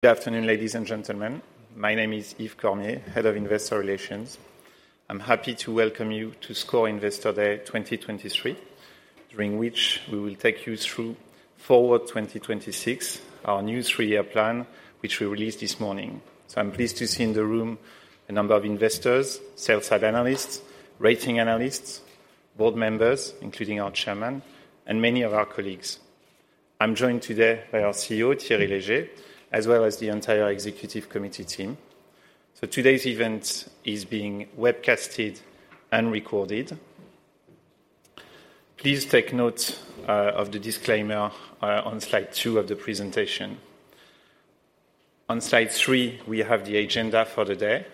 Good afternoon, ladies and gentlemen. My name is Yves Cormier, Head of Investor Relations. I'm happy to welcome you to SCOR Investor Day 2023, during which we will take you through Forward 2026, our new three-year plan, which we released this morning. So I'm pleased to see in the room a number of investors, sell-side analysts, rating analysts, board members, including our chairman, and many of our colleagues. I'm joined today by our CEO, Thierry Léger, as well as the entire executive committee team. So today's event is being webcasted and recorded. Please take note of the disclaimer on slide two of the presentation. On slide three, we have the agenda for the day.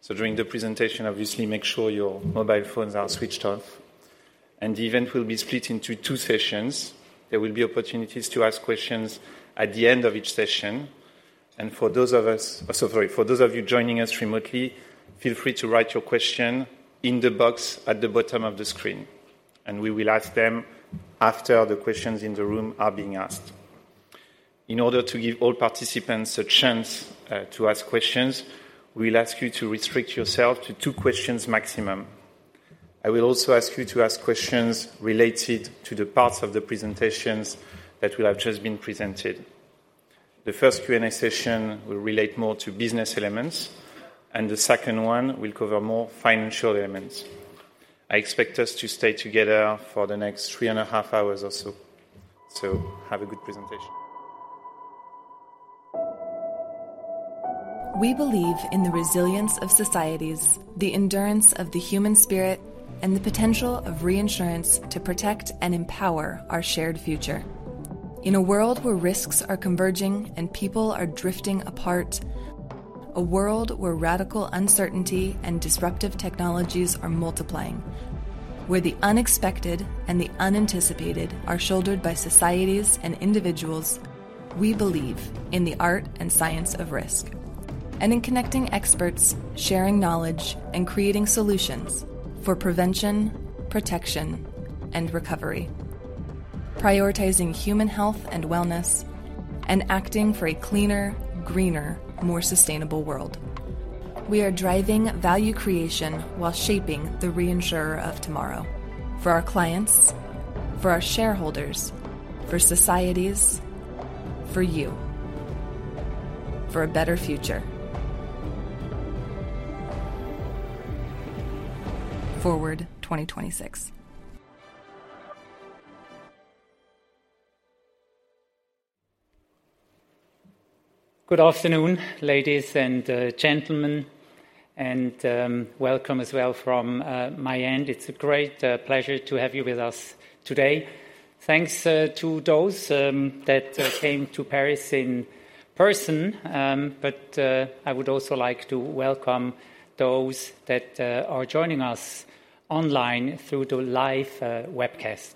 So during the presentation, obviously make sure your mobile phones are switched off. And the event will be split into two sessions. There will be opportunities to ask questions at the end of each session. So sorry, for those of you joining us remotely, feel free to write your question in the box at the bottom of the screen, and we will ask them after the questions in the room are being asked. In order to give all participants a chance, to ask questions, we'll ask you to restrict yourself to two questions maximum. I will also ask you to ask questions related to the parts of the presentations that will have just been presented. The first Q&A session will relate more to business elements, and the second one will cover more financial elements. I expect us to stay together for the next three and a half hours or so. So have a good presentation. We believe in the resilience of societies, the endurance of the human spirit, and the potential of reinsurance to protect and empower our shared future. In a world where risks are converging and people are drifting apart, a world where radical uncertainty and disruptive technologies are multiplying, where the unexpected and the unanticipated are shouldered by societies and individuals, we believe in the art and science of risk, and in connecting experts, sharing knowledge, and creating solutions for prevention, protection, and recovery, prioritizing human health and wellness, and acting for a cleaner, greener, more sustainable world. We are driving value creation while shaping the reinsurer of tomorrow for our clients, for our shareholders, for societies, for you, for a better future. Forward 2026. Good afternoon, ladies and gentlemen, and welcome as well from my end. It's a great pleasure to have you with us today. Thanks to those that came to Paris in person, but I would also like to welcome those that are joining us online through the live webcast.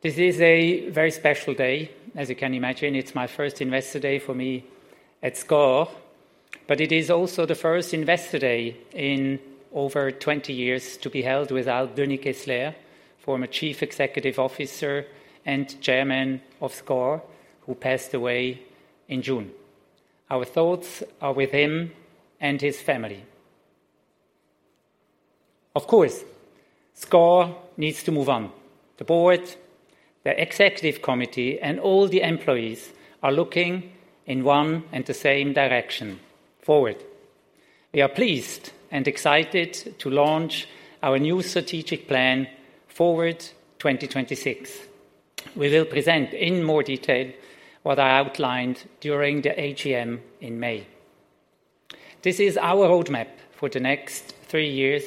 This is a very special day, as you can imagine. It's my first Investor Day for me at SCOR, but it is also the first Investor Day in over 20 years to be held without Denis Kessler, former Chief Executive Officer and Chairman of SCOR, who passed away in June. Our thoughts are with him and his family. Of course, SCOR needs to move on. The board, the executive committee, and all the employees are looking in one and the same direction: forward. We are pleased and excited to launch our new strategic plan, Forward 2026. We will present in more detail what I outlined during the AGM in May. This is our roadmap for the next three years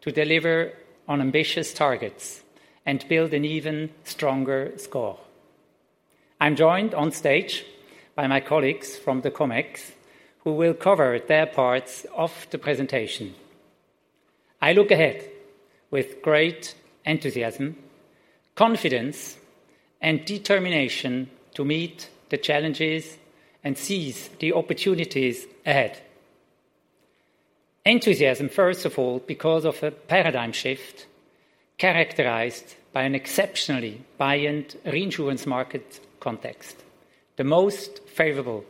to deliver on ambitious targets and build an even stronger SCOR. I'm joined on stage by my colleagues from the Comex, who will cover their parts of the presentation. I look ahead with great enthusiasm, confidence, and determination to meet the challenges and seize the opportunities ahead. Enthusiasm, first of all, because of a paradigm shift characterized by an exceptionally buoyant reinsurance market context, the most favorable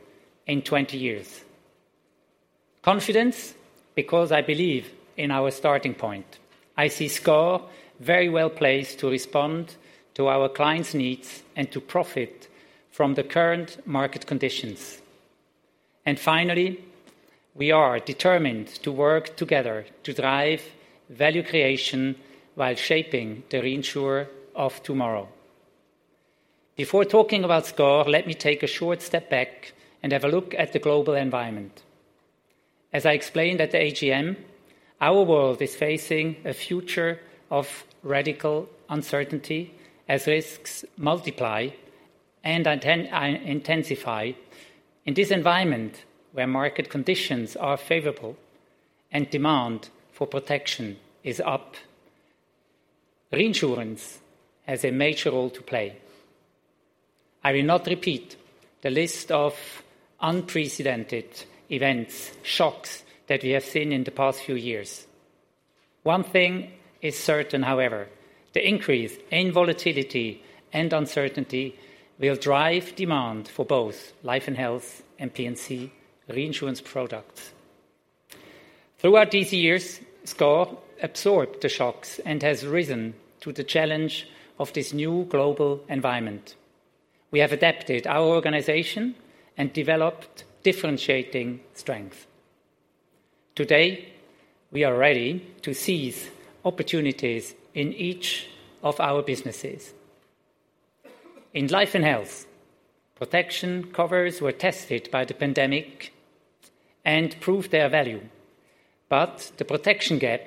in 20 years. Confidence, because I believe in our starting point. I see SCOR very well placed to respond to our clients' needs and to profit from the current market conditions. Finally, we are determined to work together to drive value creation while shaping the reinsurer of tomorrow. Before talking about SCOR, let me take a short step back and have a look at the global environment. As I explained at the AGM, our world is facing a future of radical uncertainty as risks multiply and intensify. In this environment, where market conditions are favorable and demand for protection is up, reinsurance has a major role to play. I will not repeat the list of unprecedented events, shocks that we have seen in the past few years. One thing is certain, however, the increase in volatility and uncertainty will drive demand for both Life & Health and P&C reinsurance products. Throughout these years, SCOR absorbed the shocks and has risen to the challenge of this new global environment. We have adapted our organization and developed differentiating strength. Today, we are ready to seize opportunities in each of our businesses. In Life & Health, protection covers were tested by the pandemic and proved their value, but the protection gap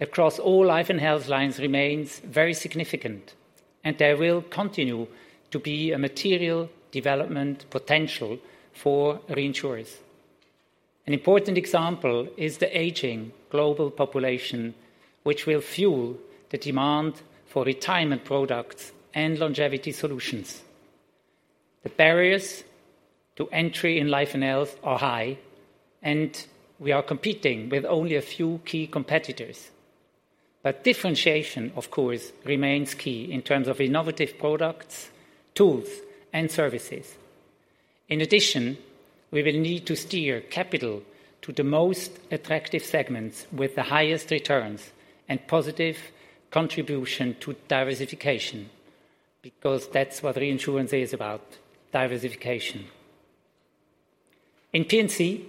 across all Life & Health lines remains very significant, and there will continue to be a material development potential for reinsurers. An important example is the aging global population, which will fuel the demand for retirement products and longevity solutions. The barriers to entry in Life & Health are high, and we are competing with only a few key competitors. But differentiation, of course, remains key in terms of innovative products, tools, and services. In addition, we will need to steer capital to the most attractive segments with the highest returns and positive contribution to diversification, because that's what reinsurance is about, diversification. In P&C,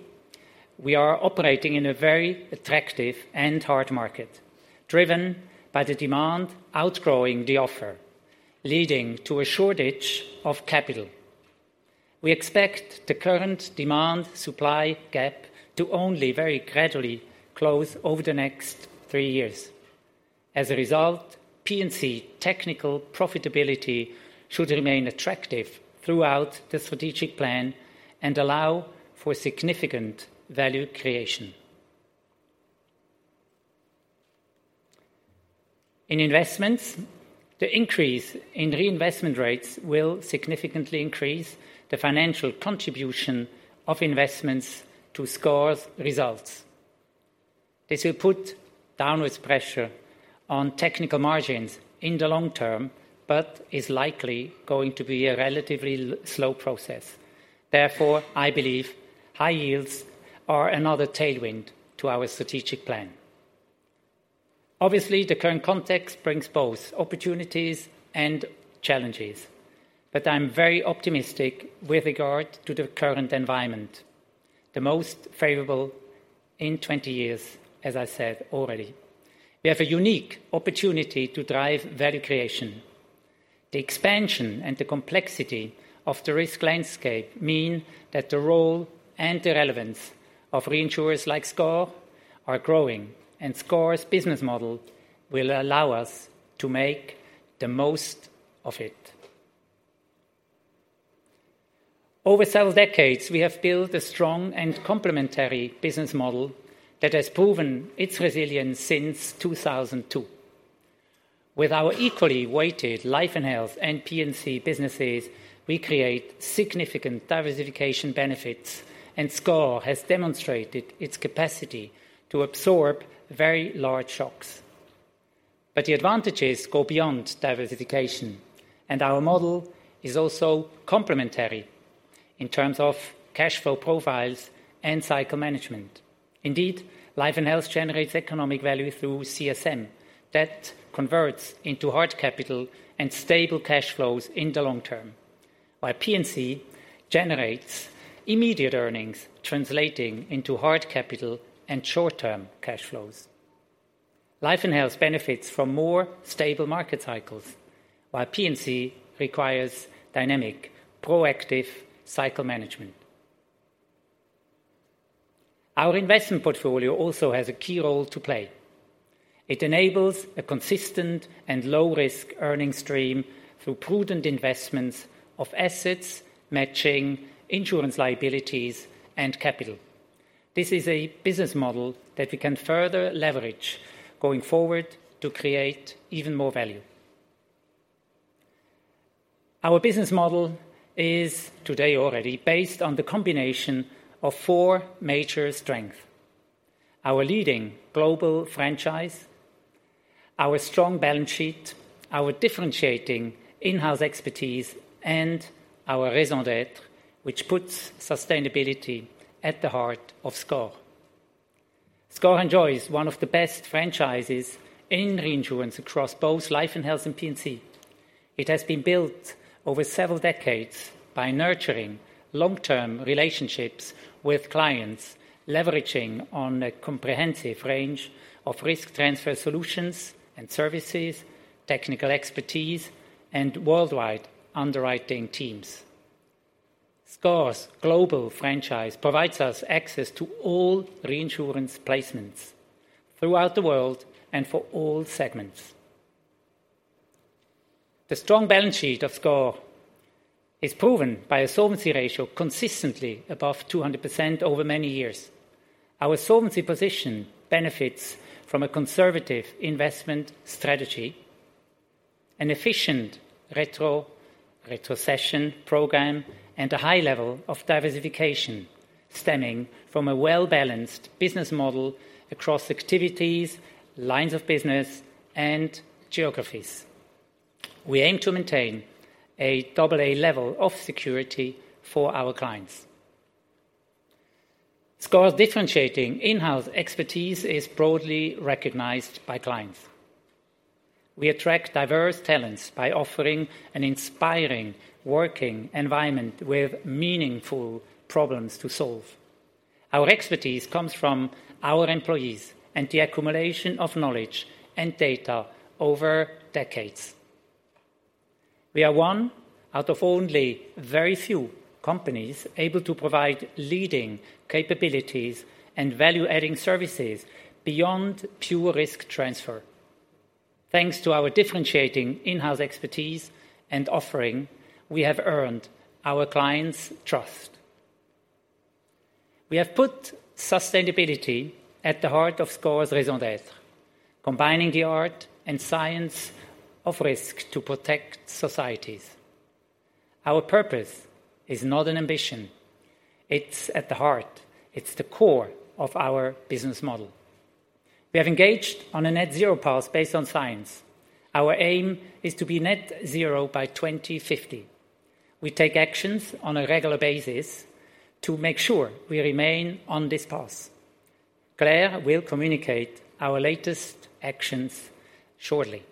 we are operating in a very attractive and hard market, driven by the demand outgrowing the offer, leading to a shortage of capital. We expect the current demand-supply gap to only very gradually close over the next three years. As a result, P&C technical profitability should remain attractive throughout the strategic plan and allow for significant value creation. In investments, the increase in reinvestment rates will significantly increase the financial contribution of investments to SCOR's results. This will put downward pressure on technical margins in the long term, but is likely going to be a relatively slow process. Therefore, I believe high yields are another tailwind to our strategic plan. Obviously, the current context brings both opportunities and challenges, but I'm very optimistic with regard to the current environment, the most favorable in 20 years, as I said already. We have a unique opportunity to drive value creation. The expansion and the complexity of the risk landscape mean that the role and the relevance of reinsurers like SCOR are growing, and SCOR's business model will allow us to make the most of it. Over several decades, we have built a strong and complementary business model that has proven its resilience since 2002. With our equally weighted Life & Health and P&C businesses, we create significant diversification benefits, and SCOR has demonstrated its capacity to absorb very large shocks. But the advantages go beyond diversification, and our model is also complementary in terms of cash flow profiles and cycle management. Indeed, Life & Health generates economic value through CSM that converts into hard capital and stable cash flows in the long term, while P&C generates immediate earnings, translating into hard capital and short-term cash flows. Life & Health benefits from more stable market cycles, while P&C requires dynamic, proactive cycle management. Our investment portfolio also has a key role to play. It enables a consistent and low-risk earning stream through prudent investments of assets, matching insurance liabilities and capital. This is a business model that we can further leverage going forward to create even more value. Our business model is today already based on the combination of four major strength: our leading global franchise, our strong balance sheet, our differentiating in-house expertise, and our raison d'être, which puts sustainability at the heart of SCOR. SCOR enjoys one of the best franchises in reinsurance across both Life & Health and P&C. It has been built over several decades by nurturing long-term relationships with clients, leveraging on a comprehensive range of risk transfer solutions and services, technical expertise, and worldwide underwriting teams. SCOR's global franchise provides us access to all reinsurance placements throughout the world and for all segments. The strong balance sheet of SCOR is proven by a solvency ratio consistently above 200% over many years. Our solvency position benefits from a conservative investment strategy, an efficient retro, retrocession program, and a high level of diversification stemming from a well-balanced business model across activities, lines of business, and geographies. We aim to maintain a double A level of security for our clients. SCOR's differentiating in-house expertise is broadly recognized by clients. We attract diverse talents by offering an inspiring working environment with meaningful problems to solve. Our expertise comes from our employees and the accumulation of knowledge and data over decades. We are one out of only very few companies able to provide leading capabilities and value-adding services beyond pure risk transfer. Thanks to our differentiating in-house expertise and offering, we have earned our clients' trust. We have put sustainability at the heart of SCOR's raison d'être, combining the art and science of risk to protect societies. Our purpose is not an ambition, it's at the heart, it's the core of our business model. We have engaged on a Net-Zero path based on science. Our aim is to be Net-Zero by 2050. We take actions on a regular basis to make sure we remain on this path. Claire will communicate our latest actions shortly.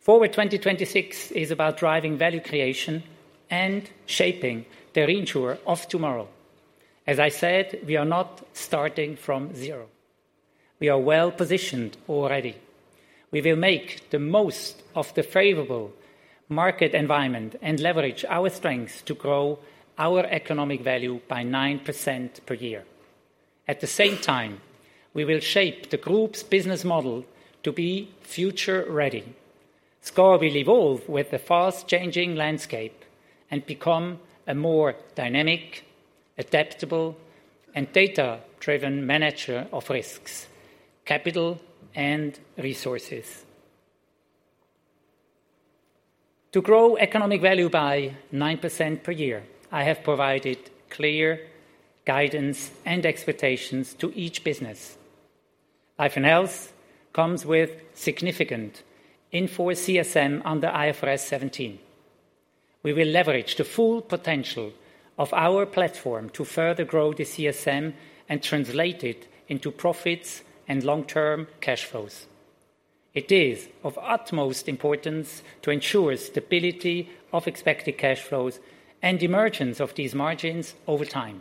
Forward 2026 is about driving value creation and shaping the reinsurer of tomorrow. As I said, we are not starting from zero. We are well-positioned already. We will make the most of the favorable market environment and leverage our strengths to grow our economic value by 9% per year. At the same time, we will shape the group's business model to be future-ready. SCOR will evolve with the fast-changing landscape and become a more dynamic, adaptable, and data-driven manager of risks, capital, and resources. To grow economic value by 9% per year, I have provided clear guidance and expectations to each business. Life & Health comes with significant inflow for CSM under IFRS 17. We will leverage the full potential of our platform to further grow the CSM and translate it into profits and long-term cash flows. It is of utmost importance to ensure stability of expected cash flows and the emergence of these margins over time.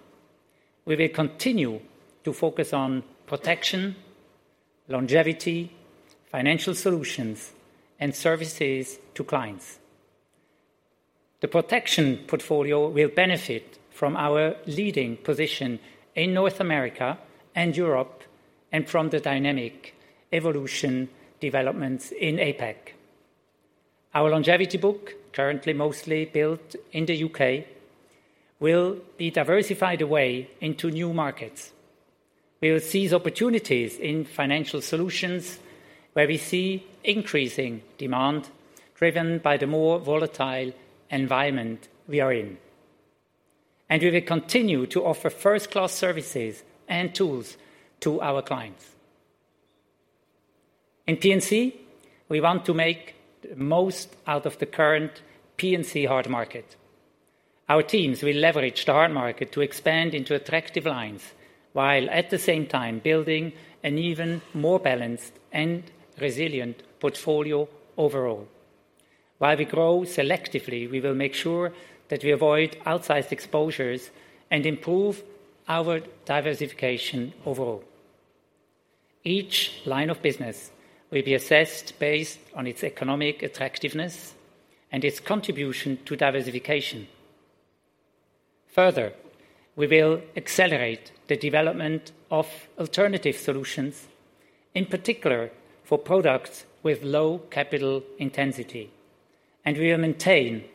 We will continue to focus on protection, longevity, financial solutions, and services to clients. The protection portfolio will benefit from our leading position in North America and Europe and from the dynamic developments in APAC. Our longevity book, currently mostly built in the U.K., will be diversified away into new markets. We will seize opportunities in financial solutions where we see increasing demand, driven by the more volatile environment we are in, and we will continue to offer first-class services and tools to our clients. In P&C, we want to make the most out of the current P&C hard market. Our teams will leverage the hard market to expand into attractive lines, while at the same time building an even more balanced and resilient portfolio overall. While we grow selectively, we will make sure that we avoid outsized exposures and improve our diversification overall. Each line of business will be assessed based on its economic attractiveness and its contribution to diversification. Further, we will accelerate the development of Alternative Solutions, in particular for products with low capital intensity, and we will maintain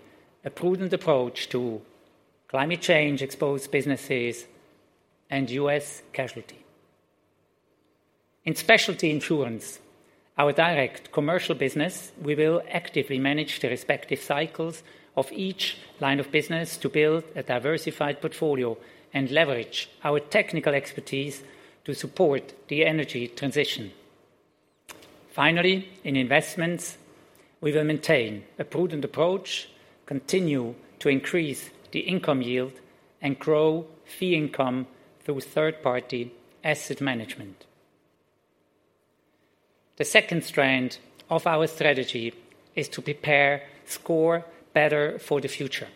a prudent approach to climate change-exposed businesses and U.S. casualty. In Specialty Insurance, our direct commercial business, we will actively manage the respective cycles of each line of business to build a diversified portfolio and leverage our technical expertise to support the energy transition. Finally, in investments, we will maintain a prudent approach, continue to increase the income yield, and grow fee income through third-party asset management. The second strand of our strategy is to prepare SCOR better for the future.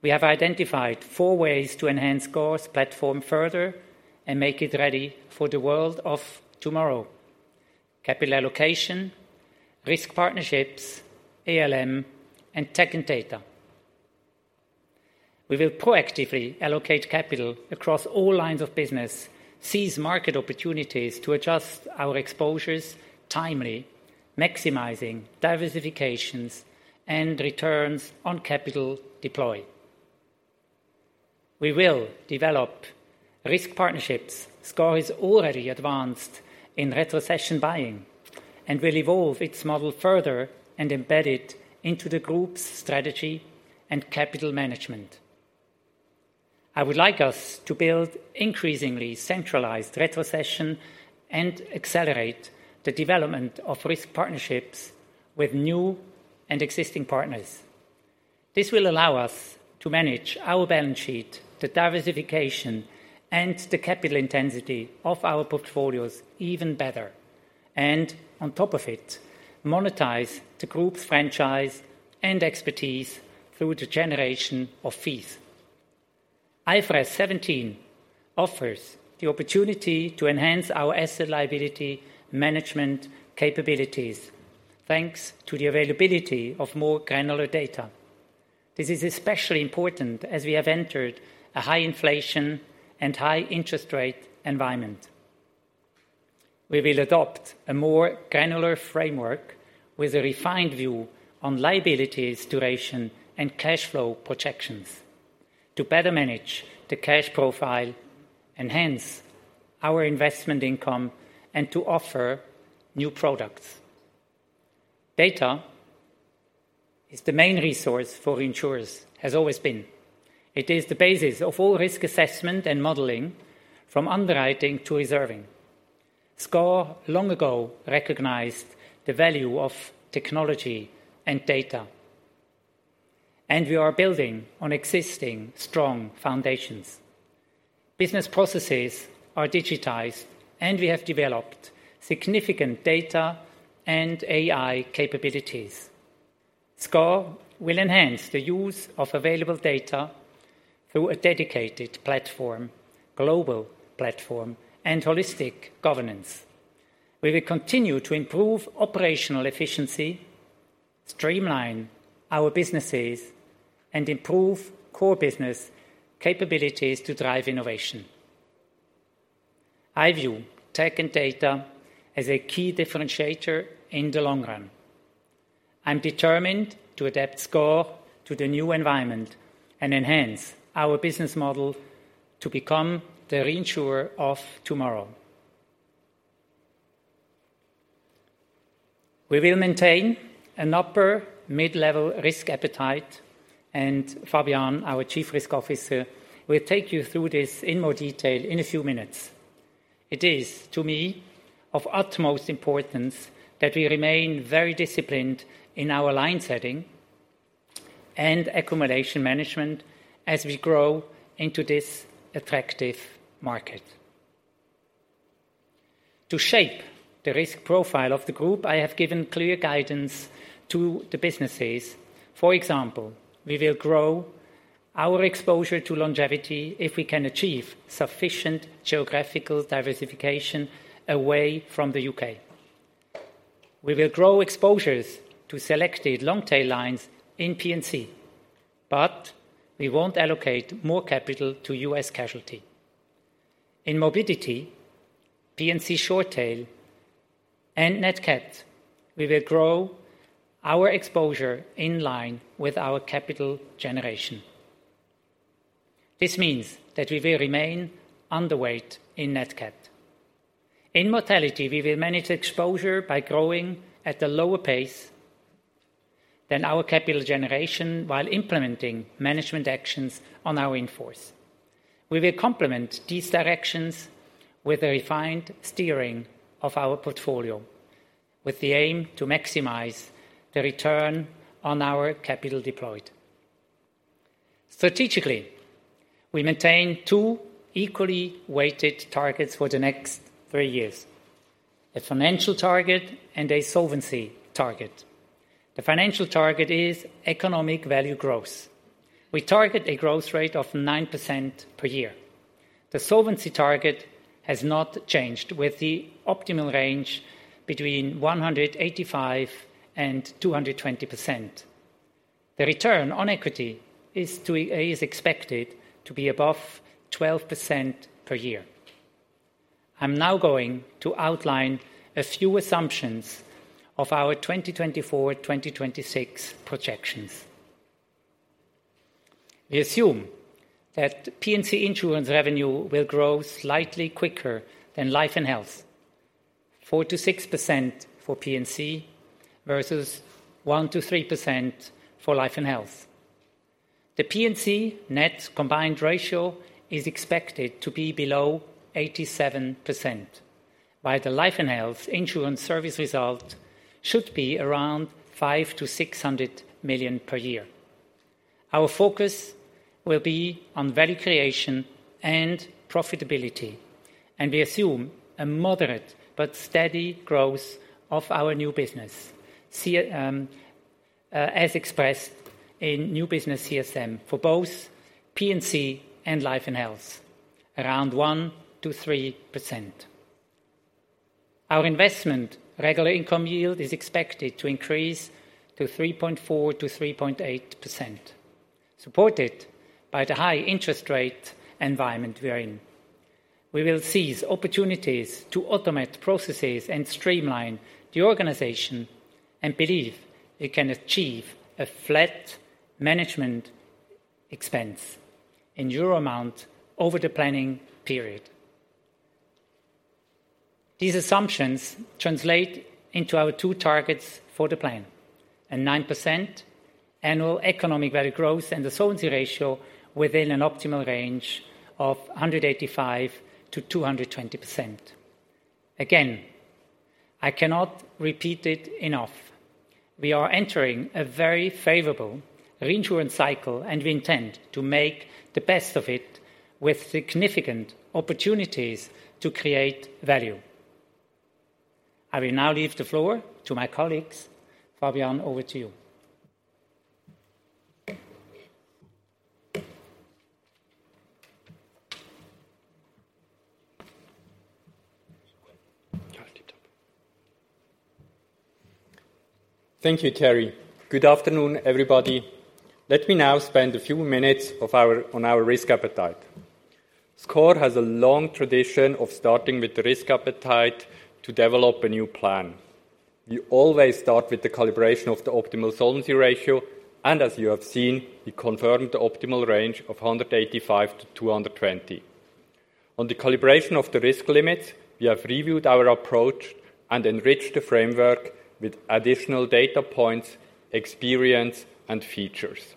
We have identified four ways to enhance SCOR's platform further and make it ready for the world of tomorrow: capital allocation, risk partnerships, ALM, and tech and data. We will proactively allocate capital across all lines of business, seize market opportunities to adjust our exposures timely, maximizing diversifications and returns on capital deployed. We will develop risk partnerships. SCOR is already advanced in retrocession buying and will evolve its model further and embed it into the group's strategy and capital management. I would like us to build increasingly centralized retrocession and accelerate the development of risk partnerships with new and existing partners. This will allow us to manage our balance sheet, the diversification, and the capital intensity of our portfolios even better, and on top of it, monetize the group's franchise and expertise through the generation of fees. IFRS 17 offers the opportunity to enhance our asset liability management capabilities, thanks to the availability of more granular data. This is especially important as we have entered a high inflation and high interest rate environment. We will adopt a more granular framework with a refined view on liabilities, duration, and cash flow projections to better manage the cash profile, enhance our investment income, and to offer new products. Data is the main resource for insurers, has always been. It is the basis of all risk assessment and modeling, from underwriting to reserving. SCOR long ago recognized the value of technology and data, and we are building on existing strong foundations. Business processes are digitized, and we have developed significant data and AI capabilities. SCOR will enhance the use of available data through a dedicated platform, global platform, and holistic governance. We will continue to improve operational efficiency, streamline our businesses, and improve core business capabilities to drive innovation. I view tech and data as a key differentiator in the long run. I'm determined to adapt SCOR to the new environment and enhance our business model to become the reinsurer of tomorrow. We will maintain an upper mid-level risk appetite, and Fabian, our Chief Risk Officer, will take you through this in more detail in a few minutes. It is, to me, of utmost importance that we remain very disciplined in our line setting and accumulation management as we grow into this attractive market. To shape the risk profile of the group, I have given clear guidance to the businesses. For example, we will grow our exposure to longevity if we can achieve sufficient geographical diversification away from the U.K. We will grow exposures to selected long-tail lines in P&C, but we won't allocate more capital to U.S. casualty. In morbidity, P&C short tail, and Nat Cat, we will grow our exposure in line with our capital generation. This means that we will remain underweight in Nat Cat. In mortality, we will manage exposure by growing at a lower pace than our capital generation while implementing management actions on our in-force. We will complement these directions with a refined steering of our portfolio, with the aim to maximize the return on our capital deployed. Strategically, we maintain two equally weighted targets for the next three years: a financial target and a solvency target. The financial target is economic value growth. We target a growth rate of 9% per year. The solvency target has not changed, with the optimal range between 185% and 220%. The return on equity is expected to be above 12% per year. I'm now going to outline a few assumptions of our 2024-2026 projections. We assume that P&C insurance revenue will grow slightly quicker than Life & Health, 4%-6% for P&C versus 1%-3% for Life & Health. The P&C net combined ratio is expected to be below 87%, while the Life & Health insurance service result should be around 500 million-600 million per year. Our focus will be on value creation and profitability, and we assume a moderate but steady growth of our new business, as expressed in new business CSM for both P&C and Life & Health, around 1%-3%. Our investment regular income yield is expected to increase to 3.4%-3.8%, supported by the high interest rate environment we are in. We will seize opportunities to automate processes and streamline the organization, and believe we can achieve a flat management expense in EUR amount over the planning period. These assumptions translate into our two targets for the plan: a 9% annual economic value growth and the solvency ratio within an optimal range of 185%-220%. Again, I cannot repeat it enough, we are entering a very favorable reinsurance cycle, and we intend to make the best of it with significant opportunities to create value. I will now leave the floor to my colleagues. Fabian, over to you. Thank you, Thierry. Good afternoon, everybody. Let me now spend a few minutes on our risk appetite. SCOR has a long tradition of starting with the risk appetite to develop a new plan. We always start with the calibration of the optimal solvency ratio, and as you have seen, we confirmed the optimal range of 185-220. On the calibration of the risk limits, we have reviewed our approach and enriched the framework with additional data points, experience, and features.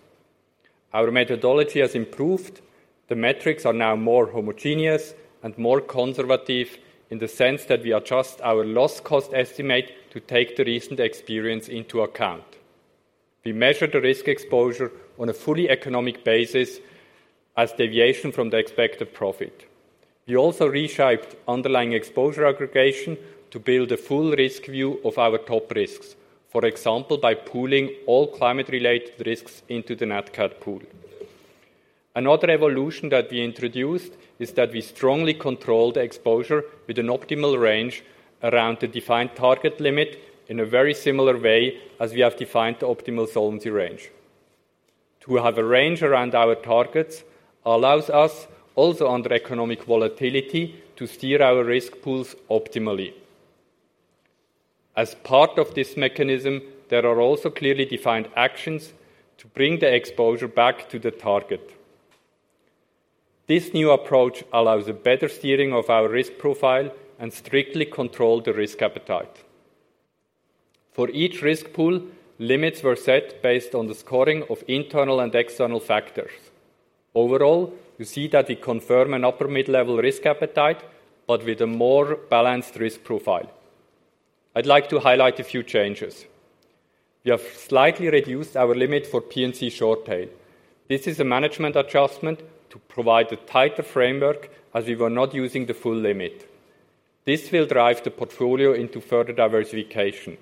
Our methodology has improved. The metrics are now more homogeneous and more conservative in the sense that we adjust our loss cost estimate to take the recent experience into account. We measure the risk exposure on a fully economic basis as deviation from the expected profit. We also reshaped underlying exposure aggregation to build a full risk view of our top risks, for example, by pooling all climate-related risks into the Nat Cat pool. Another evolution that we introduced is that we strongly control the exposure with an optimal range around the defined target limit in a very similar way as we have defined the optimal solvency range. To have a range around our targets allows us, also under economic volatility, to steer our risk pools optimally. As part of this mechanism, there are also clearly defined actions to bring the exposure back to the target. This new approach allows a better steering of our risk profile and strictly control the risk appetite. For each risk pool, limits were set based on the scoring of internal and external factors. Overall, you see that we confirm an upper mid-level risk appetite, but with a more balanced risk profile. I'd like to highlight a few changes. We have slightly reduced our limit for P&C short tail. This is a management adjustment to provide a tighter framework, as we were not using the full limit. This will drive the portfolio into further diversification.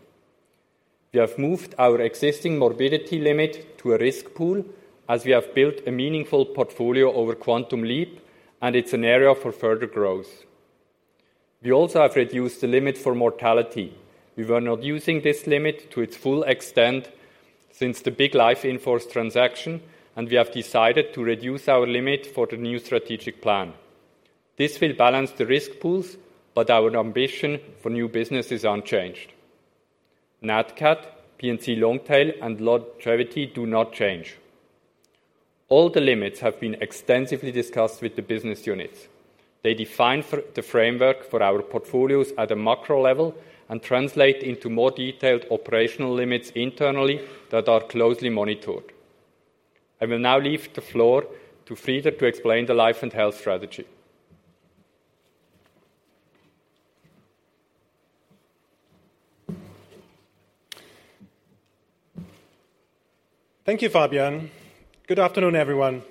We have moved our existing morbidity limit to a risk pool, as we have built a meaningful portfolio over Quantum Leap, and it's an area for further growth. We also have reduced the limit for mortality. We were not using this limit to its full extent since the big life in-force transaction, and we have decided to reduce our limit for the new strategic plan. This will balance the risk pools, but our ambition for new business is unchanged. Nat Cat, P&C long tail, and longevity do not change. All the limits have been extensively discussed with the business units. They define the framework for our portfolios at a macro level and translate into more detailed operational limits internally that are closely monitored. I will now leave the floor to Frieder to explain the Life & Health strategy. Thank you, Fabian. Good afternoon, everyone.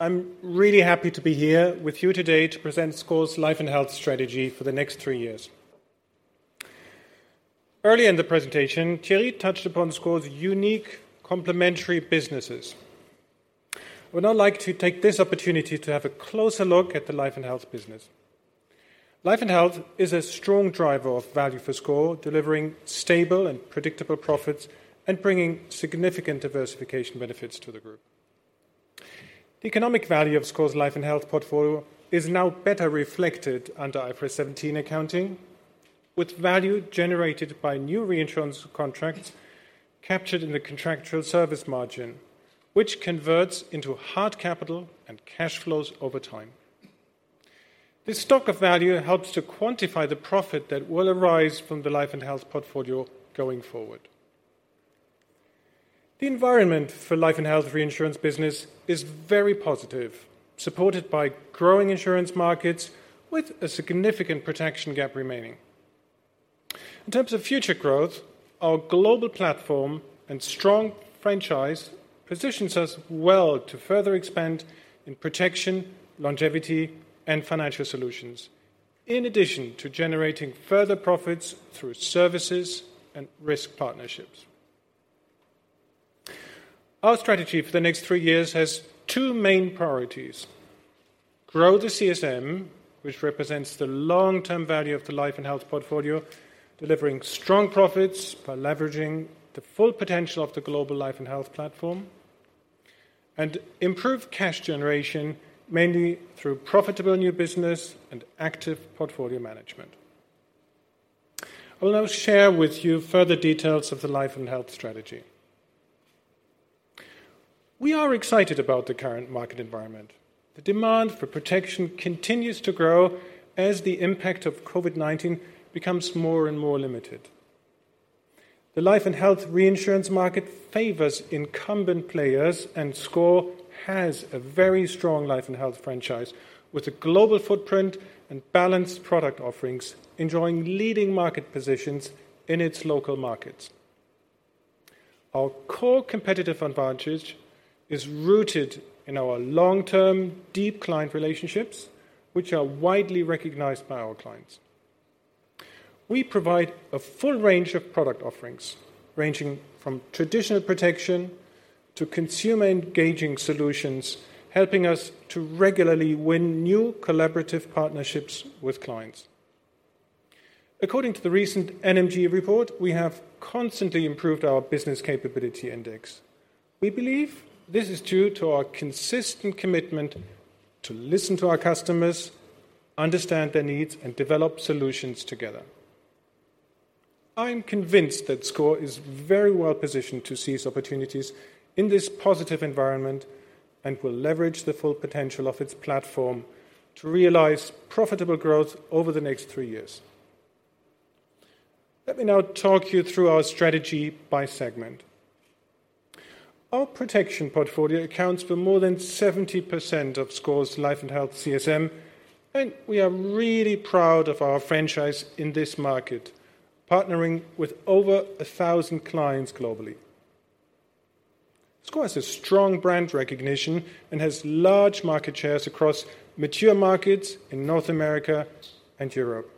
I'm really happy to be here with you today to present SCOR's Life & Health strategy for the next three years. Earlier in the presentation, Thierry touched upon SCOR's unique complementary businesses. I would now like to take this opportunity to have a closer look at the Life & Health business. Life & Health is a strong driver of value for SCOR, delivering stable and predictable profits and bringing significant diversification benefits to the group. The economic value of SCOR's Life & Health portfolio is now better reflected under IFRS 17 accounting, with value generated by new reinsurance contracts captured in the Contractual Service Margin, which converts into hard capital and cash flows over time. This stock of value helps to quantify the profit that will arise from the Life & Health portfolio going forward. The environment for Life & Health reinsurance business is very positive, supported by growing insurance markets with a significant protection gap remaining. In terms of future growth, our global platform and strong franchise positions us well to further expand in protection, longevity, and financial solutions, in addition to generating further profits through services and risk partnerships. Our strategy for the next three years has two main priorities: grow the CSM, which represents the long-term value of the Life & Health portfolio, delivering strong profits by leveraging the full potential of the global Life & Health platform and improve cash generation, mainly through profitable new business and active portfolio management. I will now share with you further details of the Life & Health strategy. We are excited about the current market environment. The demand for protection continues to grow as the impact of COVID-19 becomes more and more limited. The Life & Health reinsurance market favors incumbent players, and SCOR has a very strong Life & Health franchise, with a global footprint and balanced product offerings, enjoying leading market positions in its local markets. Our core competitive advantage is rooted in our long-term, deep client relationships, which are widely recognized by our clients. We provide a full range of product offerings, ranging from traditional protection to consumer-engaging solutions, helping us to regularly win new collaborative partnerships with clients. According to the recent NMG report, we have constantly improved our business capability index. We believe this is due to our consistent commitment to listen to our customers, understand their needs, and develop solutions together. I am convinced that SCOR is very well positioned to seize opportunities in this positive environment and will leverage the full potential of its platform to realize profitable growth over the next three years. Let me now talk you through our strategy by segment. Our protection portfolio accounts for more than 70% of SCOR's Life & Health CSM, and we are really proud of our franchise in this market, partnering with over 1,000 clients globally. SCOR has a strong brand recognition and has large market shares across mature markets in North America and Europe.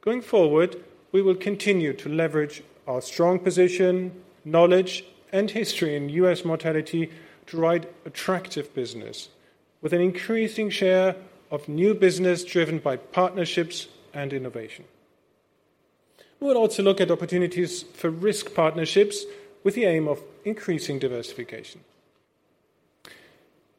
Going forward, we will continue to leverage our strong position, knowledge, and history in U.S. mortality to write attractive business, with an increasing share of new business driven by partnerships and innovation. We will also look at opportunities for risk partnerships with the aim of increasing diversification.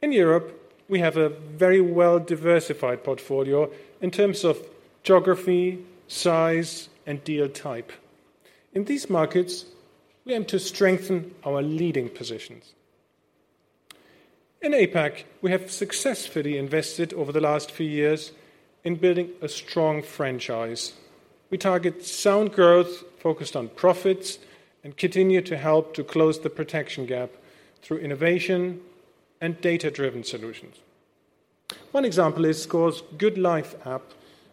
In Europe, we have a very well-diversified portfolio in terms of geography, size, and deal type. In these markets, we aim to strengthen our leading positions. In APAC, we have successfully invested over the last few years in building a strong franchise. We target sound growth focused on profits and continue to help to close the protection gap through innovation and data-driven solutions. One example is SCOR's Good Life app,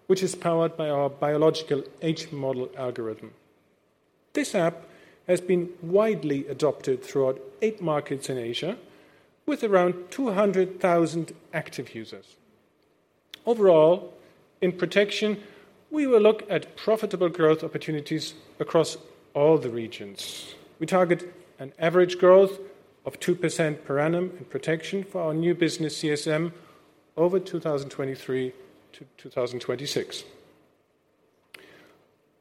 which is powered by our biological aging model algorithm. This app has been widely adopted throughout eight markets in Asia, with around 200,000 active users. Overall, in protection, we will look at profitable growth opportunities across all the regions. We target an average growth of 2% per annum in protection for our new business CSM over 2023-2026.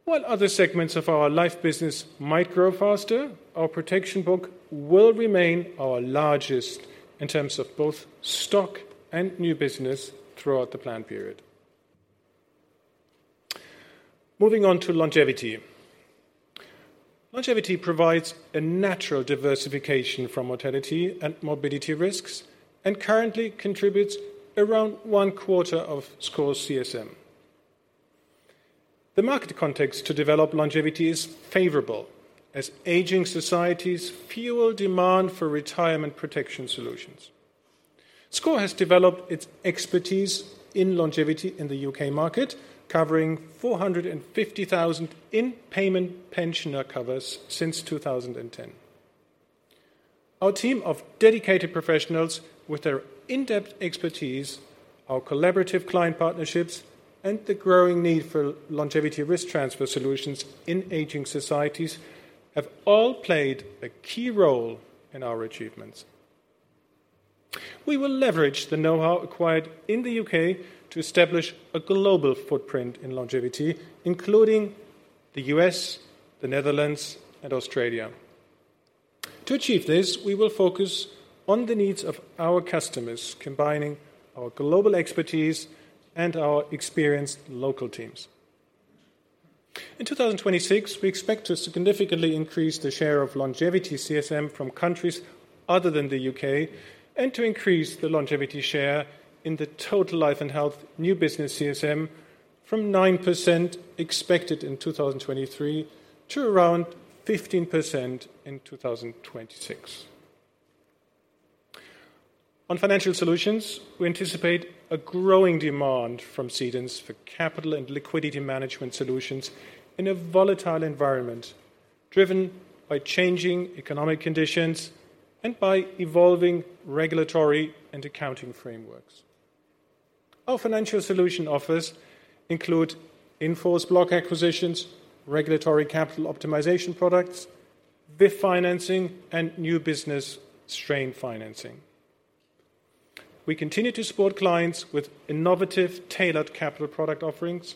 While other segments of our Life business might grow faster, our protection book will remain our largest in terms of both stock and new business throughout the plan period. Moving on to longevity. Longevity provides a natural diversification from mortality and morbidity risks and currently contributes around one quarter of SCOR's CSM. The market context to develop longevity is favorable as aging societies fuel demand for retirement protection solutions. SCOR has developed its expertise in longevity in the U.K. market, covering 450,000 in payment pensioner covers since 2010. Our team of dedicated professionals, with their in-depth expertise, our collaborative client partnerships, and the growing need for longevity risk transfer solutions in aging societies, have all played a key role in our achievements. We will leverage the know-how acquired in the U.K. to establish a global footprint in longevity, including the U.S., the Netherlands, and Australia. To achieve this, we will focus on the needs of our customers, combining our global expertise and our experienced local teams. In 2026, we expect to significantly increase the share of longevity CSM from countries other than the U.K. and to increase the longevity share in the total Life & Health new business CSM from 9% expected in 2023 to around 15% in 2026. On financial solutions, we anticipate a growing demand from cedants for capital and liquidity management solutions in a volatile environment driven by changing economic conditions and by evolving regulatory and accounting frameworks. Our financial solution offers include in-force block acquisitions, regulatory capital optimization products, VIF financing, and new business strain financing. We continue to support clients with innovative, tailored capital product offerings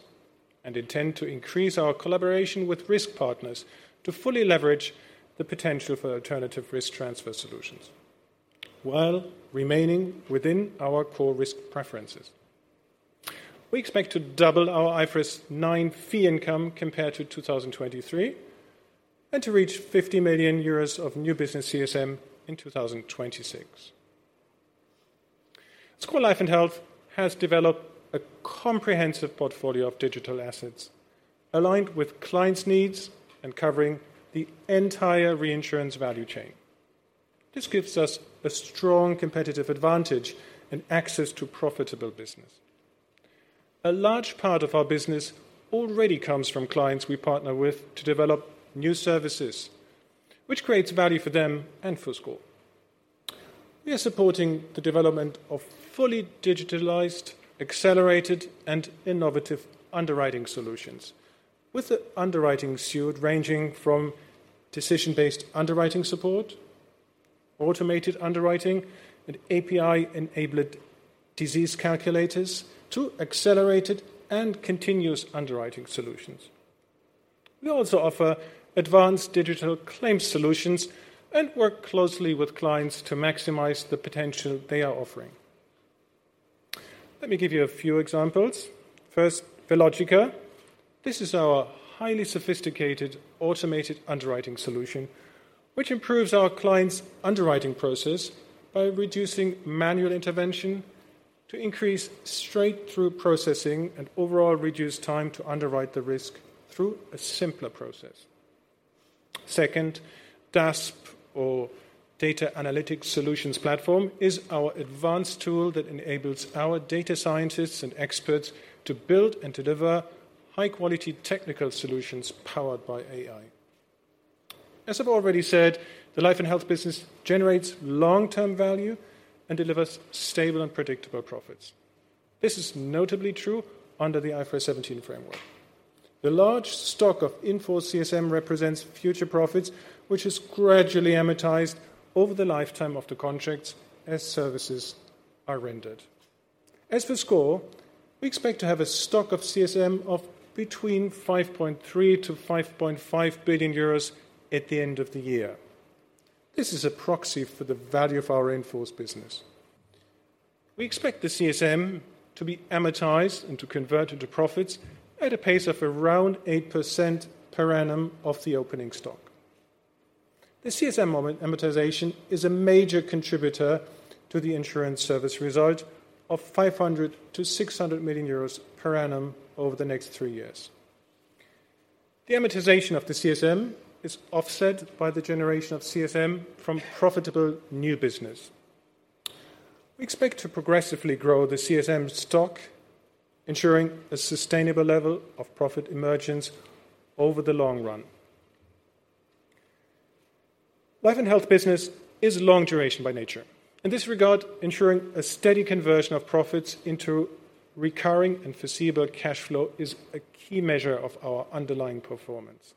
and intend to increase our collaboration with risk partners to fully leverage the potential for alternative risk transfer solutions, while remaining within our core risk preferences. We expect to double our IFRS 9 fee income compared to 2023, and to reach 50 million euros of new business CSM in 2026. SCOR Life & Health has developed a comprehensive portfolio of digital assets aligned with clients' needs and covering the entire reinsurance value chain. This gives us a strong competitive advantage and access to profitable business. A large part of our business already comes from clients we partner with to develop new services, which creates value for them and for SCOR. We are supporting the development of fully digitalized, accelerated, and innovative underwriting solutions, with the underwriting suite ranging from decision-based underwriting support, automated underwriting, and API-enabled disease calculators to accelerated and continuous underwriting solutions. We also offer advanced digital claims solutions and work closely with clients to maximize the potential they are offering. Let me give you a few examples. First, Velogica. This is our highly sophisticated automated underwriting solution, which improves our clients' underwriting process by reducing manual intervention to increase straight-through processing and overall reduce time to underwrite the risk through a simpler process. Second, DASP, or Data Analytics Solutions Platform, is our advanced tool that enables our data scientists and experts to build and deliver high-quality technical solutions powered by AI. As I've already said, the Life & Health business generates long-term value and delivers stable and predictable profits. This is notably true under the IFRS 17 framework. The large stock of in-force CSM represents future profits, which is gradually amortized over the lifetime of the contracts as services are rendered. As for SCOR, we expect to have a stock of CSM of between 5.3 billion-5.5 billion euros at the end of the year. This is a proxy for the value of our in-force business. We expect the CSM to be amortized and to convert into profits at a pace of around 8% per annum of the opening stock. The CSM amortization is a major contributor to the insurance service result of 500 million-600 million euros per annum over the next three years. The amortization of the CSM is offset by the generation of CSM from profitable new business. We expect to progressively grow the CSM stock, ensuring a sustainable level of profit emergence over the long run. Life & Health business is long duration by nature. In this regard, ensuring a steady conversion of profits into recurring and foreseeable cash flow is a key measure of our underlying performance.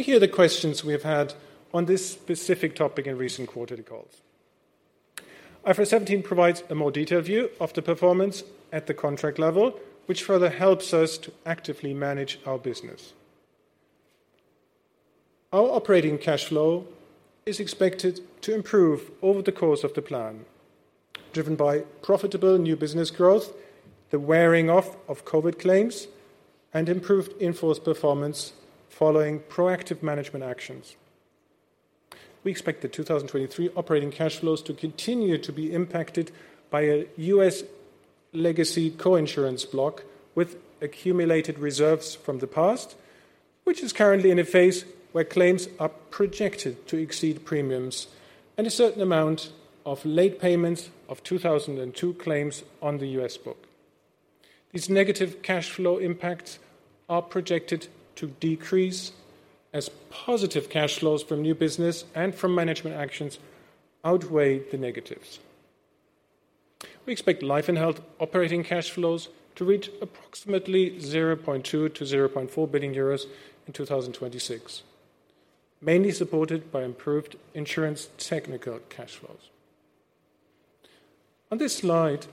We hear the questions we have had on this specific topic in recent quarterly calls. IFRS 17 provides a more detailed view of the performance at the contract level, which further helps us to actively manage our business. Our operating cash flow is expected to improve over the course of the plan, driven by profitable new business growth, the wearing off of COVID claims, and improved in-force performance following proactive management actions. We expect the 2023 operating cash flows to continue to be impacted by a U.S. legacy co-insurance block with accumulated reserves from the past, which is currently in a phase where claims are projected to exceed premiums and a certain amount of late payment of 2002 claims on the U.S. book. These negative cash flow impacts are projected to decrease as positive cash flows from new business and from management actions outweigh the negatives. We expect Life & Health operating cash flows to reach approximately 0.2 billion-0.4 billion euros in 2026, mainly supported by improved insurance technical cash flows. On this slide,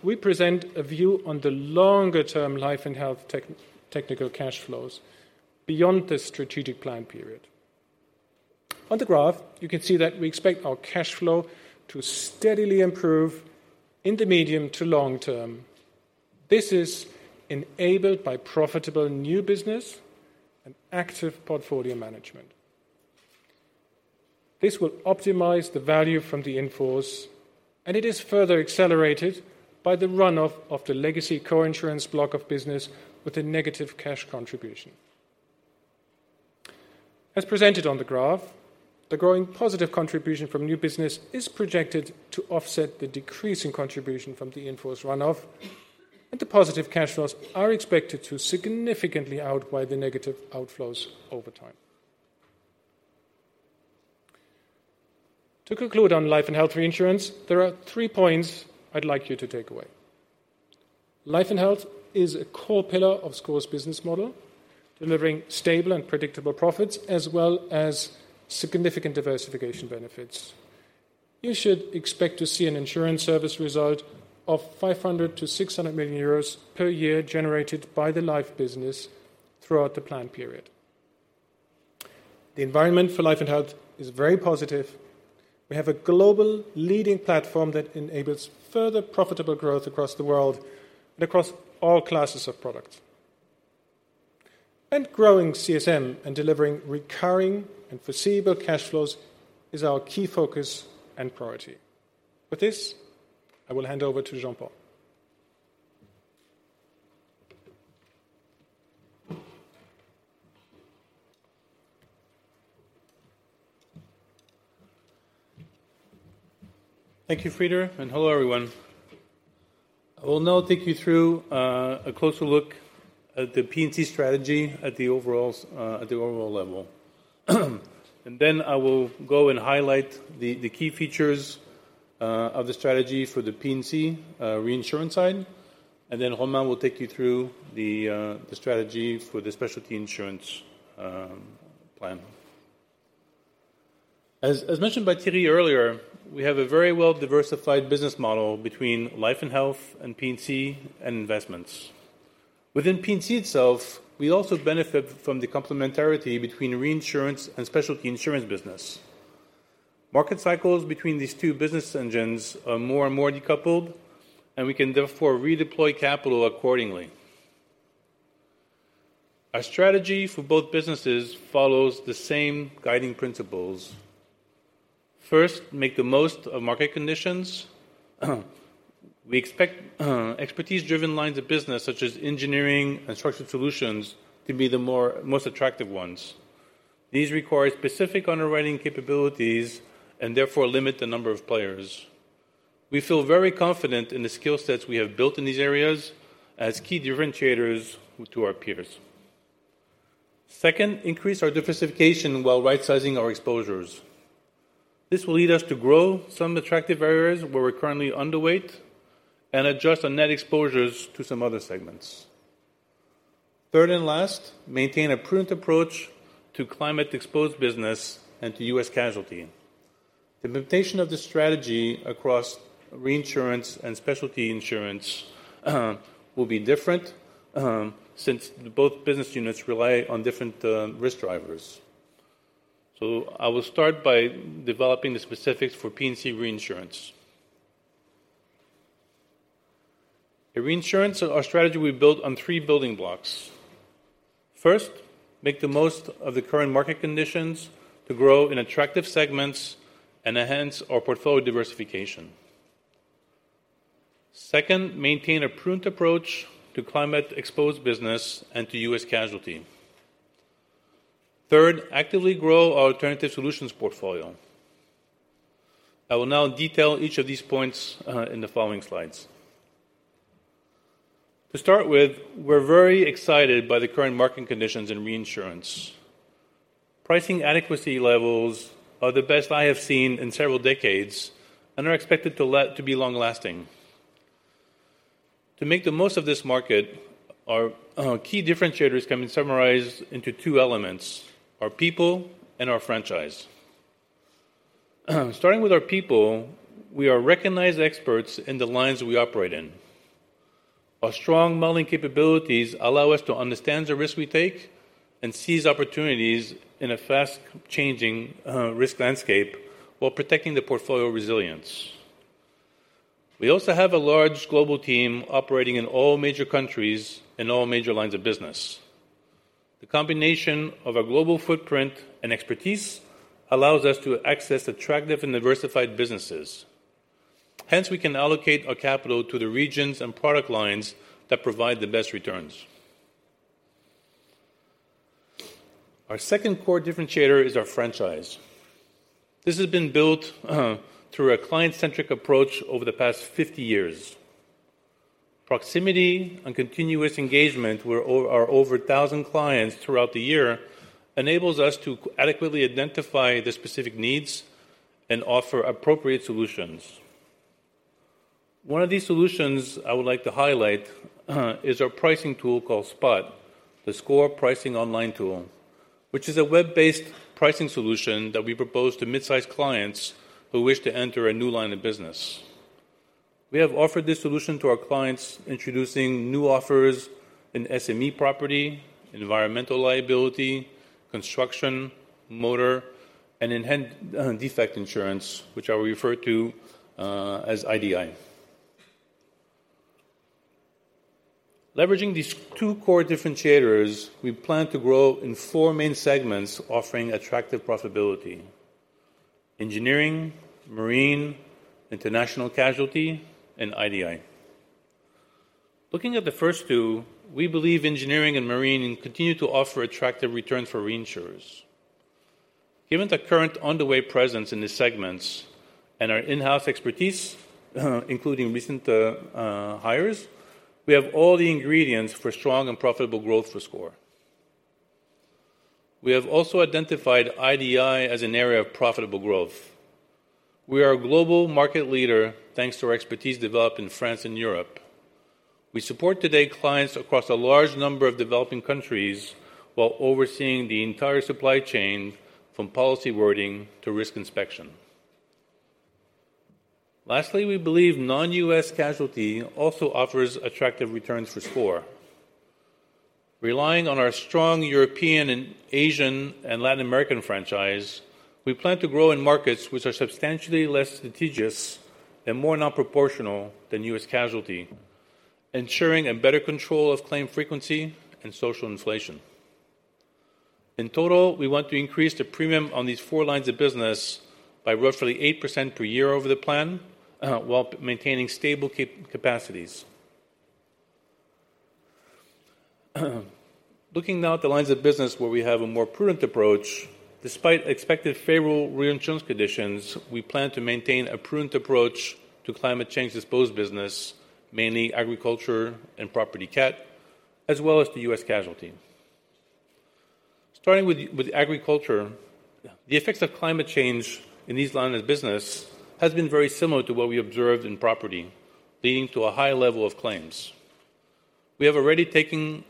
we present a view on the longer-term Life & Health technical cash flows beyond the strategic plan period. On the graph, you can see that we expect our cash flow to steadily improve in the medium to long term. This is enabled by profitable new business and active portfolio management. This will optimize the value from the in-force, and it is further accelerated by the run-off of the legacy co-insurance block of business with a negative cash contribution. As presented on the graph, the growing positive contribution from new business is projected to offset the decrease in contribution from the in-force run-off, and the positive cash flows are expected to significantly outweigh the negative outflows over time. To conclude on Life & Health reinsurance, there are three points I'd like you to take away: Life & Health is a core pillar of SCOR's business model, delivering stable and predictable profits, as well as significant diversification benefits. You should expect to see an insurance service result of 500 million-600 million euros per year generated by the Life business throughout the plan period. The environment for Life & Health is very positive. We have a global leading platform that enables further profitable growth across the world and across all classes of products. Growing CSM and delivering recurring and foreseeable cash flows is our key focus and priority. With this, I will hand over to Jean-Paul. Thank you, Frieder, and hello, everyone. I will now take you through a closer look at the P&C strategy at the overall level. Then I will go and highlight the key features of the strategy for the P&C reinsurance side, and then Romain will take you through the strategy for the Specialty Insurance plan. As mentioned by Thierry earlier, we have a very well-diversified business model between Life & Health and P&C and Investments. Within P&C itself, we also benefit from the complementarity between Reinsurance and Specialty Insurance business. Market cycles between these two business engines are more and more decoupled, and we can therefore redeploy capital accordingly. Our strategy for both businesses follows the same guiding principles. First, make the most of market conditions. We expect expertise-driven lines of business, such as engineering and structured solutions, to be the more, most attractive ones. These require specific underwriting capabilities and therefore limit the number of players. We feel very confident in the skill sets we have built in these areas as key differentiators to our peers. Second, increase our diversification while right-sizing our exposures. This will lead us to grow some attractive areas where we're currently underweight and adjust our net exposures to some other segments. Third and last, maintain a prudent approach to climate-exposed business and to U.S. casualty. The limitation of this strategy across Reinsurance and Specialty Insurance will be different, since both business units rely on different risk drivers. So I will start by developing the specifics for P&C reinsurance. In reinsurance, our strategy will build on three building blocks. First, make the most of the current market conditions to grow in attractive segments and enhance our portfolio diversification. Second, maintain a prudent approach to climate-exposed business and to U.S. casualty. Third, actively grow our Alternative Solutions portfolio. I will now detail each of these points in the following slides. To start with, we're very excited by the current market conditions in reinsurance. Pricing adequacy levels are the best I have seen in several decades and are expected to be long lasting. To make the most of this market, our key differentiators can be summarized into two elements: our people and our franchise. Starting with our people, we are recognized experts in the lines we operate in. Our strong modeling capabilities allow us to understand the risks we take and seize opportunities in a fast changing risk landscape while protecting the portfolio resilience. We also have a large global team operating in all major countries in all major lines of business. The combination of our global footprint and expertise allows us to access attractive and diversified businesses. Hence, we can allocate our capital to the regions and product lines that provide the best returns. Our second core differentiator is our franchise. This has been built through a client-centric approach over the past 50 years. Proximity and continuous engagement with over a 1,000 clients throughout the year enables us to adequately identify the specific needs and offer appropriate solutions. One of these solutions I would like to highlight is our pricing tool called SPOT, the SCOR Pricing Online Tool, which is a web-based pricing solution that we propose to mid-size clients who wish to enter a new line of business. We have offered this solution to our clients, introducing new offers in SME property, environmental liability, construction, motor, and inherent defect insurance, which I will refer to as IDI. Leveraging these two core differentiators, we plan to grow in four main segments, offering attractive profitability: engineering, marine, international casualty, and IDI. Looking at the first two, we believe engineering and marine continue to offer attractive return for reinsurers. Given the current underway presence in these segments and our in-house expertise, including recent hires, we have all the ingredients for strong and profitable growth for SCOR. We have also identified IDI as an area of profitable growth. We are a global market leader, thanks to our expertise developed in France and Europe. We support today clients across a large number of developing countries, while overseeing the entire supply chain from policy wording to risk inspection. Lastly, we believe non-U.S. casualty also offers attractive returns for SCOR. Relying on our strong European and Asian, and Latin American franchise, we plan to grow in markets which are substantially less litigious and more non-proportional than U.S. casualty, ensuring a better control of claim frequency and social inflation. In total, we want to increase the premium on these four lines of business by roughly 8% per year over the plan, while maintaining stable capacities. Looking now at the lines of business where we have a more prudent approach, despite expected favorable reinsurance conditions, we plan to maintain a prudent approach to climate change exposed business, mainly agriculture and property cat, as well as the U.S. casualty. Starting with agriculture, the effects of climate change in these lines of business has been very similar to what we observed in property, leading to a high level of claims. We have already taken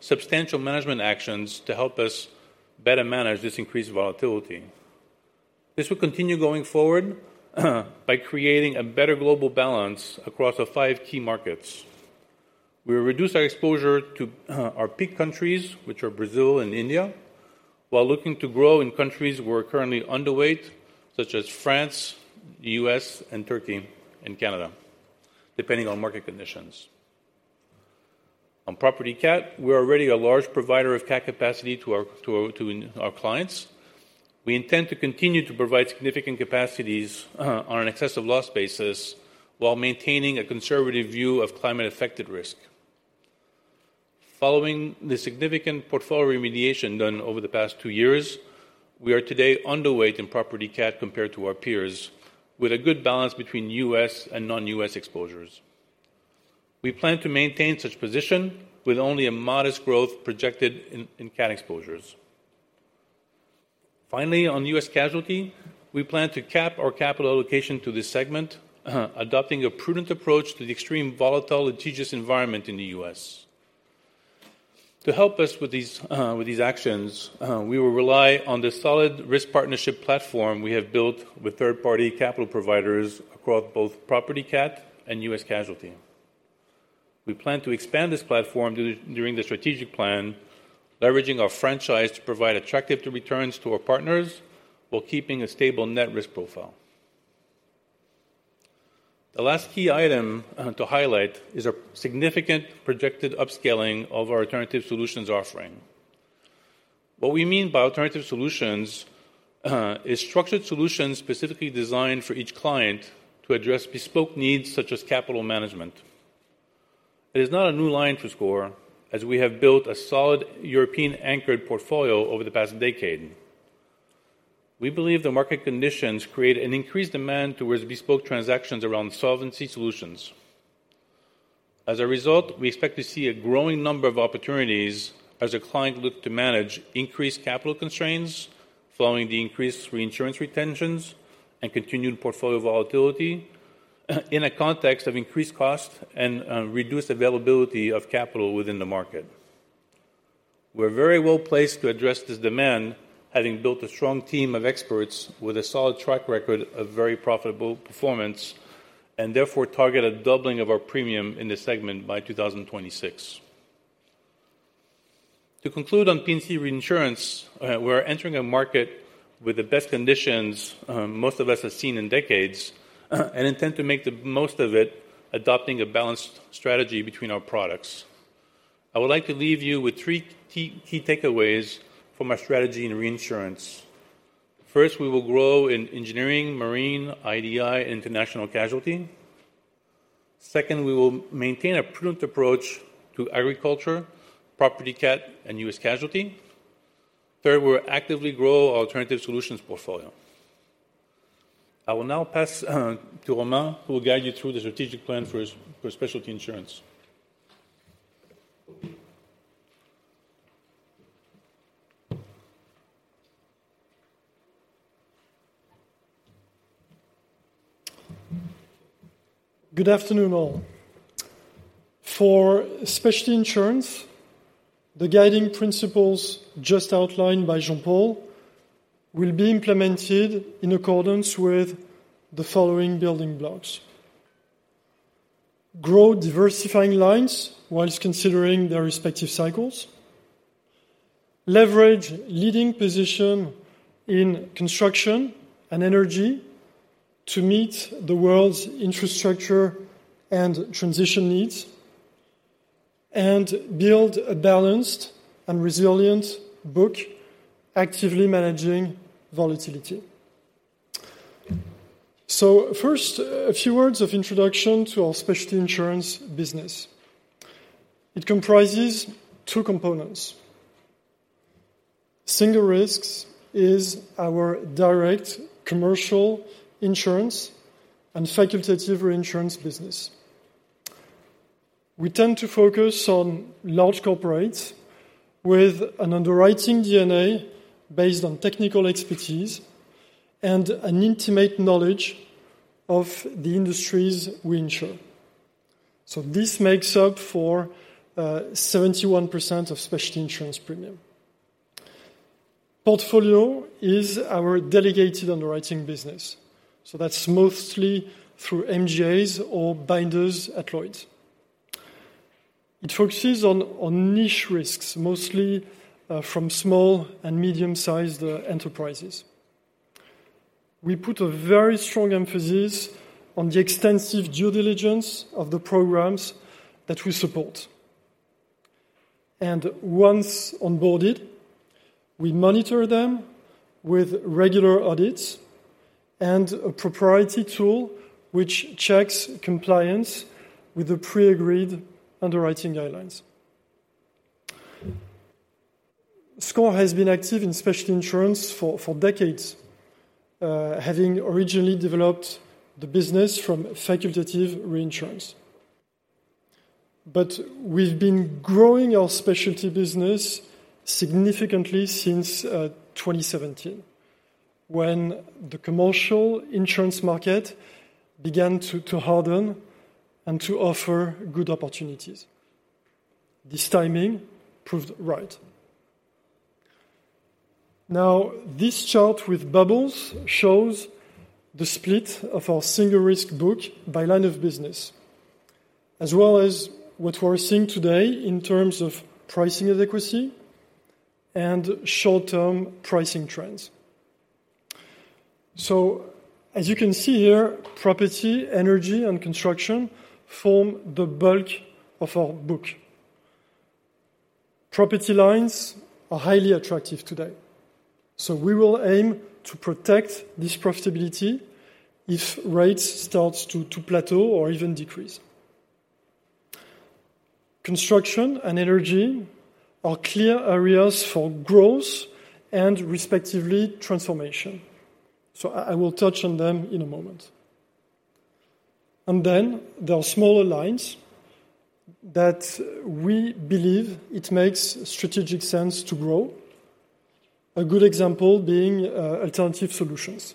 substantial management actions to help us better manage this increased volatility. This will continue going forward, by creating a better global balance across the five key markets. We will reduce our exposure to our peak countries, which are Brazil and India, while looking to grow in countries we're currently underweight, such as France, U.S., and Turkey, and Canada, depending on market conditions. On property cat, we're already a large provider of cat capacity to our clients. We intend to continue to provide significant capacities, on an excessive loss basis while maintaining a conservative view of climate-affected risk. Following the significant portfolio remediation done over the past two years, we are today underweight in property cat compared to our peers, with a good balance between U.S. and non-U.S. exposures. We plan to maintain such position with only a modest growth projected in cat exposures. Finally, on U.S. casualty, we plan to cap our capital allocation to this segment, adopting a prudent approach to the extreme volatile litigious environment in the U.S. To help us with these actions, we will rely on the solid risk partnership platform we have built with third-party capital providers across both property cat and U.S. casualty. We plan to expand this platform during the strategic plan, leveraging our franchise to provide attractive returns to our partners while keeping a stable net risk profile. The last key item, to highlight is a significant projected upscaling of our Alternative Solutions offering. What we mean by Alternative Solutions, is structured solutions specifically designed for each client to address bespoke needs, such as capital management. It is not a new line for SCOR, as we have built a solid European-anchored portfolio over the past decade. We believe the market conditions create an increased demand towards bespoke transactions around solvency solutions. As a result, we expect to see a growing number of opportunities as our client look to manage increased capital constraints, following the increased reinsurance retentions and continued portfolio volatility, in a context of increased cost and, reduced availability of capital within the market. We're very well placed to address this demand, having built a strong team of experts with a solid track record of very profitable performance, and therefore target a doubling of our premium in this segment by 2026. To conclude on P&C reinsurance, we're entering a market with the best conditions most of us have seen in decades, and intend to make the most of it, adopting a balanced strategy between our products. I would like to leave you with three key, key takeaways from our strategy in reinsurance. First, we will grow in engineering, marine, IDI, and international casualty. Second, we will maintain a prudent approach to agriculture, property cat, and U.S. casualty. Third, we will actively grow our Alternative Solutions portfolio. I will now pass to Romain, who will guide you through the strategic plan for Specialty Insurance. Good afternoon, all. For Specialty Insurance, the guiding principles just outlined by Jean-Paul will be implemented in accordance with the following building blocks: grow diversifying lines while considering their respective cycles; leverage leading position in construction and energy to meet the world's infrastructure and transition needs; and build a balanced and resilient book, actively managing volatility. So first, a few words of introduction to our Specialty Insurance business. It comprises two components. Single risks is our direct commercial insurance and facultative reinsurance business. We tend to focus on large corporates with an underwriting DNA based on technical expertise and an intimate knowledge of the industries we insure. So this makes up for 71% of Specialty Insurance premium. Portfolio is our delegated underwriting business, so that's mostly through MGAs or binders at Lloyd's. It focuses on niche risks, mostly from small and medium-sized enterprises. We put a very strong emphasis on the extensive due diligence of the programs that we support. Once onboarded, we monitor them with regular audits and a proprietary tool, which checks compliance with the pre-agreed underwriting guidelines. SCOR has been active in Specialty Insurance for decades, having originally developed the business from facultative reinsurance. We've been growing our specialty business significantly since 2017, when the commercial insurance market began to harden and to offer good opportunities. This timing proved right. Now, this chart with bubbles shows the split of our single risk book by line of business, as well as what we're seeing today in terms of pricing adequacy and short-term pricing trends. So as you can see here, property, energy, and construction form the bulk of our book. Property lines are highly attractive today, so we will aim to protect this profitability if rates starts to plateau or even decrease. Construction and energy are clear areas for growth and, respectively, transformation. So I will touch on them in a moment. Then there are smaller lines that we believe it makes strategic sense to grow. A good example being Alternative Solutions.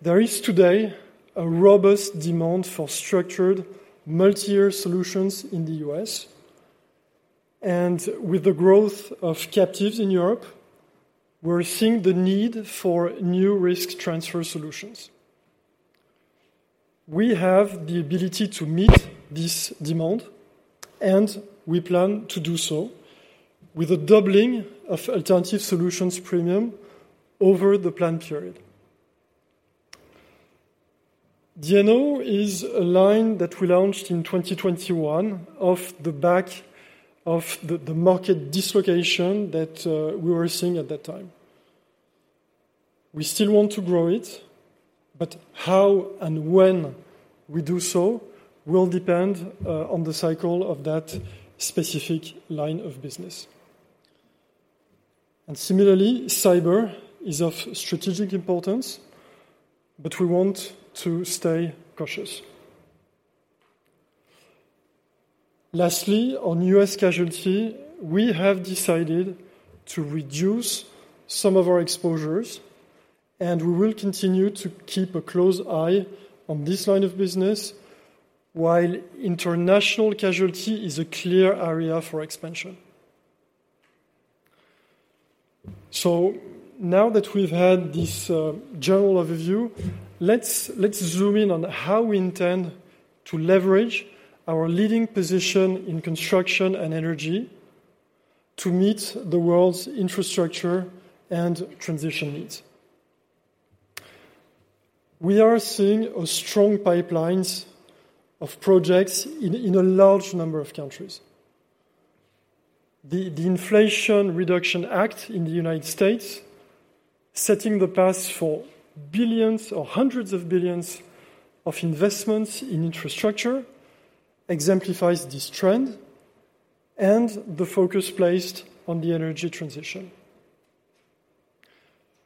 There is today a robust demand for structured multi-year solutions in the U.S., and with the growth of captives in Europe, we're seeing the need for new risk transfer solutions. We have the ability to meet this demand, and we plan to do so with a doubling of Alternative Solutions premium over the plan period. D&O is a line that we launched in 2021 off the back of the market dislocation that we were seeing at that time. We still want to grow it, but how and when we do so will depend on the cycle of that specific line of business. And similarly, cyber is of strategic importance, but we want to stay cautious. Lastly, on U.S. casualty, we have decided to reduce some of our exposures, and we will continue to keep a close eye on this line of business, while international casualty is a clear area for expansion. So now that we've had this general overview, let's zoom in on how we intend to leverage our leading position in construction and energy to meet the world's infrastructure and transition needs. We are seeing a strong pipelines of projects in a large number of countries. The Inflation Reduction Act in the United States, setting the path for billions or hundreds of billions of investments in infrastructure, exemplifies this trend and the focus placed on the energy transition.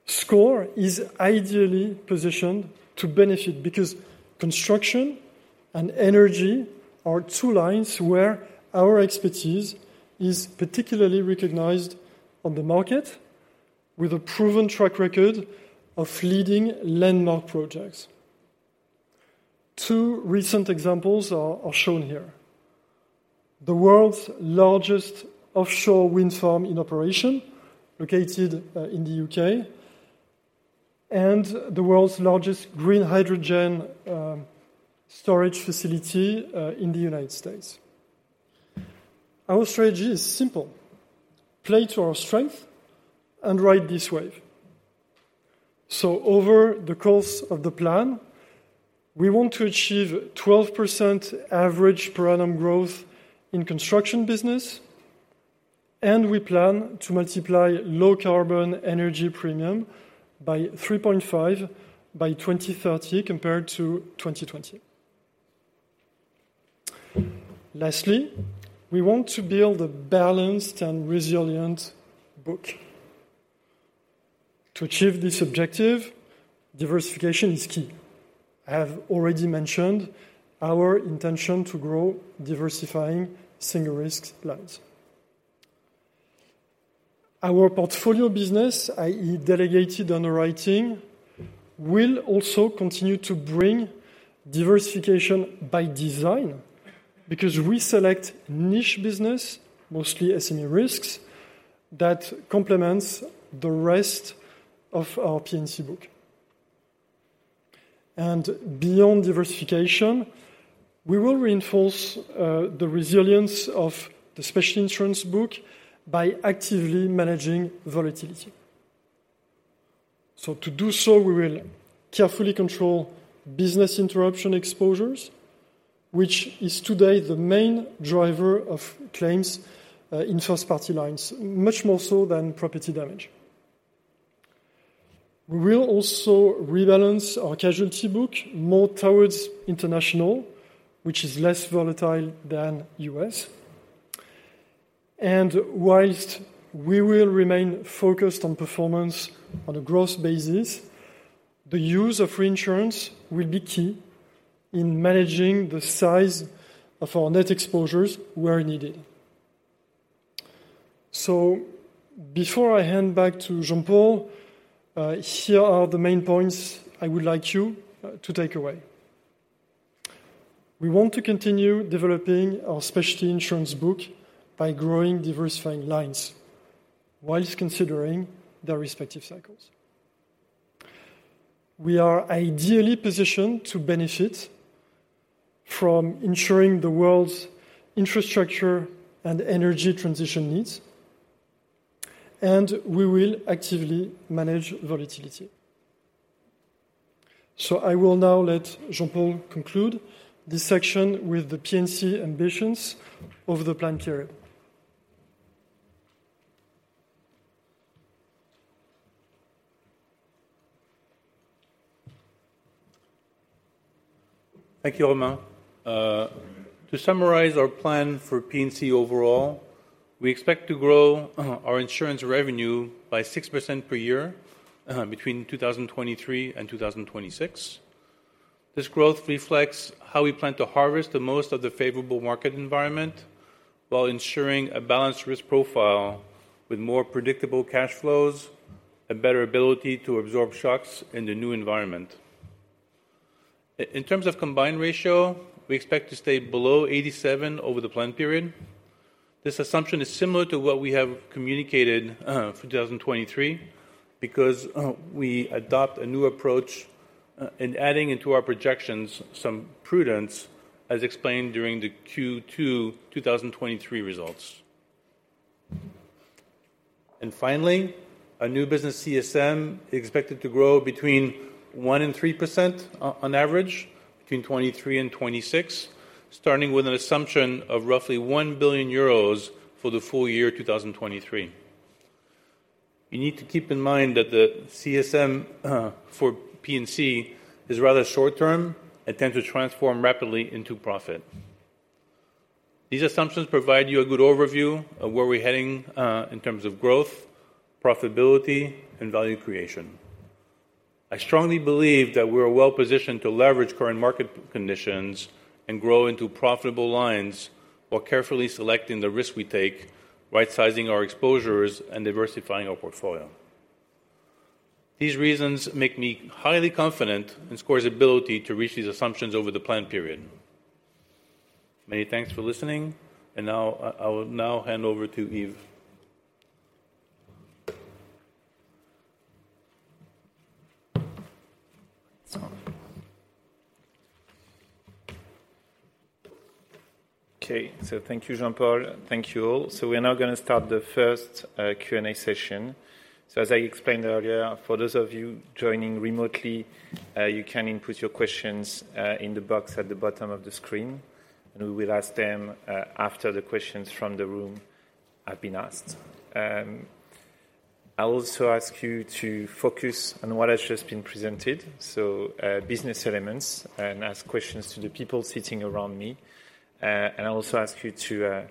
SCOR is ideally positioned to benefit because construction and energy are two lines where our expertise is particularly recognized on the market, with a proven track record of leading landmark projects. Two recent examples are shown here: the world's largest offshore wind farm in operation, located in the U.K., and the world's largest green hydrogen storage facility in the United States. Our strategy is simple: play to our strength and ride this wave. So over the course of the plan, we want to achieve 12% average per annum growth in construction business, and we plan to multiply low-carbon energy premium by 3.5 by 2030 compared to 2020. Lastly, we want to build a balanced and resilient book. To achieve this objective, diversification is key. I have already mentioned our intention to grow diversifying single risk lines. Our portfolio business, i.e., delegated underwriting, will also continue to bring diversification by design, because we select niche business, mostly SME risks, that complements the rest of our P&C book. And beyond diversification, we will reinforce the resilience of the special insurance book by actively managing volatility. So to do so, we will carefully control business interruption exposures, which is today the main driver of claims in first-party lines, much more so than property damage. We will also rebalance our casualty book more towards international, which is less volatile than U.S. While we will remain focused on performance on a gross basis, the use of reinsurance will be key in managing the size of our net exposures where needed. So before I hand back to Jean-Paul, here are the main points I would like you to take away. We want to continue developing our Specialty Insurance book by growing diversifying lines while considering their respective cycles. We are ideally positioned to benefit from insuring the world's infrastructure and energy transition needs, and we will actively manage volatility. So I will now let Jean-Paul conclude this section with the P&C ambitions over the plan period. Thank you, Romain. To summarize our plan for P&C overall, we expect to grow our insurance revenue by 6% per year, between 2023 and 2026. This growth reflects how we plan to harvest the most of the favorable market environment while ensuring a balanced risk profile with more predictable cash flows and better ability to absorb shocks in the new environment. In terms of combined ratio, we expect to stay below 87% over the plan period. This assumption is similar to what we have communicated for 2023, because we adopt a new approach in adding into our projections some prudence, as explained during the Q2 2023 results. Finally, a new business CSM is expected to grow between 1% and 3% on average, between 2023 and 2026, starting with an assumption of roughly 1 billion euros for the full year 2023. You need to keep in mind that the CSM for P&C is rather short term and tend to transform rapidly into profit. These assumptions provide you a good overview of where we're heading in terms of growth, profitability, and value creation. I strongly believe that we are well positioned to leverage current market conditions and grow into profitable lines while carefully selecting the risk we take, right-sizing our exposures, and diversifying our portfolio. These reasons make me highly confident in SCOR's ability to reach these assumptions over the plan period. Many thanks for listening, and now I will now hand over to Yves. Okay, so thank you, Jean-Paul. Thank you all. So we are now gonna start the first Q&A session. So as I explained earlier, for those of you joining remotely, you can input your questions in the box at the bottom of the screen, and we will ask them after the questions from the room have been asked. I'll also ask you to focus on what has just been presented, so business elements, and ask questions to the people sitting around me. And I'll also ask you to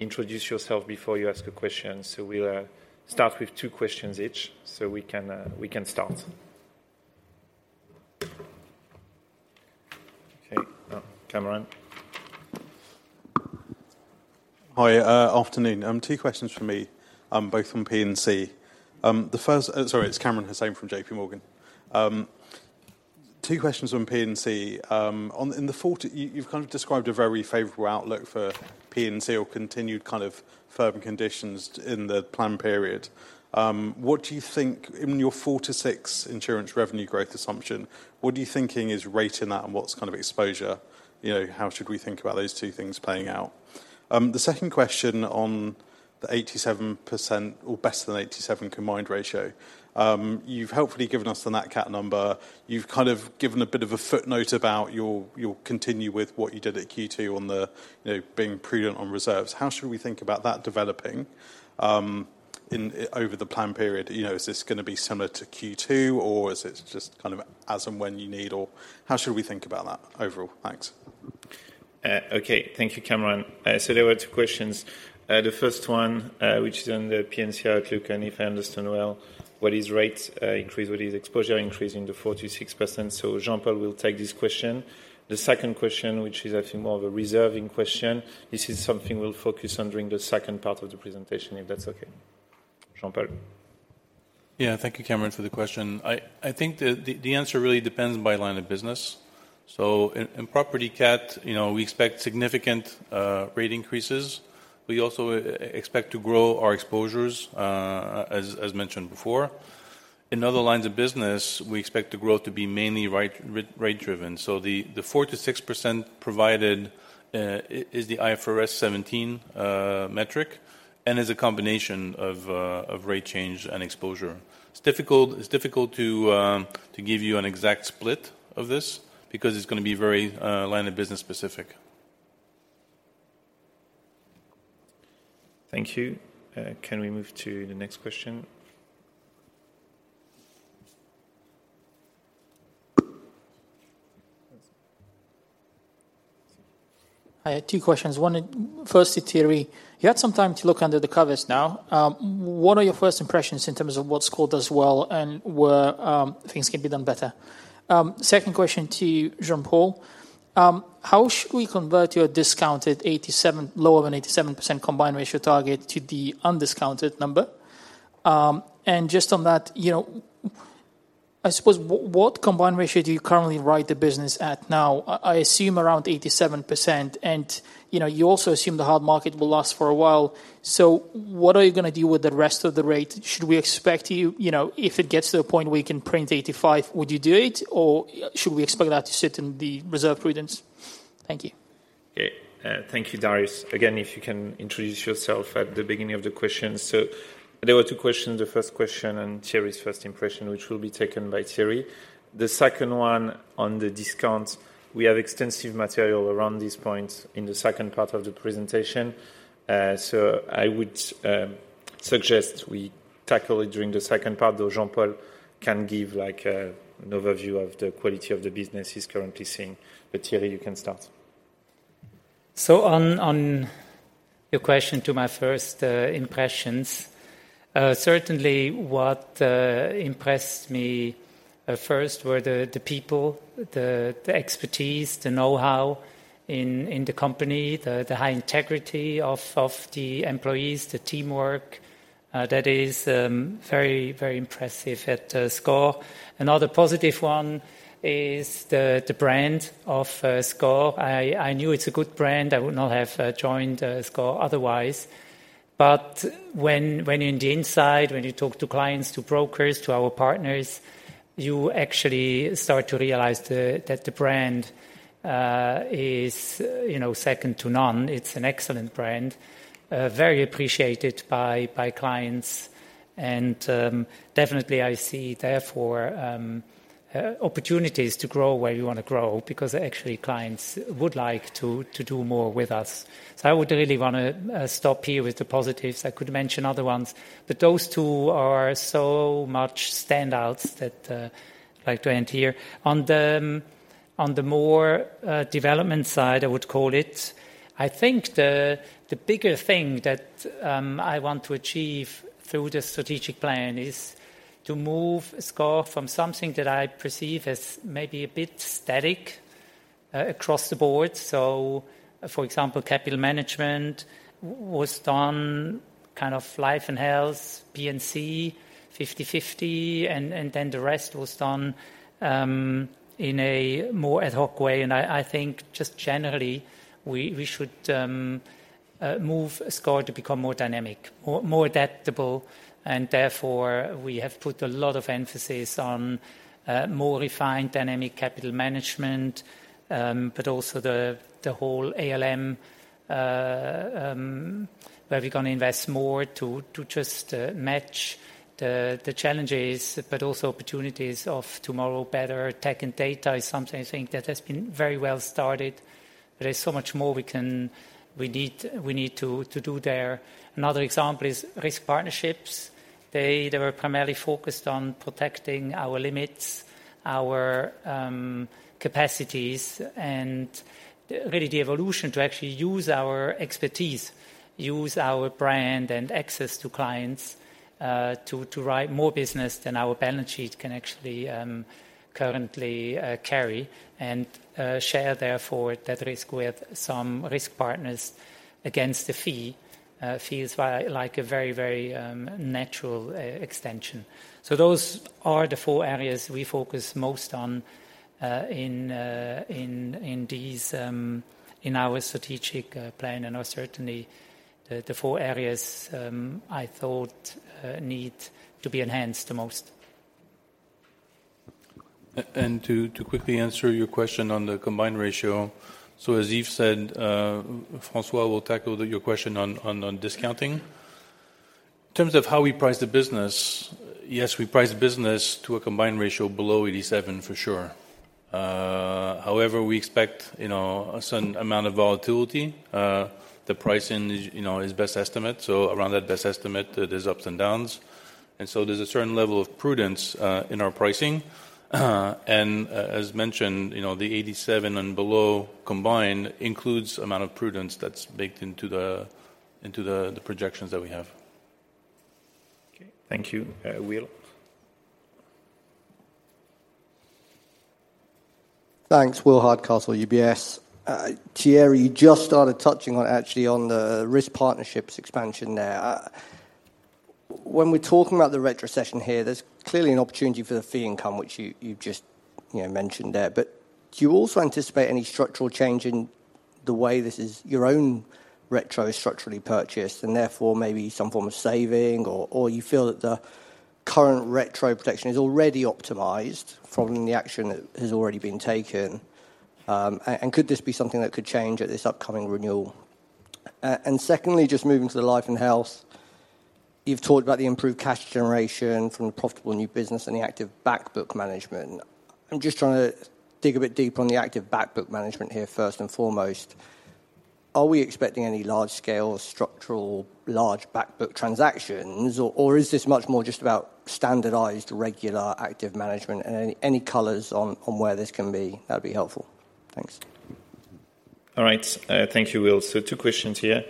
introduce yourself before you ask a question. So we'll start with two questions each, so we can start. Okay, Kamran. Hi, afternoon. Two questions from me, both from P&C. Sorry, it's Kamran Hossain from JPMorgan. Two questions from P&C. On the 40—you've kind of described a very favorable outlook for P&C or continued kind of firm conditions in the plan period. What do you think, in your 4%-6% insurance revenue growth assumption, what are you thinking is rating that and what's kind of exposure? You know, how should we think about those two things playing out? The second question on the 87% or better than 87% combined ratio. You've helpfully given us the Nat Cat number. You've kind of given a bit of a footnote about you'll, you'll continue with what you did at Q2 on the, you know, being prudent on reserves. How should we think about that developing over the plan period? You know, is this gonna be similar to Q2, or is it just kind of as and when you need? Or how should we think about that overall? Thanks. Okay. Thank you, Kamran. There were two questions. The first one, which is on the P&C outlook, and if I understand well, what is rate increase, what is exposure increase in the 4%-6%? Jean-Paul will take this question. The second question, which is I think more of a reserving question, this is something we'll focus on during the second part of the presentation, if that's okay. Jean-Paul? Yeah, thank you, Kamran, for the question. I think the answer really depends by line of business. So in property cat, you know, we expect significant rate increases. We also expect to grow our exposures, as mentioned before. In other lines of business, we expect the growth to be mainly rate driven. So the 4%-6% provided is the IFRS 17 metric, and is a combination of rate change and exposure. It's difficult to give you an exact split of this, because it's gonna be very line of business specific. Thank you. Can we move to the next question? I have two questions. One, firstly, Thierry, you had some time to look under the covers now. What are your first impressions in terms of what SCOR does well and where things can be done better? Second question to you, Jean-Paul. How should we convert your discounted 87%—lower than 87% combined ratio target to the undiscounted number? And just on that, you know, I suppose, what combined ratio do you currently write the business at now? I assume around 87%, and, you know, you also assume the hard market will last for a while. So what are you gonna do with the rest of the rate? Should we expect you, you know, if it gets to a point where you can print 85%, would you do it, or should we expect that to sit in the reserve prudence? Thank you. Yeah, thank you, Darius. Again, if you can introduce yourself at the beginning of the question. So there were two questions. The first question on Thierry's first impression, which will be taken by Thierry. The second one on the discount, we have extensive material around this point in the second part of the presentation, so I would suggest we tackle it during the second part, though Jean-Paul can give, like, an overview of the quality of the business he's currently seeing. But Thierry, you can start. So, on your question to my first impressions, certainly what impressed me first were the people, the expertise, the know-how in the company, the high integrity of the employees, the teamwork that is very, very impressive at SCOR. Another positive one is the brand of SCOR. I knew it's a good brand. I would not have joined SCOR otherwise. But when in the inside, when you talk to clients, to brokers, to our partners, you actually start to realize that the brand is, you know, second to none. It's an excellent brand, very appreciated by clients, and definitely I see therefore opportunities to grow where we wanna grow, because actually clients would like to do more with us. So I would really wanna stop here with the positives. I could mention other ones, but those two are so much standouts that I'd like to end here. On the, on the more development side, I would call it, I think the bigger thing that I want to achieve through the strategic plan is to move SCOR from something that I perceive as maybe a bit static across the board. So, for example, capital management was done kind of Life & Health, P&C, 50/50, and then the rest was done in a more ad hoc way. I think just generally, we should move SCOR to become more dynamic, more adaptable, and therefore, we have put a lot of emphasis on more refined dynamic capital management, but also the whole ALM, where we're gonna invest more to just match the challenges, but also opportunities of tomorrow. Better tech and data is something I think that has been very well started, but there's so much more we need to do there. Another example is risk partnerships. They were primarily focused on protecting our limits, our capacities, and really the evolution to actually use our expertise, use our brand and access to clients, to write more business than our balance sheet can actually currently carry, and share therefore that risk with some risk partners against a fee. It feels like a very natural extension. So those are the four areas we focus most on in these in our strategic plan, and are certainly the four areas I thought need to be enhanced the most. To quickly answer your question on the combined ratio, so as Yves said, François will tackle your question on discounting. In terms of how we price the business, yes, we price the business to a combined ratio below 87%, for sure. However, we expect, you know, a certain amount of volatility. The pricing is, you know, is best estimate, so around that best estimate, there's ups and downs. And so there's a certain level of prudence, in our pricing. And as mentioned, you know, the 87% and below combined includes amount of prudence that's baked into the projections that we have. Thank you, Will. Thanks, Will Hardcastle, UBS. Thierry, you just started touching on actually on the risk partnerships expansion there. When we're talking about the retrocession here, there's clearly an opportunity for the fee income, which you just, you know, mentioned there. But do you also anticipate any structural change in the way this is your own retro structurally purchased, and therefore, maybe some form of saving? Or you feel that the current retro protection is already optimized from the action that has already been taken, and could this be something that could change at this upcoming renewal? And secondly, just moving to the Life & Health. You've talked about the improved cash generation from the profitable new business and the active back book management. I'm just trying to dig a bit deeper on the active back book management here, first and foremost. Are we expecting any large-scale structural, large back book transactions, or is this much more just about standardized, regular, active management? And any colors on where this can be, that'd be helpful. Thanks. All right, thank you, Will. So two questions here.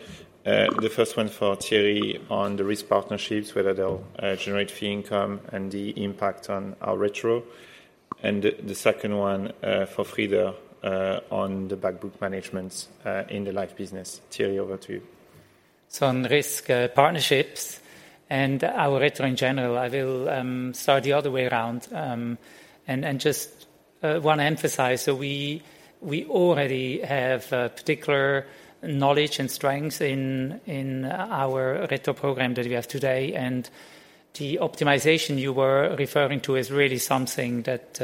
The first one for Thierry on the risk partnerships, whether they'll generate fee income and the impact on our retro. And the second one for Frieder on the back book management in the Life business. Thierry, over to you. So on risk, partnerships and our retro in general, I will start the other way around. And just want to emphasize, so we already have particular knowledge and strengths in our retro program that we have today, and the optimization you were referring to is really something that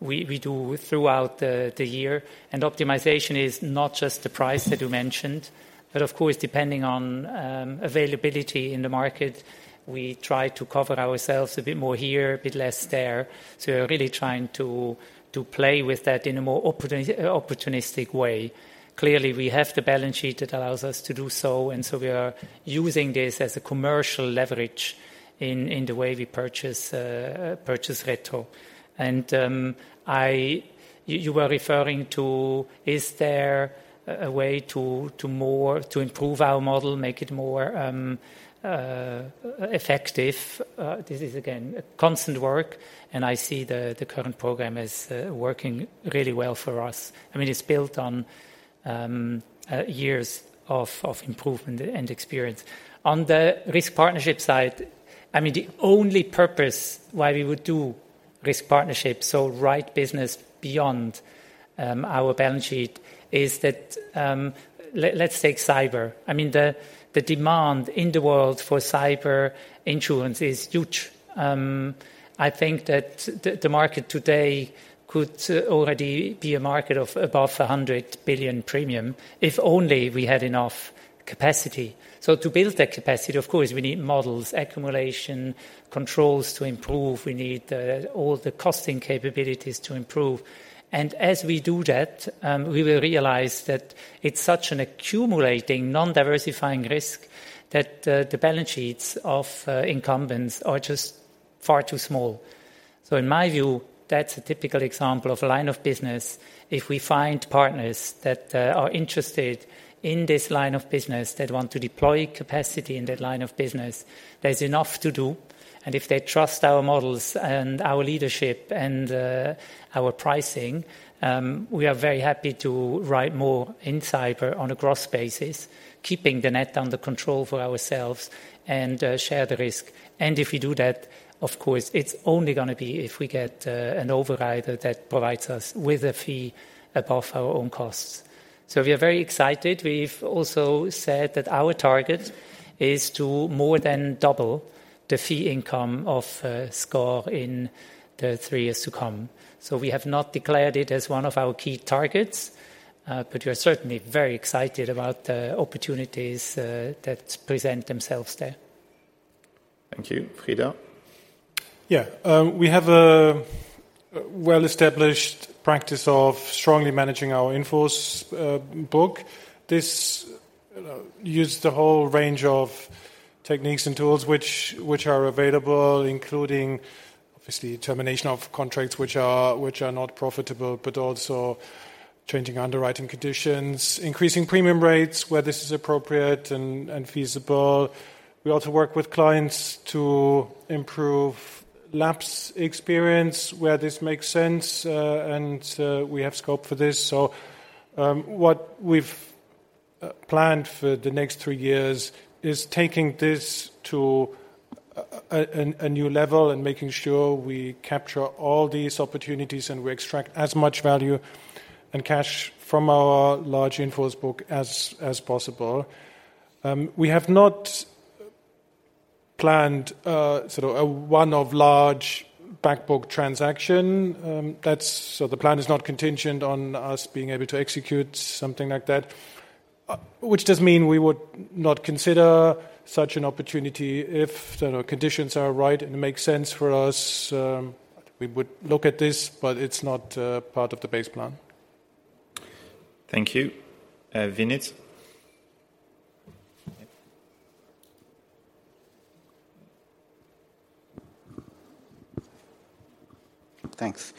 we do throughout the year. And optimization is not just the price that you mentioned, but of course, depending on availability in the market, we try to cover ourselves a bit more here, a bit less there. So we are really trying to play with that in a more opportunistic way. Clearly, we have the balance sheet that allows us to do so, and so we are using this as a commercial leverage in the way we purchase retro. You were referring to, is there a way to improve our model more, make it more effective? This is again constant work, and I see the current program is working really well for us. I mean, it's built on years of improvement and experience. On the risk partnership side, I mean, the only purpose why we would do risk partnerships, so write business beyond our balance sheet, is that, let's take cyber. I mean, the demand in the world for cyber insurance is huge. I think that the market today could already be a market of above 100 billion premium, if only we had enough capacity. So to build that capacity, of course, we need models, accumulation, controls to improve. We need all the costing capabilities to improve. And as we do that, we will realize that it's such an accumulating, non-diversifying risk that the balance sheets of incumbents are just far too small. So in my view, that's a typical example of a line of business. If we find partners that are interested in this line of business, that want to deploy capacity in that line of business, there's enough to do. And if they trust our models and our leadership and our pricing, we are very happy to write more in cyber on a gross basis, keeping the net under control for ourselves and share the risk. And if we do that, of course, it's only gonna be if we get an overrider that provides us with a fee above our own costs. So we are very excited. We've also said that our target is to more than double the fee income of SCOR in the three years to come. So we have not declared it as one of our key targets, but we are certainly very excited about the opportunities that present themselves there. Thank you. Frieder? Yeah. We have a well-established practice of strongly managing our in-force book. This uses the whole range of techniques and tools which are available, including, obviously, termination of contracts which are not profitable, but also changing underwriting conditions, increasing premium rates, where this is appropriate and feasible. We also work with clients to improve lapse experience, where this makes sense, and we have scope for this. So, what we've planned for the next three years is taking this to a new level and making sure we capture all these opportunities, and we extract as much value and cash from our large in-force book as possible. We have not planned sort of a one-off large back book transaction. That's, so the plan is not contingent on us being able to execute something like that, which doesn't mean we would not consider such an opportunity. If the conditions are right and it makes sense for us, we would look at this, but it's not part of the base plan. Thank you. Vinit? Thanks.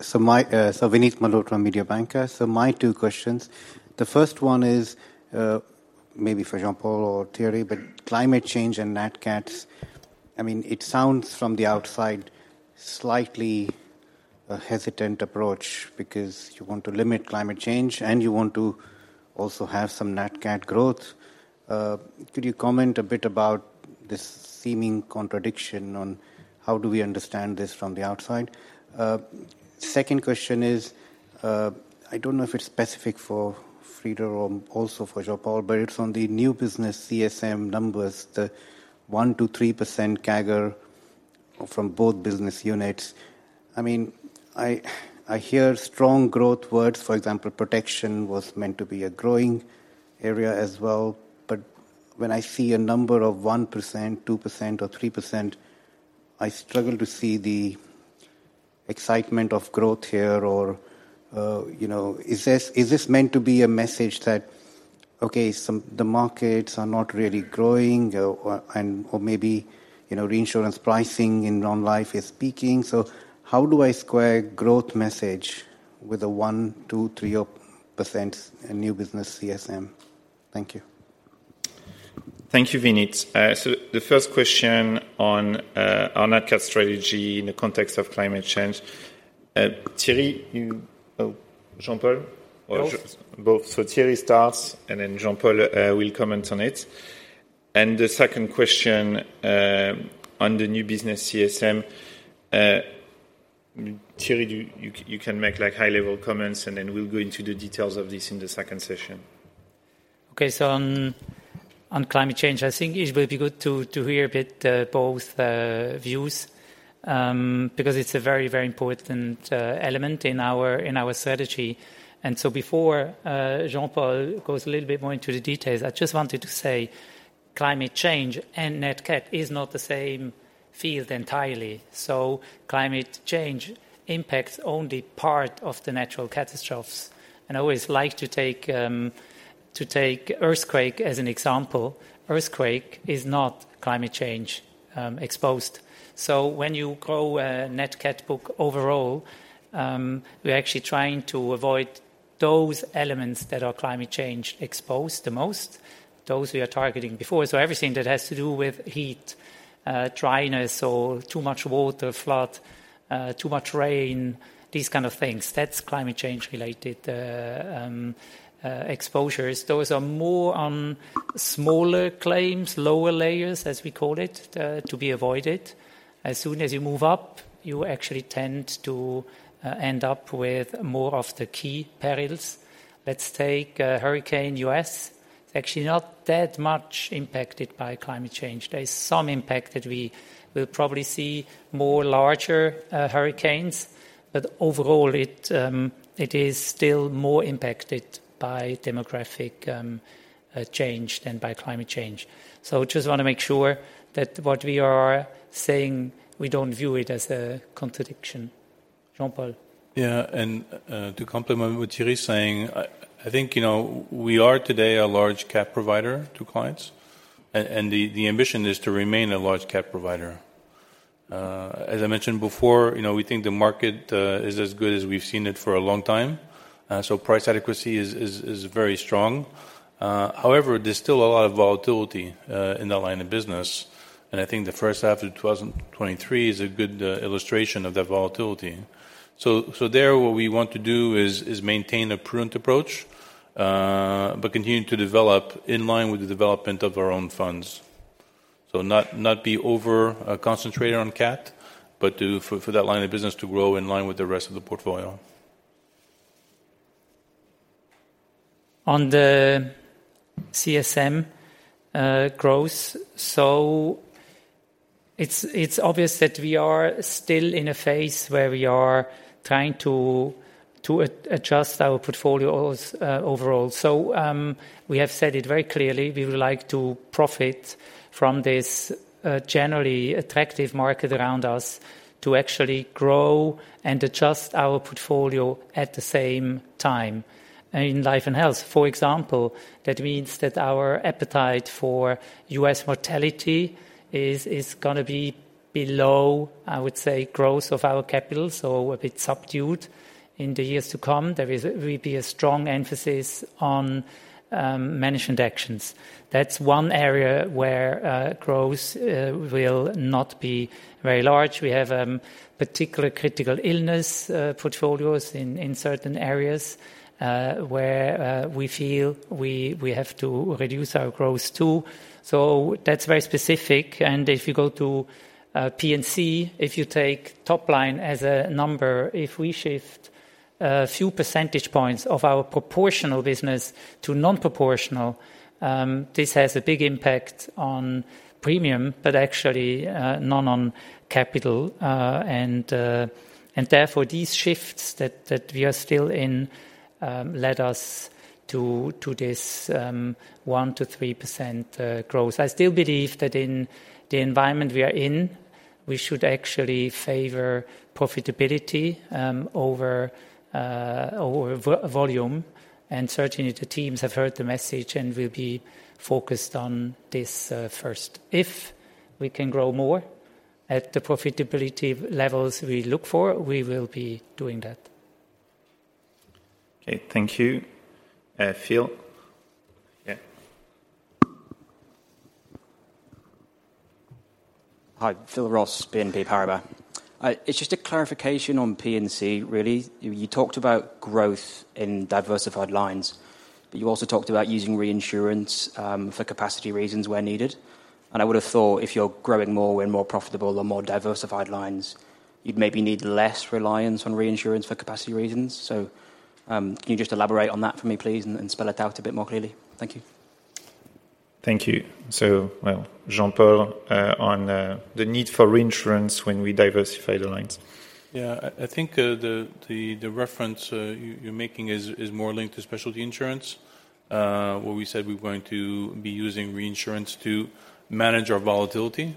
So my, so Vinit Malhotra from Mediobanca. So my two questions: the first one is, maybe for Jean-Paul or Thierry, but climate change and Nat Cats, I mean, it sounds from the outside, slightly a hesitant approach, because you want to limit climate change, and you want to also have some Nat Cat growth. Could you comment a bit about this seeming contradiction on how do we understand this from the outside? Second question is, I don't know if it's specific for Frieder or also for Jean-Paul, but it's on the new business CSM numbers, the 1%-3% CAGR from both business units. I mean, I hear strong growth words. For example, protection was meant to be a growing area as well. But when I see a number of 1%, 2% or 3%, I struggle to see the excitement of growth here. Or, you know, is this, is this meant to be a message that, okay, the markets are not really growing, or, and, or maybe, you know, reinsurance pricing in non-life is peaking. So how do I square growth message with a 1%, 2%, 3% in new business CSM? Thank you. Thank you, Vinit. So the first question on our Nat Cat strategy in the context of climate change. Thierry, you, oh, Jean-Paul. Both. Both. So Thierry starts, and then Jean-Paul will comment on it. And the second question, on the new business CSM, Thierry, you can make, like, high-level comments, and then we'll go into the details of this in the second session. Okay. So on climate change, I think it will be good to hear a bit both views because it's a very, very important element in our strategy. And so before Jean-Paul goes a little bit more into the details, I just wanted to say climate change and Nat Cat is not the same field entirely. So climate change impacts only part of the natural catastrophes. And I always like to take earthquake as an example. Earthquake is not climate change exposed. So when you grow a Nat Cat book overall, we're actually trying to avoid those elements that are climate change exposed the most, those we are targeting before. So everything that has to do with heat, dryness or too much water, flood, too much rain, these kind of things, that's climate change-related exposures. Those are more on smaller claims, lower layers, as we call it, to be avoided. As soon as you move up, you actually tend to end up with more of the key perils. Let's take, hurricane in U.S. It's actually not that much impacted by climate change. There is some impact that we will probably see more larger hurricanes, but overall, it is still more impacted by demographic change than by climate change. So just want to make sure that what we are saying, we don't view it as a contradiction. Jean-Paul? Yeah, and to complement what Thierry is saying, I think, you know, we are today a large cat provider to clients, and the ambition is to remain a large cat provider. As I mentioned before, you know, we think the market is as good as we've seen it for a long time, so price adequacy is very strong. However, there's still a lot of volatility in that line of business, and I think the first half of 2023 is a good illustration of that volatility. So there, what we want to do is maintain a prudent approach, but continue to develop in line with the development of our own funds. So, not to be overconcentrated on cat, but for that line of business to grow in line with the rest of the portfolio. On the CSM growth, so it's obvious that we are still in a phase where we are trying to adjust our portfolios overall. So, we have said it very clearly, we would like to profit from this generally attractive market around us to actually grow and adjust our portfolio at the same time. In Life & Health, for example, that means that our appetite for U.S. mortality is gonna be below, I would say, growth of our capital, so a bit subdued in the years to come. There will be a strong emphasis on management actions. That's one area where growth will not be very large. We have particular critical illness portfolios in certain areas where we feel we have to reduce our growth, too. So that's very specific. If you go to P&C, if you take top line as a number, if we shift a few percentage points of our proportional business to non-proportional, this has a big impact on premium, but actually none on capital. And therefore, these shifts that we are still in led us to this 1%-3% growth. I still believe that in the environment we are in, we should actually favor profitability over volume, and certainly, the teams have heard the message and will be focused on this first. If we can grow more at the profitability levels we look for, we will be doing that. Okay, thank you. Phil? Yeah. Hi, Phil Ross, BNP Paribas. It's just a clarification on P&C, really. You, you talked about growth in diversified lines, but you also talked about using reinsurance for capacity reasons where needed. And I would have thought if you're growing more and more profitable on more diversified lines, you'd maybe need less reliance on reinsurance for capacity reasons. So, can you just elaborate on that for me, please, and spell it out a bit more clearly? Thank you. Thank you. So, well, Jean-Paul, on the need for reinsurance when we diversify the lines. Yeah, I think the reference you're making is more linked to Specialty Insurance. Where we said we're going to be using reinsurance to manage our volatility.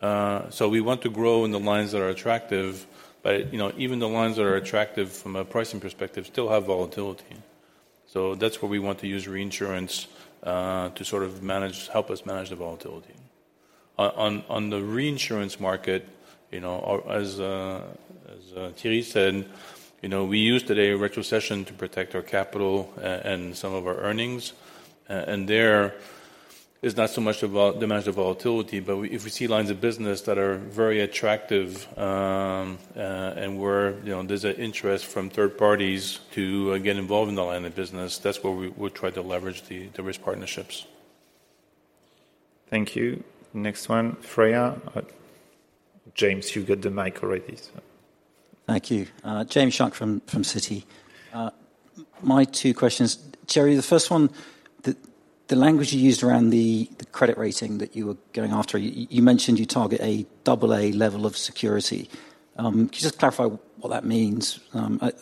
So we want to grow in the lines that are attractive, but, you know, even the lines that are attractive from a pricing perspective still have volatility. So that's where we want to use reinsurance to sort of manage, help us manage the volatility. On the reinsurance market, you know, as Thierry said, you know, we use today retrocession to protect our capital and some of our earnings. And there is not so much about the management of volatility, but if we see lines of business that are very attractive, and where, you know, there's an interest from third parties to get involved in the line of business, that's where we try to leverage the risk partnerships. Thank you. Next one, Freya. James, you got the mic already, so. Thank you. James Shuck from Citi. My two questions, Thierry, the first one, the language you used around the credit rating that you were going after, you mentioned you target a double A level of security. Could you just clarify what that means? I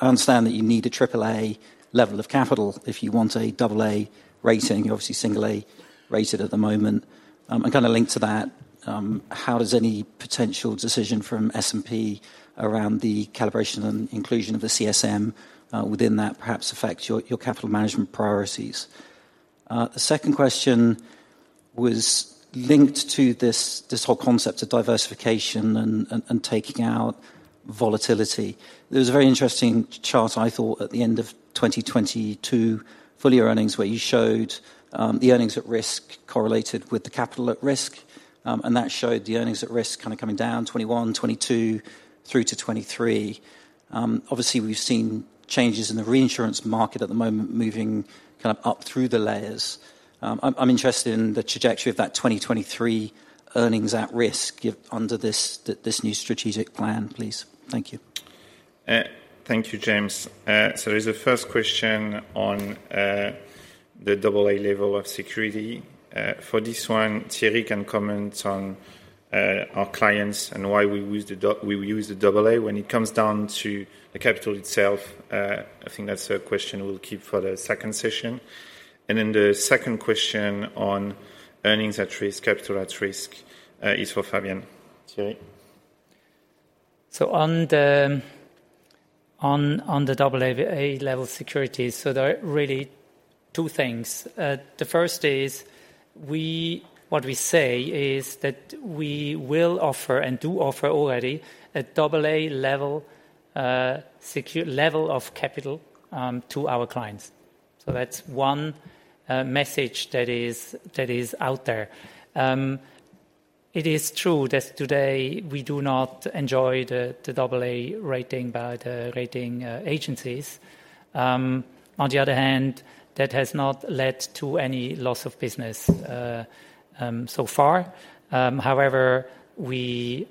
understand that you need a triple A level of capital if you want a double A rating. You're obviously single A rated at the moment. And kind of linked to that, how does any potential decision from S&P around the calibration and inclusion of the CSM within that perhaps affect your capital management priorities? The second question was linked to this whole concept of diversification and taking out volatility. There was a very interesting chart, I thought, at the end of 2022 full year earnings, where you showed the earnings at risk correlated with the capital at risk. And that showed the earnings at risk kind of coming down 2021, 2022 through to 2023. Obviously, we've seen changes in the reinsurance market at the moment, moving kind of up through the layers. I'm interested in the trajectory of that 2023 earnings at risk given under this new strategic plan, please. Thank you. Thank you, James. So there's a first question on the double A level of security. For this one, Thierry can comment on our clients and why we use the double A. When it comes down to the capital itself, I think that's a question we'll keep for the second session. And then the second question on earnings at risk, capital at risk is for Fabian. Thierry? So on the double A level security, so there are really two things. The first is what we say is that we will offer and do offer already a double A level security level of capital to our clients. So that's one message that is out there. It is true that today we do not enjoy the double A rating by the rating agencies. On the other hand, that has not led to any loss of business so far. However, we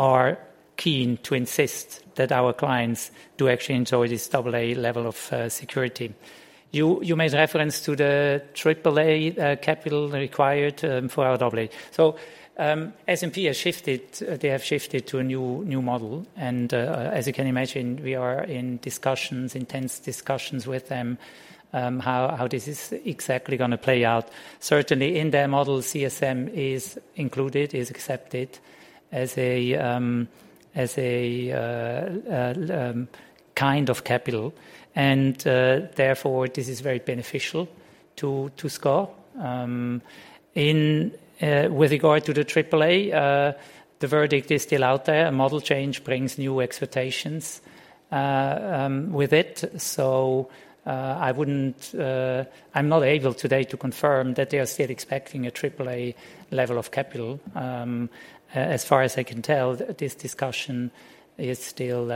are keen to insist that our clients do actually enjoy this double A level of security. You made reference to the triple A capital required for our double A. So, S&P has shifted. They have shifted to a new model, and as you can imagine, we are in discussions, intense discussions with them, how this is exactly gonna play out. Certainly, in their model, CSM is included, is accepted as a kind of capital, and therefore, this is very beneficial to SCOR. With regard to the triple A, the verdict is still out there. A model change brings new expectations with it. So, I wouldn't—I'm not able today to confirm that they are still expecting a triple A level of capital. As far as I can tell, this discussion is still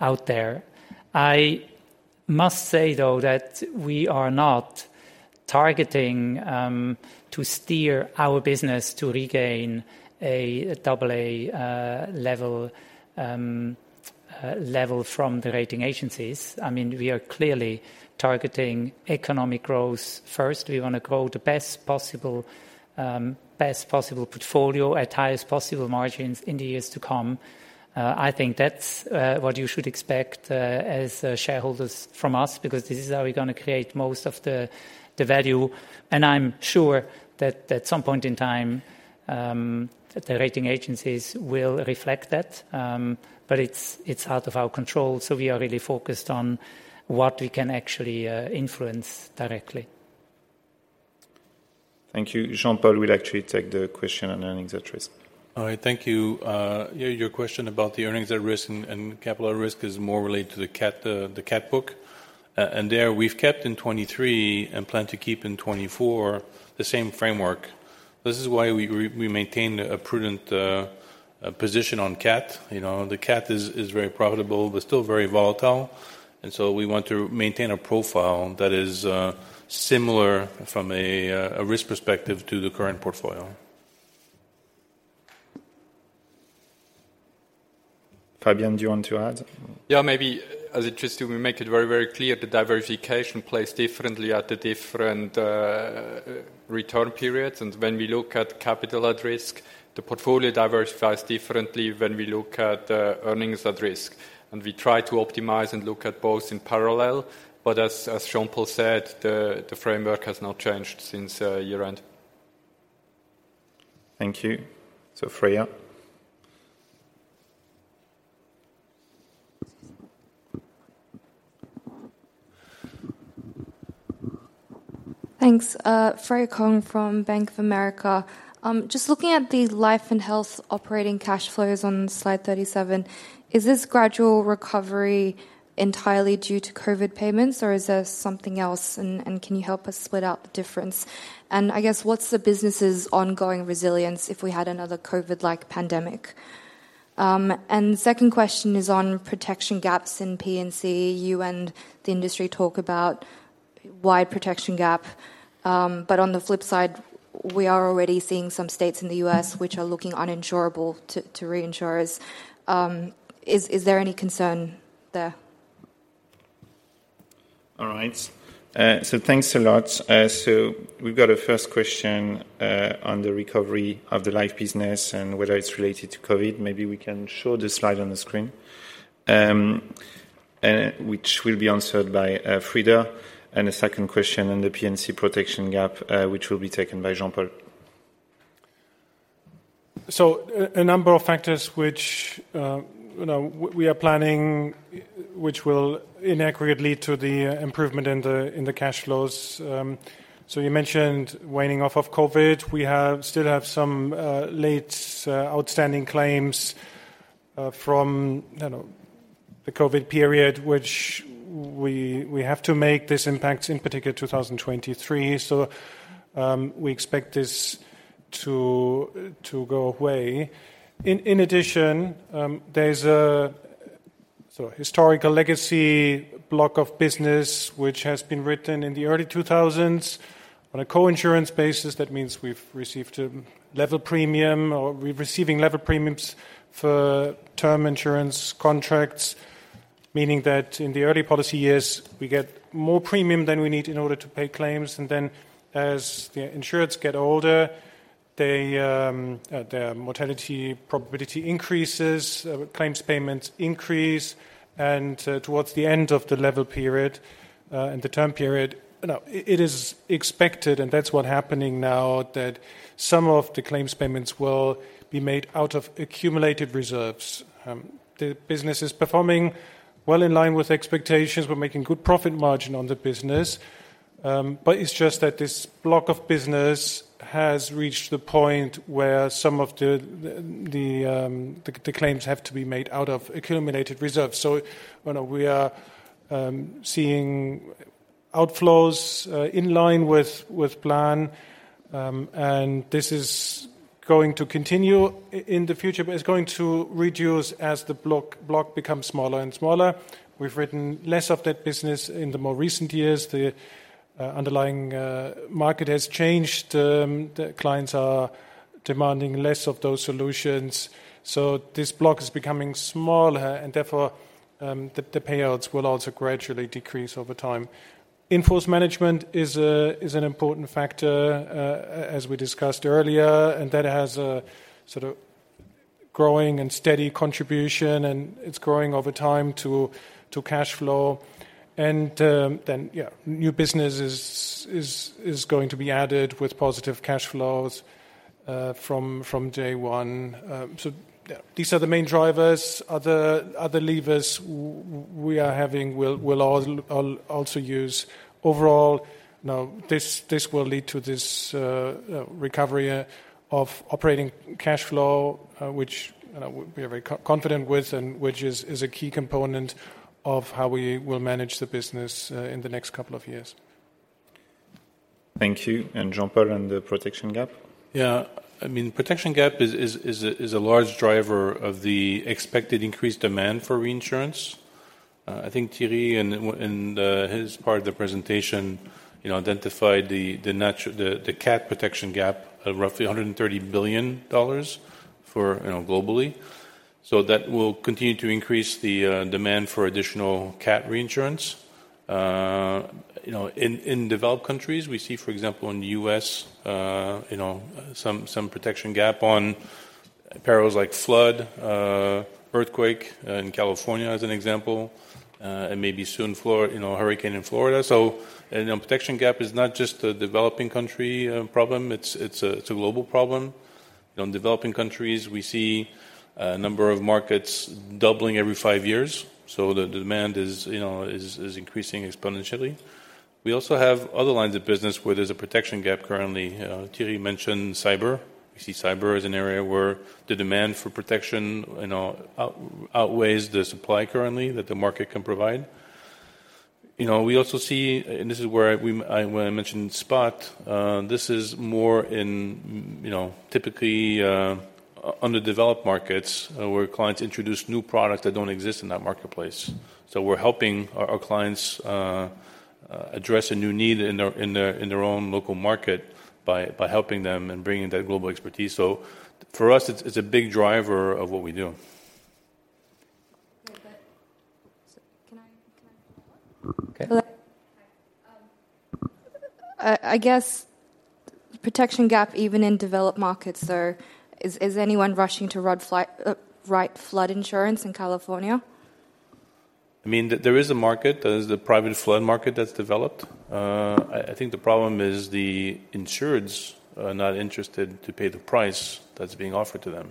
out there. I must say, though, that we are not targeting to steer our business to regain a double A level from the rating agencies. I mean, we are clearly targeting economic growth first. We want to grow the best possible portfolio at highest possible margins in the years to come. I think that's what you should expect as shareholders from us, because this is how we're gonna create most of the value. And I'm sure that at some point in time the rating agencies will reflect that, but it's out of our control, so we are really focused on what we can actually influence directly. Thank you. Jean-Paul will actually take the question on earnings at risk. All right, thank you. Yeah, your question about the earnings at risk and capital at risk is more related to the cat, the cat book. And there we've kept in 2023 and plan to keep in 2024, the same framework. This is why we maintain a prudent position on cat. You know, the cat is very profitable but still very volatile, and so we want to maintain a profile that is similar from a risk perspective to the current portfolio. Fabian, do you want to add? Yeah, maybe as interesting, we make it very, very clear the diversification plays differently at the different return periods. And when we look at capital at risk, the portfolio diversifies differently when we look at earnings at risk, and we try to optimize and look at both in parallel. But as Jean-Paul said, the framework has not changed since year-end. Thank you. So Freya. Thanks. Freya Kong from Bank of America. Just looking at the Life & Health operating cash flows on slide 37, is this gradual recovery entirely due to COVID payments, or is there something else? And can you help us split up the difference? And I guess, what's the business's ongoing resilience if we had another COVID-like pandemic? And second question is on protection gaps in P&C. You and the industry talk about wide protection gap, but on the flip side, we are already seeing some states in the U.S. which are looking uninsurable to reinsurers. Is there any concern there? All right. So thanks a lot. So we've got a first question on the recovery of the Life business and whether it's related to COVID. Maybe we can show the slide on the screen, which will be answered by Frieder, and a second question on the P&C protection gap, which will be taken by Jean-Paul. So, a number of factors which, you know, we are planning, which will actually lead to the improvement in the cash flows. So you mentioned waning off of COVID. We still have some late outstanding claims from, you know, the COVID period, which we have to make this impact, in particular, 2023. So, we expect this to go away. In addition, there's a sort of historical legacy block of business which has been written in the early 2000s on a co-insurance basis. That means we've received a level premium or we're receiving level premiums for term insurance contracts, meaning that in the early policy years, we get more premium than we need in order to pay claims. As the insureds get older, they, their mortality probability increases, claims payments increase, and towards the end of the level period and the term period, you know, it is expected, and that's what's happening now, that some of the claims payments will be made out of accumulated reserves. The business is performing well in line with expectations. We're making good profit margin on the business, but it's just that this block of business has reached the point where some of the claims have to be made out of accumulated reserves. So, you know, we are seeing outflows in line with plan, and this is going to continue in the future, but it's going to reduce as the block becomes smaller and smaller. We've written less of that business in the more recent years. The underlying market has changed. The clients are demanding less of those solutions, so this block is becoming smaller, and therefore, the payouts will also gradually decrease over time. in-force management is an important factor, as we discussed earlier, and that has a sort of growing and steady contribution, and it's growing over time to cash flow. New business is going to be added with positive cash flows from day one. So, yeah, these are the main drivers. Other levers we are having. We'll also use. Overall, you know, this will lead to this recovery of operating cash flow, which we are very confident with and which is a key component of how we will manage the business in the next couple of years. Thank you. And Jean-Paul, on the protection gap? Yeah. I mean, protection gap is a large driver of the expected increased demand for reinsurance. I think Thierry, in his part of the presentation, you know, identified the Nat Cat protection gap of roughly $130 billion globally. So that will continue to increase the demand for additional cat reinsurance. You know, in developed countries, we see, for example, in the U.S., you know, some protection gap on perils like flood, earthquake, in California, as an example, and maybe soon Florida, you know, hurricane in Florida. So, you know, protection gap is not just a developing country problem, it's a global problem. On developing countries, we see a number of markets doubling every five years, so the demand is, you know, increasing exponentially. We also have other lines of business where there's a protection gap currently. Thierry mentioned cyber. We see cyber as an area where the demand for protection, you know, outweighs the supply currently that the market can provide. You know, we also see, and this is where, when I mentioned spot, this is more in, you know, typically underdeveloped markets, where clients introduce new products that don't exist in that marketplace. So we're helping our clients address a new need in their own local market by helping them and bringing that global expertise. So for us, it's a big driver of what we do. Yeah, but so can I, can I? Okay. Hello. Hi. I guess protection gap even in developed markets, though, is anyone rushing to write flood insurance in California? I mean, there is a market. There is the private flood market that's developed. I think the problem is the insureds are not interested to pay the price that's being offered to them.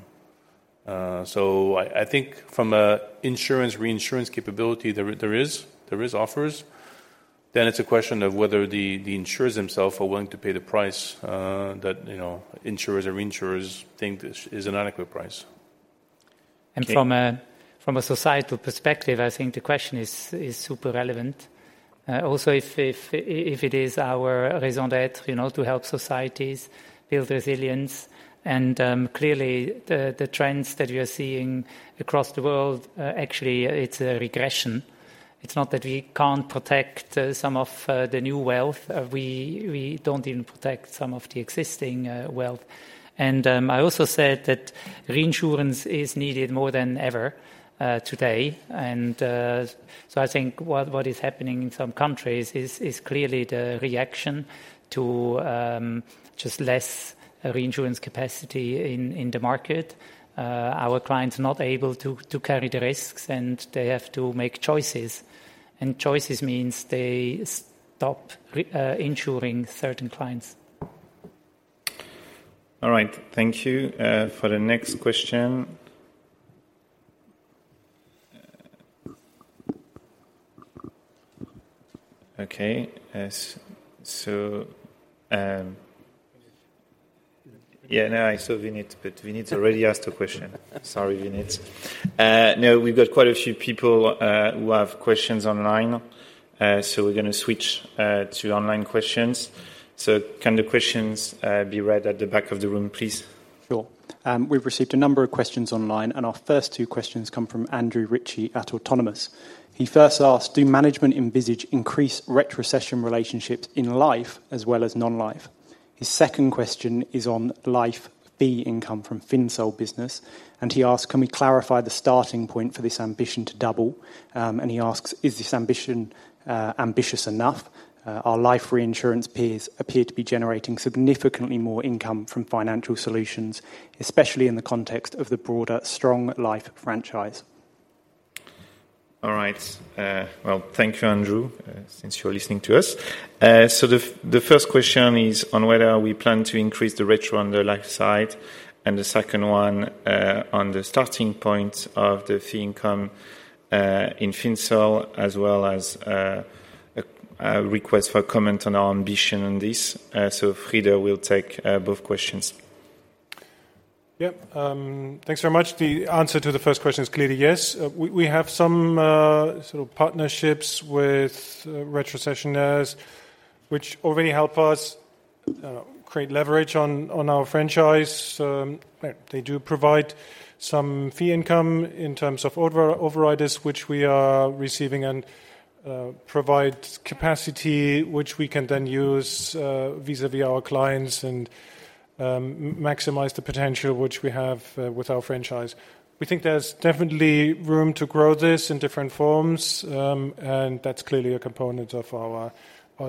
So I think from an insurance, reinsurance capability, there are offers. Then it's a question of whether the insurers themselves are willing to pay the price that, you know, insurers or reinsurers think is an adequate price. Okay. From a societal perspective, I think the question is super relevant. Also, if it is our raison d'être, you know, to help societies build resilience, and clearly, the trends that we are seeing across the world, actually it's a regression. It's not that we can't protect some of the new wealth; we don't even protect some of the existing wealth. I also said that reinsurance is needed more than ever today. So I think what is happening in some countries is clearly the reaction to just less reinsurance capacity in the market. Our clients are not able to carry the risks, and they have to make choices, and choices means they stop reinsuring certain clients. All right. Thank you. For the next question, okay, so. Vinit. Yeah, no, I saw Vinit, but Vinit's already asked a question. Sorry, Vinit. Now we've got quite a few people who have questions online, so we're gonna switch to online questions. So can the questions be read at the back of the room, please? Sure. We've received a number of questions online, and our first two questions come from Andrew Ritchie at Autonomous. He first asked: Do management envisage increased retrocession relationships in life as well as non-life? His second question is on life fee income from FinSol business, and he asked, can we clarify the starting point for this ambition to double? And he asks, "Is this ambition ambitious enough? Our life reinsurance peers appear to be generating significantly more income from financial solutions, especially in the context of the broader strong life franchise. All right. Well, thank you, Andrew, since you're listening to us. So the first question is on whether we plan to increase the retro on the life side, and the second one, on the starting point of the fee income, in FinSol, as well as, a request for comment on our ambition on this. So Frieder will take both questions. Yep. Thanks very much. The answer to the first question is clearly yes. We have some sort of partnerships with retrocessioners, which already help us create leverage on our franchise. They do provide some fee income in terms of overriders, which we are receiving, and provide capacity, which we can then use vis-à-vis our clients and maximize the potential which we have with our franchise. We think there's definitely room to grow this in different forms, and that's clearly a component of our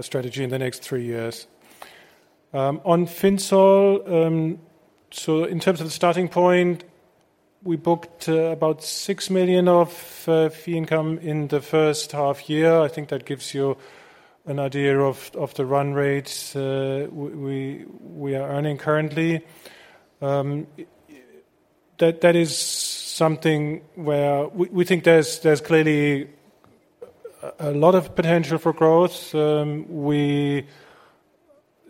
strategy in the next three years. On FinSol, so in terms of the starting point, we booked about 6 million of fee income in the first half year. I think that gives you an idea of the run rate we are earning currently. That is something where we think there's clearly a lot of potential for growth. We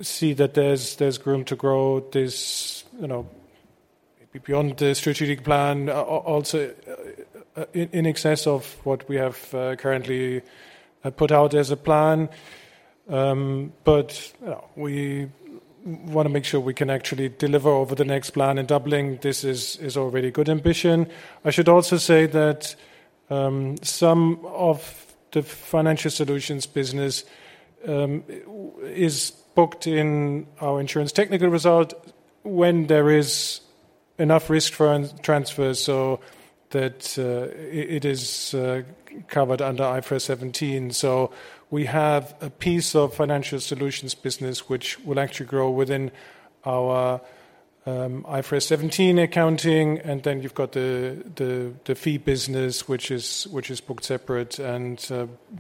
see that there's room to grow this, you know, beyond the strategic plan, also in excess of what we have currently put out as a plan. But we want to make sure we can actually deliver over the next plan, and doubling this is already good ambition. I should also say that some of the financial solutions business is booked in our insurance technical result when there is enough risk transfer so that it is covered under IFRS 17. So we have a piece of financial solutions business which will actually grow within our IFRS 17 accounting, and then you've got the fee business, which is booked separate.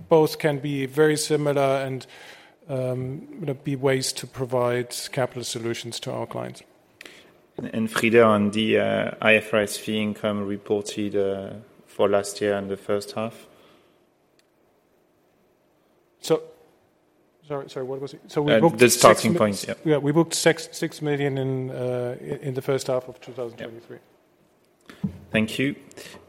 Both can be very similar and, you know, be ways to provide capital solutions to our clients. And Frieder on the IFRS fee income reported for last year and the first half? Sorry, sorry, what was it? So we booked 6— The starting point. Yeah. Yeah, we booked 6.6 million in the first half of 2023. Yeah. Thank you.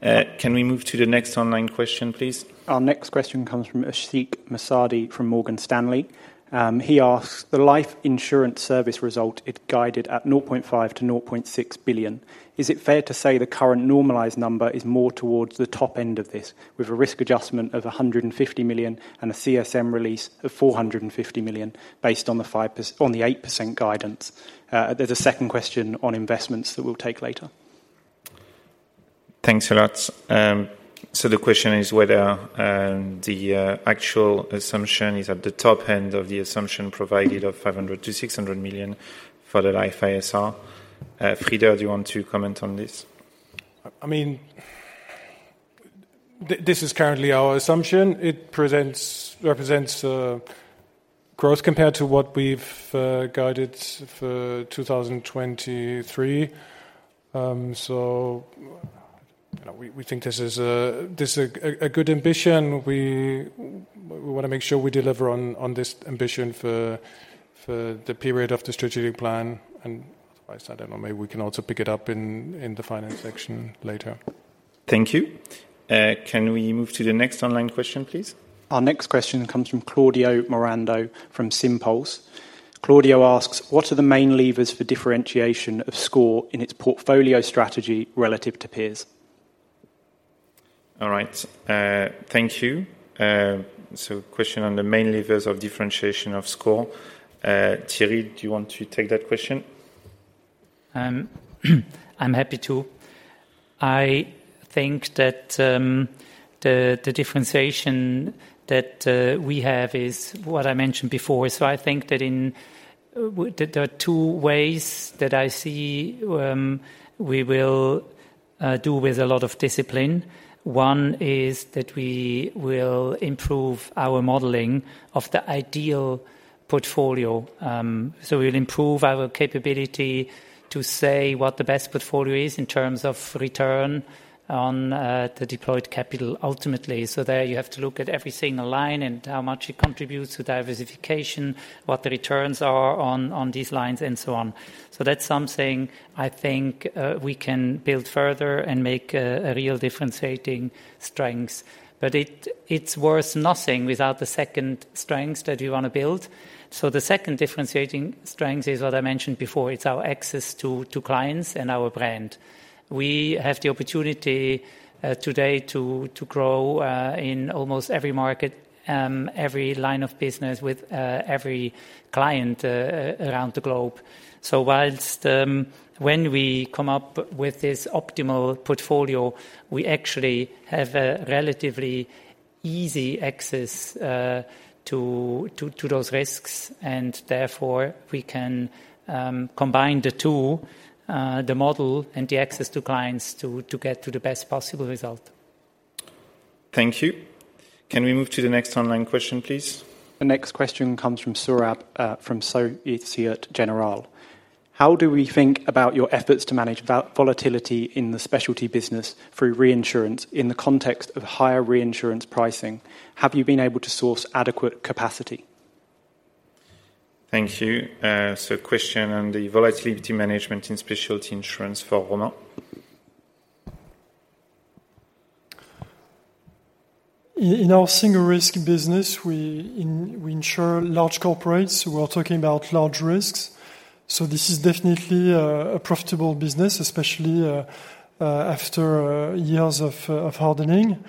Can we move to the next online question, please? Our next question comes from Ashik Musaddi from Morgan Stanley. He asks: The life insurance service result is guided at 0.5 billion-0.6 billion. Is it fair to say the current normalized number is more towards the top end of this, with a risk adjustment of 150 million and a CSM release of 450 million, based on the 5% on the 8% guidance? There's a second question on investments that we'll take later. Thanks a lot. So the question is whether the actual assumption is at the top end of the assumption provided of 500-600 million for the life ISR. Frieder, do you want to comment on this? I mean, this is currently our assumption. It represents growth compared to what we've guided for 2023. So, you know, we think this is a good ambition. We want to make sure we deliver on this ambition for the period of the strategic plan, and otherwise, I don't know, maybe we can also pick it up in the finance section later. Thank you. Can we move to the next online question, please? Our next question comes from Claudio Morando from Synpulse. Claudio asks: What are the main levers for differentiation of SCOR in its portfolio strategy relative to peers? All right, thank you. So question on the main levers of differentiation of SCOR. Thierry, do you want to take that question? I'm happy to. I think that the differentiation that we have is what I mentioned before. So I think that there are two ways that I see we will do with a lot of discipline. One is that we will improve our modeling of the ideal portfolio. So we'll improve our capability to say what the best portfolio is in terms of return on the deployed capital, ultimately. So there, you have to look at every single line and how much it contributes to diversification, what the returns are on these lines, and so on. So that's something I think we can build further and make a real differentiating strengths. But it's worth nothing without the second strengths that we want to build. So the second differentiating strengths is what I mentioned before, it's our access to clients and our brand. We have the opportunity today to grow in almost every market every line of business with every client around the globe. So whilst—when we come up with this optimal portfolio, we actually have a relatively easy access to those risks, and therefore, we can combine the two the model and the access to clients to get to the best possible result. Thank you. Can we move to the next online question, please? The next question comes from Sourabh from Société Générale. How do we think about your efforts to manage volatility in the specialty business through reinsurance in the context of higher reinsurance pricing? Have you been able to source adequate capacity? Thank you. So question on the volatility management in Specialty Insurance for Romain. In our single risk business, we insure large corporates. We are talking about large risks, so this is definitely a profitable business, especially after years of hardening.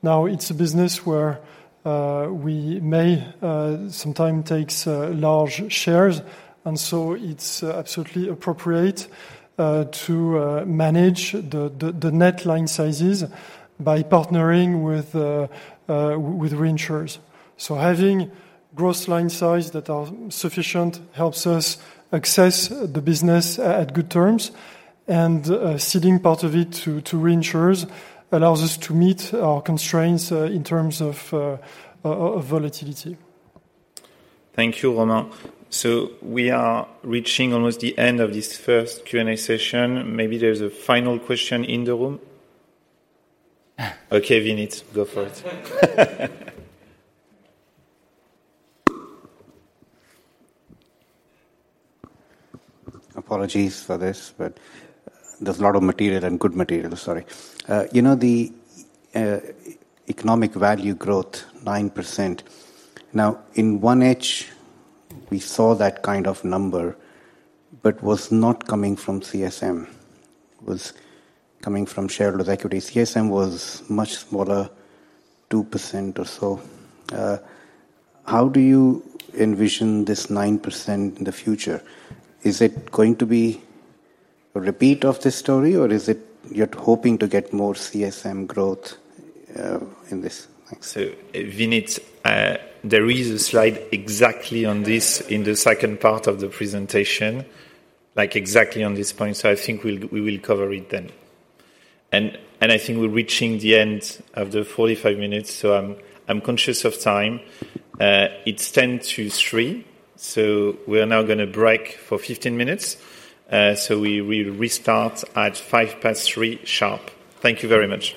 Now, it's a business where we may sometimes take large shares, and so it's absolutely appropriate to manage the net line sizes by partnering with reinsurers. So having gross line sizes that are sufficient helps us access the business at good terms, and ceding part of it to reinsurers allows us to meet our constraints in terms of volatility. Thank you, Romain. So we are reaching almost the end of this first Q&A session. Maybe there's a final question in the room? Okay, Vinit, go for it. Apologies for this, but there's a lot of material and good material. Sorry. You know, the economic value growth, 9%, now, in 1H, we saw that kind of number, but was not coming from CSM. It was coming from shareholder equity. CSM was much smaller, 2% or so. How do you envision this 9% in the future? Is it going to be a repeat of this story, or is it you're hoping to get more CSM growth in this? Thanks. So, Vinit, there is a slide exactly on this in the second part of the presentation, like exactly on this point, so I think we'll, we will cover it then. And I think we're reaching the end of the 45 minutes, so I'm conscious of time. It's 2:50 P.M., so we are now gonna break for 15 minutes. So we will restart at 3:05 P.M. sharp. Thank you very much.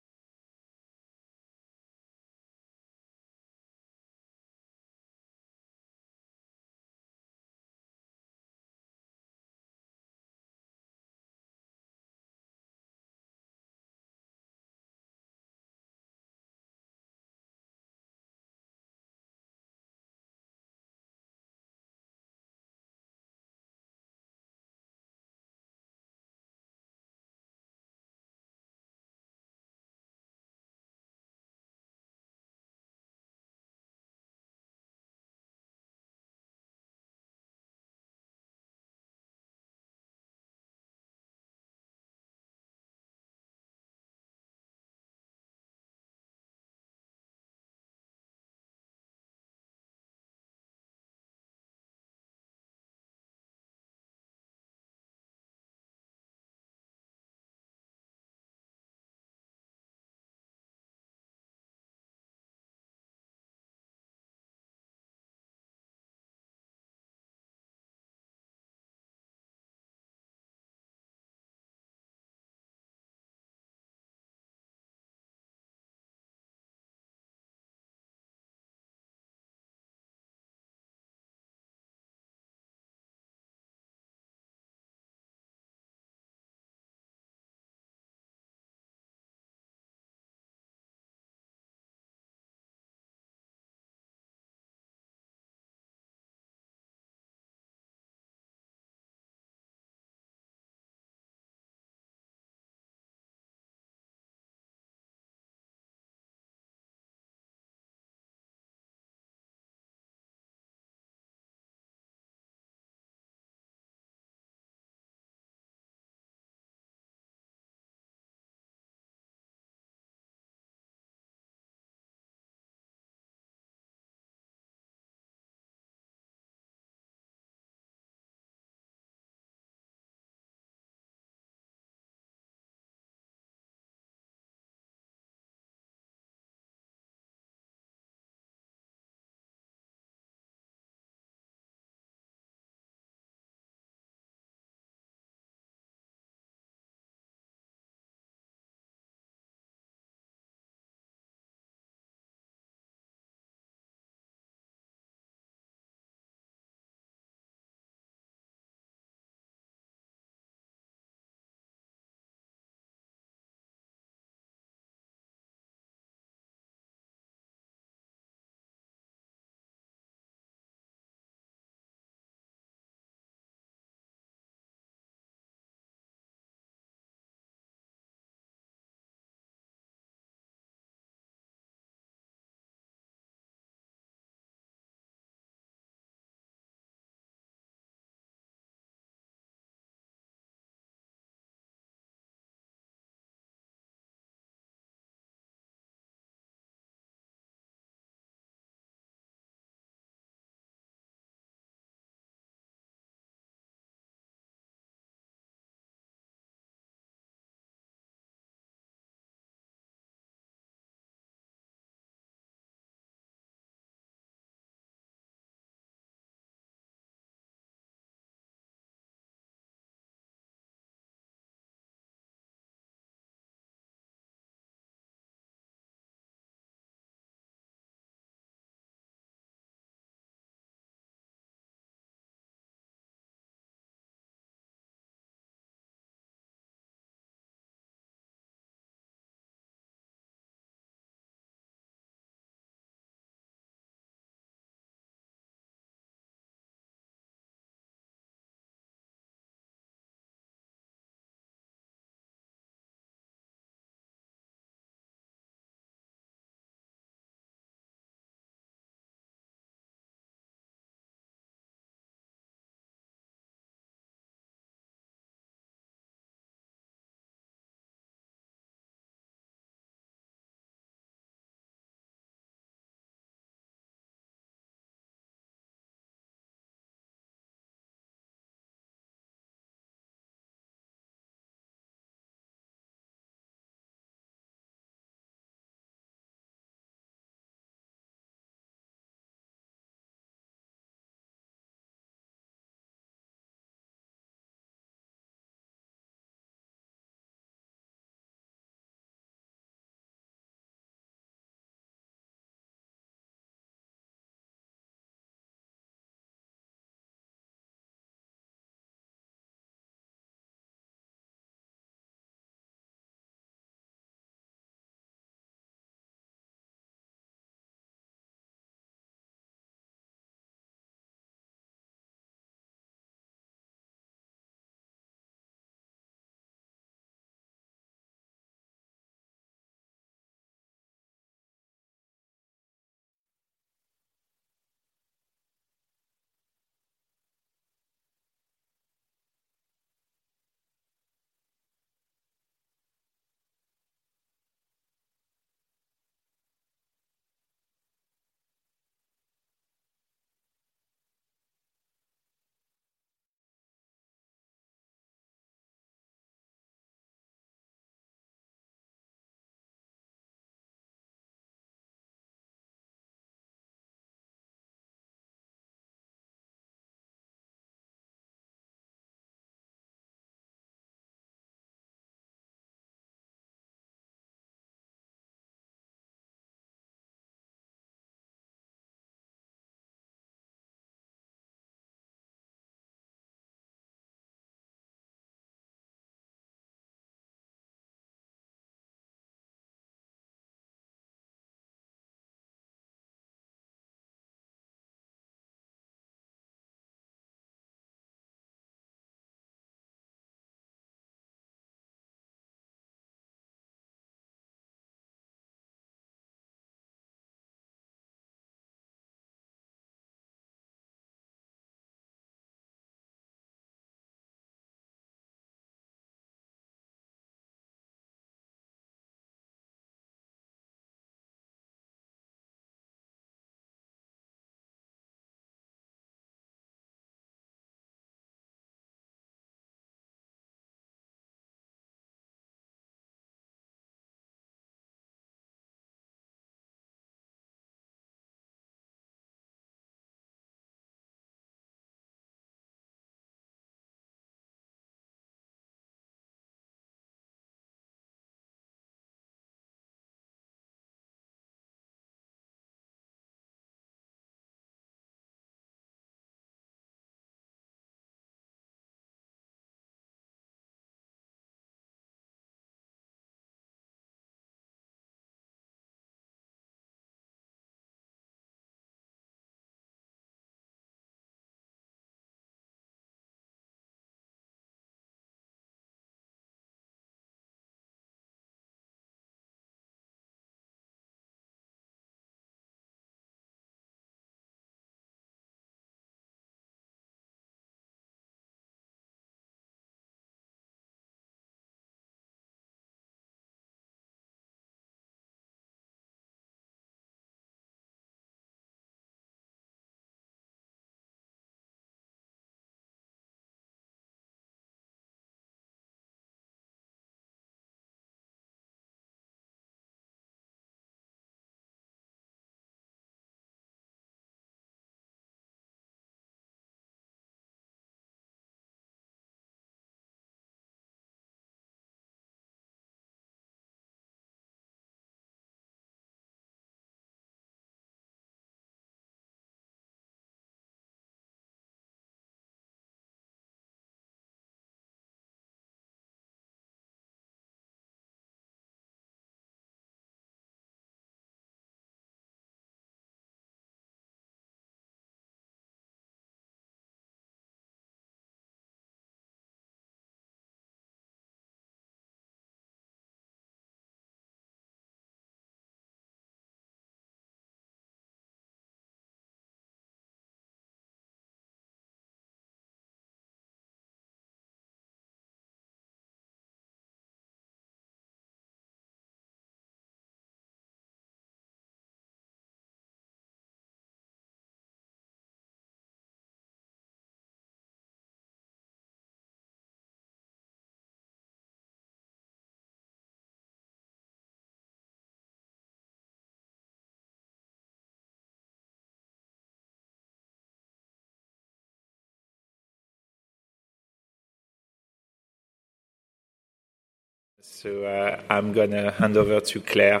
So, I'm gonna hand over to Claire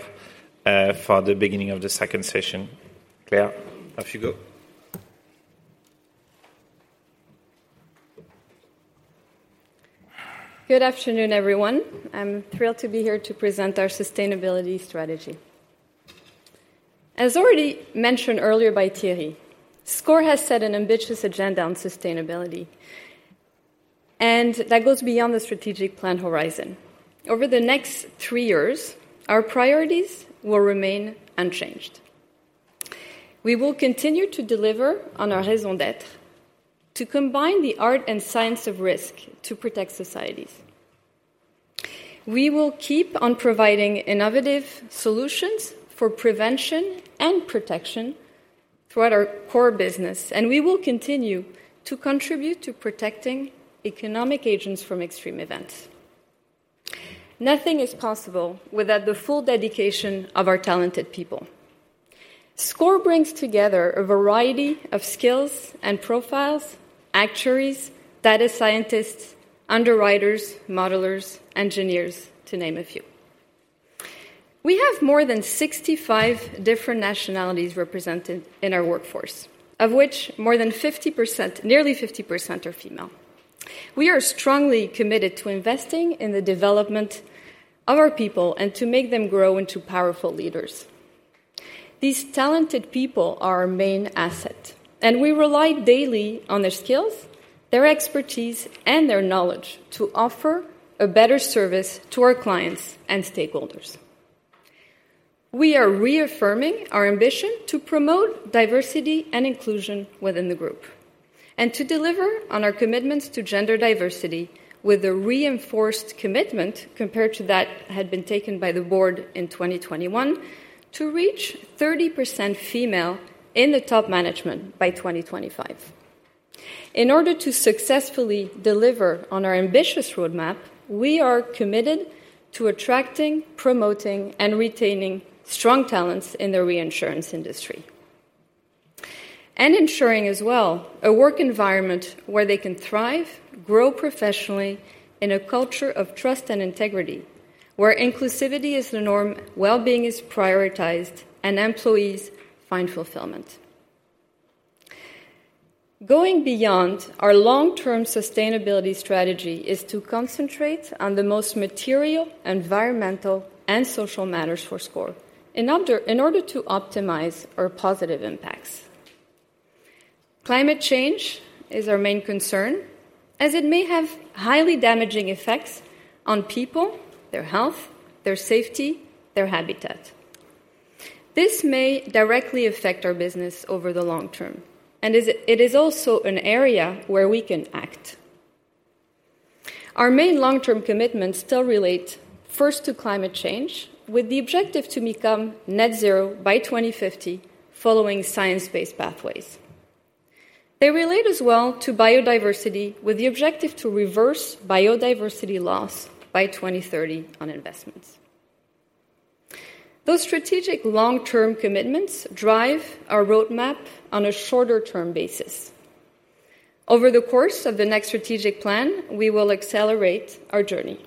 for the beginning of the second session. Claire, off you go. Good afternoon, everyone. I'm thrilled to be here to present our sustainability strategy. As already mentioned earlier by Thierry, SCOR has set an ambitious agenda on sustainability, and that goes beyond the strategic plan horizon. Over the next three years, our priorities will remain unchanged. We will continue to deliver on our raison d'être, to combine the art and science of risk to protect societies. We will keep on providing innovative solutions for prevention and protection throughout our core business, and we will continue to contribute to protecting economic agents from extreme events. Nothing is possible without the full dedication of our talented people. SCOR brings together a variety of skills and profiles: actuaries, data scientists, underwriters, modelers, engineers, to name a few. We have more than 65 different nationalities represented in our workforce, of which more than 50%, nearly 50% are female. We are strongly committed to investing in the development of our people and to make them grow into powerful leaders. These talented people are our main asset, and we rely daily on their skills, their expertise, and their knowledge to offer a better service to our clients and stakeholders. We are reaffirming our ambition to promote diversity and inclusion within the group, and to deliver on our commitments to gender diversity with a reinforced commitment compared to that had been taken by the board in 2021 to reach 30% female in the top management by 2025. In order to successfully deliver on our ambitious roadmap, we are committed to attracting, promoting, and retaining strong talents in the reinsurance industry, and ensuring as well a work environment where they can thrive, grow professionally in a culture of trust and integrity, where inclusivity is the norm, wellbeing is prioritized, and employees find fulfillment. Going beyond, our long-term sustainability strategy is to concentrate on the most material, environmental, and social matters for SCOR in order to optimize our positive impacts. Climate change is our main concern, as it may have highly damaging effects on people, their health, their safety, their habitat. This may directly affect our business over the long term, and it is also an area where we can act. Our main long-term commitments still relate first to climate change, with the objective to become net zero by 2050, following science-based pathways. They relate as well to biodiversity, with the objective to reverse biodiversity loss by 2030 on investments. Those strategic long-term commitments drive our roadmap on a shorter term basis. Over the course of the next strategic plan, we will accelerate our journey.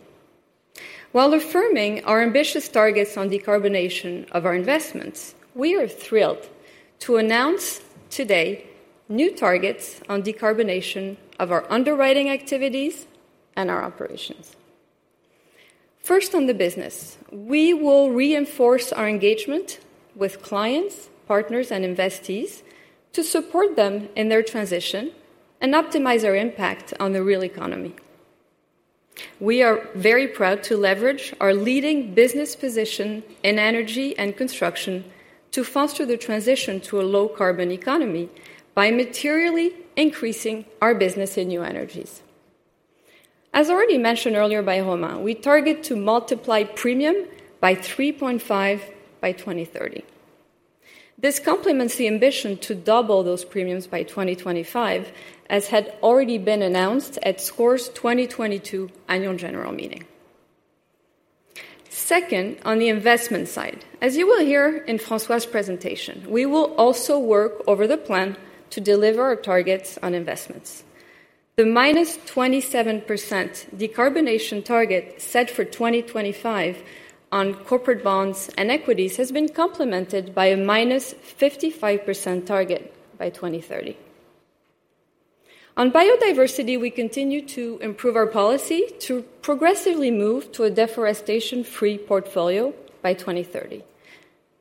While affirming our ambitious targets on decarbonation of our investments, we are thrilled to announce today new targets on decarbonation of our underwriting activities and our operations. First, on the business, we will reinforce our engagement with clients, partners, and investees to support them in their transition and optimize our impact on the real economy. We are very proud to leverage our leading business position in energy and construction to foster the transition to a low-carbon economy by materially increasing our business in new energies. As already mentioned earlier by Romain, we target to multiply premium by 3.5 by 2030. This complements the ambition to double those premiums by 2025, as had already been announced at SCOR's 2022 annual general meeting. Second, on the investment side, as you will hear in François' presentation, we will also work over the plan to deliver our targets on investments. The -27% decarbonation target set for 2025 on corporate bonds and equities has been complemented by a -55% target by 2030. On biodiversity, we continue to improve our policy to progressively move to a deforestation-free portfolio by 2030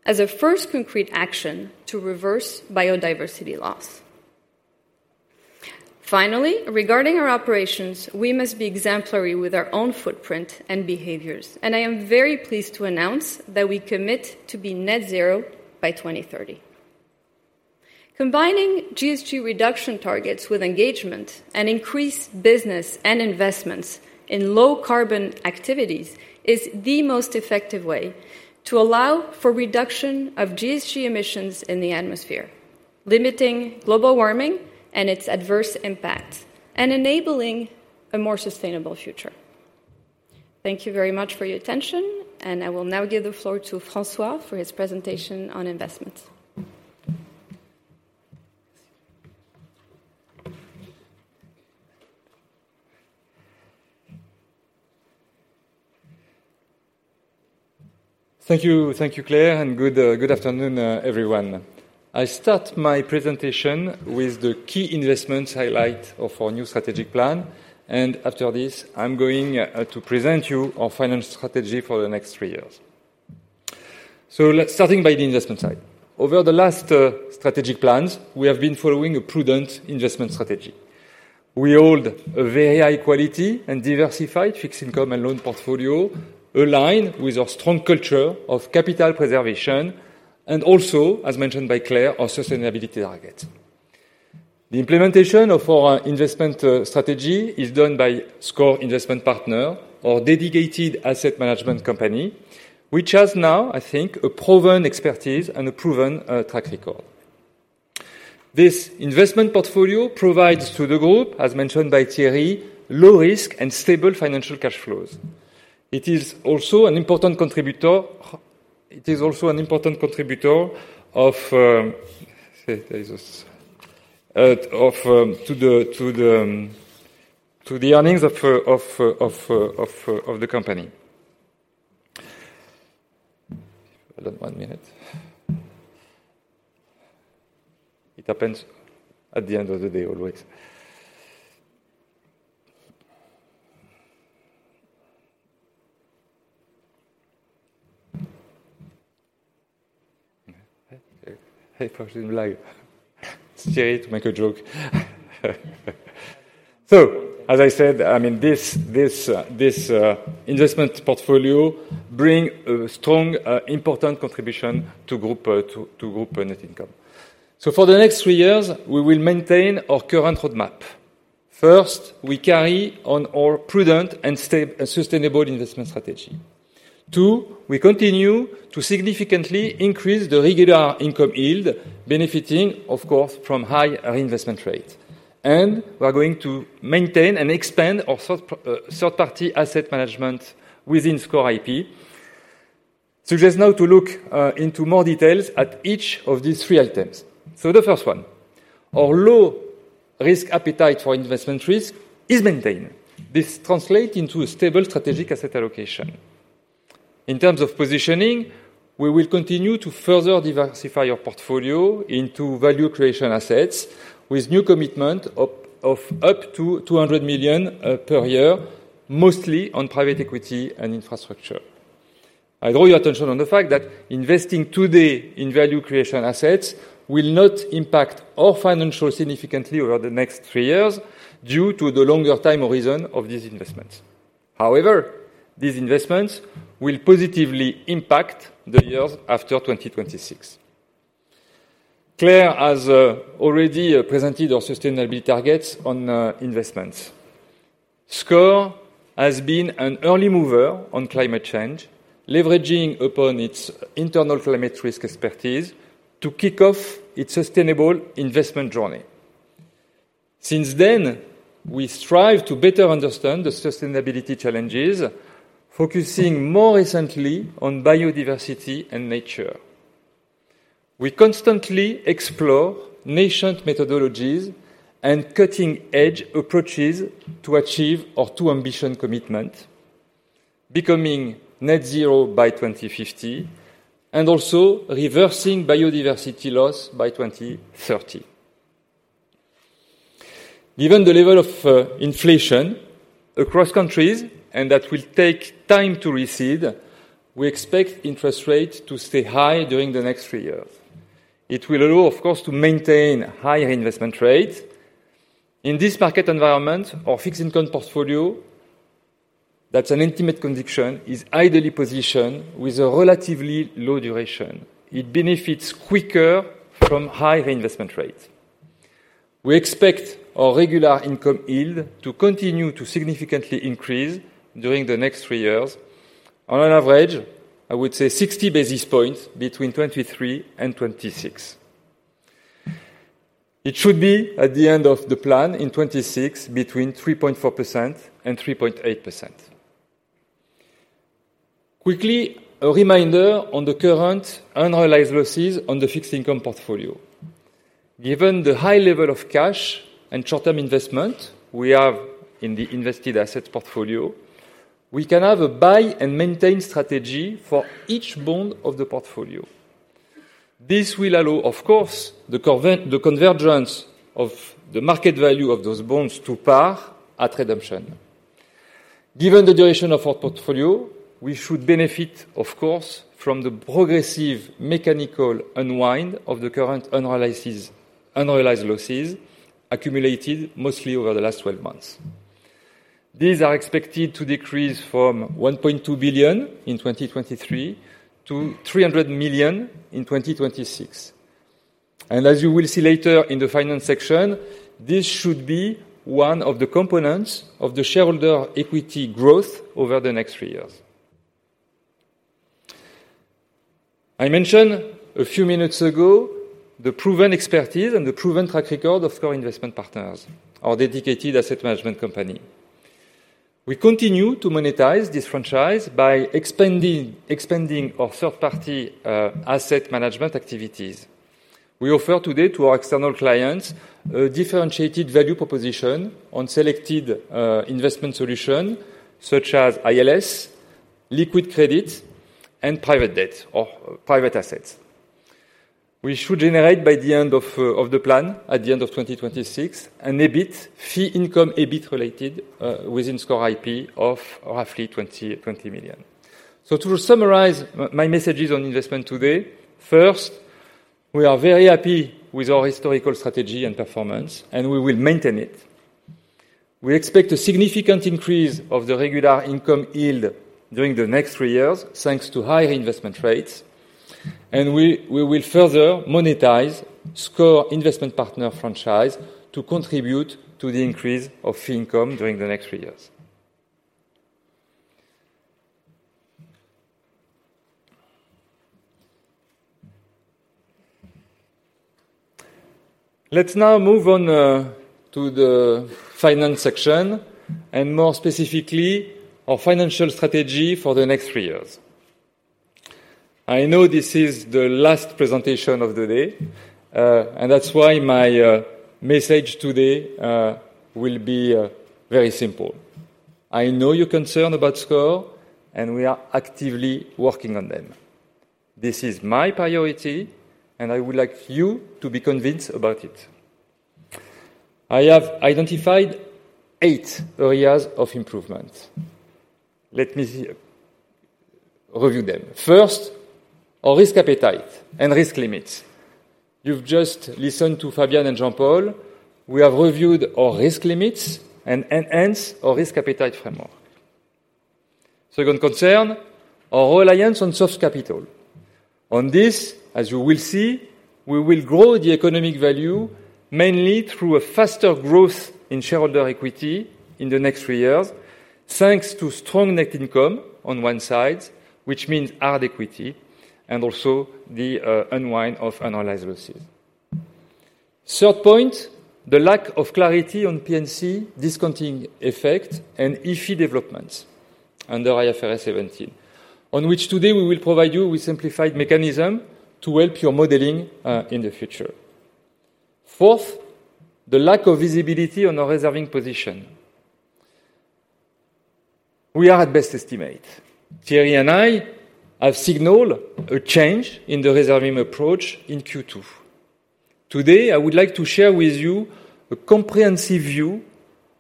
as a first concrete action to reverse biodiversity loss. Finally, regarding our operations, we must be exemplary with our own footprint and behaviors, and I am very pleased to announce that we commit to be net zero by 2030. Combining GHG reduction targets with engagement and increased business and investments in low-carbon activities is the most effective way to allow for reduction of GHG emissions in the atmosphere, limiting global warming and its adverse impact, and enabling a more sustainable future. Thank you very much for your attention, and I will now give the floor to François for his presentation on investment. Thank you. Thank you, Claire, and good, good afternoon, everyone. I start my presentation with the key investments highlight of our new strategic plan, and after this, I'm going, to present you our financial strategy for the next three years. So let's starting by the investment side. Over the last, strategic plans, we have been following a prudent investment strategy. We hold a very high quality and diversified fixed income and loan portfolio, aligned with our strong culture of capital preservation, and also, as mentioned by Claire, our sustainability targets. The implementation of our investment, strategy is done by SCOR Investment Partners, our dedicated asset management company, which has now, I think, a proven expertise and a proven, track record. This investment portfolio provides to the group, as mentioned by Thierry, low risk and stable financial cash flows. It is also an important contributor to the earnings of the company. Hold on one minute. It happens at the end of the day, always. I probably like Thierry to make a joke. So, as I said, I mean, this investment portfolio bring a strong, important contribution to group net income. So for the next three years, we will maintain our current roadmap. First, we carry on our prudent and sustainable investment strategy. Two, we continue to significantly increase the regular income yield, benefiting, of course, from high reinvestment rate. And we are going to maintain and expand our third-party asset management within SCOR IP. So let's now look into more details at each of these three items. So the first one, our low risk appetite for investment risk is maintained. This translate into a stable strategic asset allocation. In terms of positioning, we will continue to further diversify our portfolio into value creation assets, with new commitment of up to 200 million per year, mostly on private equity and infrastructure. I draw your attention on the fact that investing today in value creation assets will not impact our financial significantly over the next three years due to the longer time horizon of these investments. However, these investments will positively impact the years after 2026. Claire has already presented our sustainability targets on investments. SCOR has been an early mover on climate change, leveraging upon its internal climate risk expertise to kick off its sustainable investment journey. Since then, we strive to better understand the sustainability challenges, focusing more recently on biodiversity and nature. We constantly explore nascent methodologies and cutting-edge approaches to achieve our two ambition commitment: becoming Net-Zero by 2050, and also reversing biodiversity loss by 2030. Given the level of inflation across countries, and that will take time to recede, we expect interest rates to stay high during the next three years. It will allow, of course, to maintain high reinvestment rates. In this market environment, our fixed income portfolio, that's an intimate conviction, is ideally positioned with a relatively low duration. It benefits quicker from high reinvestment rates. We expect our regular income yield to continue to significantly increase during the next three years. On an average, I would say 60 basis points between 2023 and 2026. It should be at the end of the plan in 2026, between 3.4% and 3.8%. Quickly, a reminder on the current unrealized losses on the fixed income portfolio. Given the high level of cash and short-term investment we have in the invested assets portfolio, we can have a buy and maintain strategy for each bond of the portfolio. This will allow, of course, the convergence of the market value of those bonds to par at redemption. Given the duration of our portfolio, we should benefit, of course, from the progressive mechanical unwind of the current unrealized losses accumulated mostly over the last 12 months. These are expected to decrease from 1.2 billion in 2023 to 300 million in 2026. As you will see later in the finance section, this should be one of the components of the shareholder equity growth over the next three years. I mentioned a few minutes ago, the proven expertise and the proven track record of SCOR Investment Partners, our dedicated asset management company. We continue to monetize this franchise by expanding, expanding our third-party asset management activities. We offer today to our external clients a differentiated value proposition on selected investment solution, such as ILS, liquid credit, and private debt or private assets. We should generate by the end of the plan, at the end of 2026, an EBIT, fee income EBIT-related, within SCOR IP of roughly 20 million. So to summarize my messages on investment today, first, we are very happy with our historical strategy and performance, and we will maintain it. We expect a significant increase of the regular income yield during the next three years, thanks to higher investment rates, and we will further monetize SCOR Investment Partners franchise to contribute to the increase of fee income during the next three years. Let's now move on to the finance section, and more specifically, our financial strategy for the next three years. I know this is the last presentation of the day, and that's why my message today will be very simple. I know you're concerned about SCOR, and we are actively working on them. This is my priority, and I would like you to be convinced about it. I have identified eight areas of improvement. Let me review them. First, our risk appetite and risk limits. You've just listened to Fabian and Jean-Paul. We have reviewed our risk limits and enhanced our risk appetite framework. Second concern, our reliance on soft capital. On this, as you will see, we will grow the economic value, mainly through a faster growth in shareholder equity in the next three years, thanks to strong net income on one side, which means hard equity, and also the unwind of unrealized losses. Third point, the lack of clarity on P&C discounting effect and IFI developments under IFRS 17, on which today we will provide you with simplified mechanism to help your modeling in the future. Fourth, the lack of visibility on our reserving position. We are at best estimate. Thierry and I have signaled a change in the reserving approach in Q2. Today, I would like to share with you a comprehensive view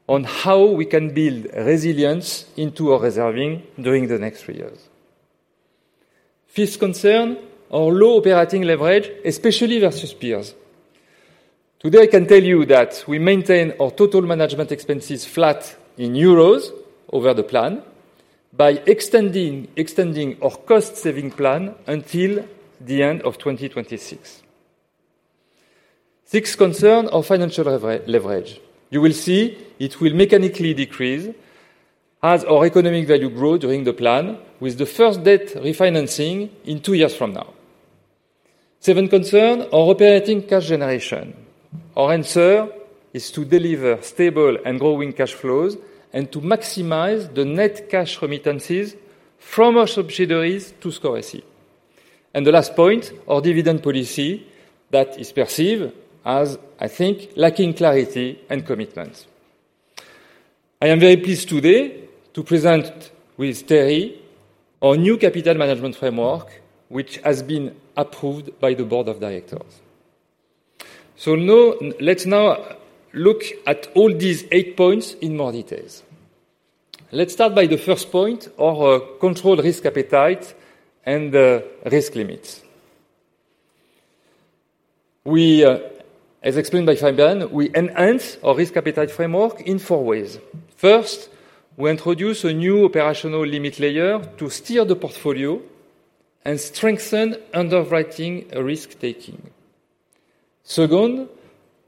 on how we can build resilience into our reserving during the next three years. Fifth concern, our low operating leverage, especially versus peers. Today, I can tell you that we maintain our total management expenses flat in EUR over the plan by extending our cost-saving plan until the end of 2026. Sixth concern, our financial leverage. You will see it will mechanically decrease as our economic value grow during the plan, with the first debt refinancing in two years from now. Seventh concern, our operating cash generation. Our answer is to deliver stable and growing cash flows and to maximize the net cash remittances from our subsidiaries to SCOR SE. And the last point, our dividend policy, that is perceived as, I think, lacking clarity and commitment. I am very pleased today to present with Thierry our new capital management framework, which has been approved by the board of directors. So now, let's now look at all these eight points in more details. Let's start by the first point, our controlled risk appetite and risk limits. We as explained by Fabian, we enhance our risk appetite framework in four ways. First, we introduce a new operational limit layer to steer the portfolio and strengthen underwriting risk-taking. Second,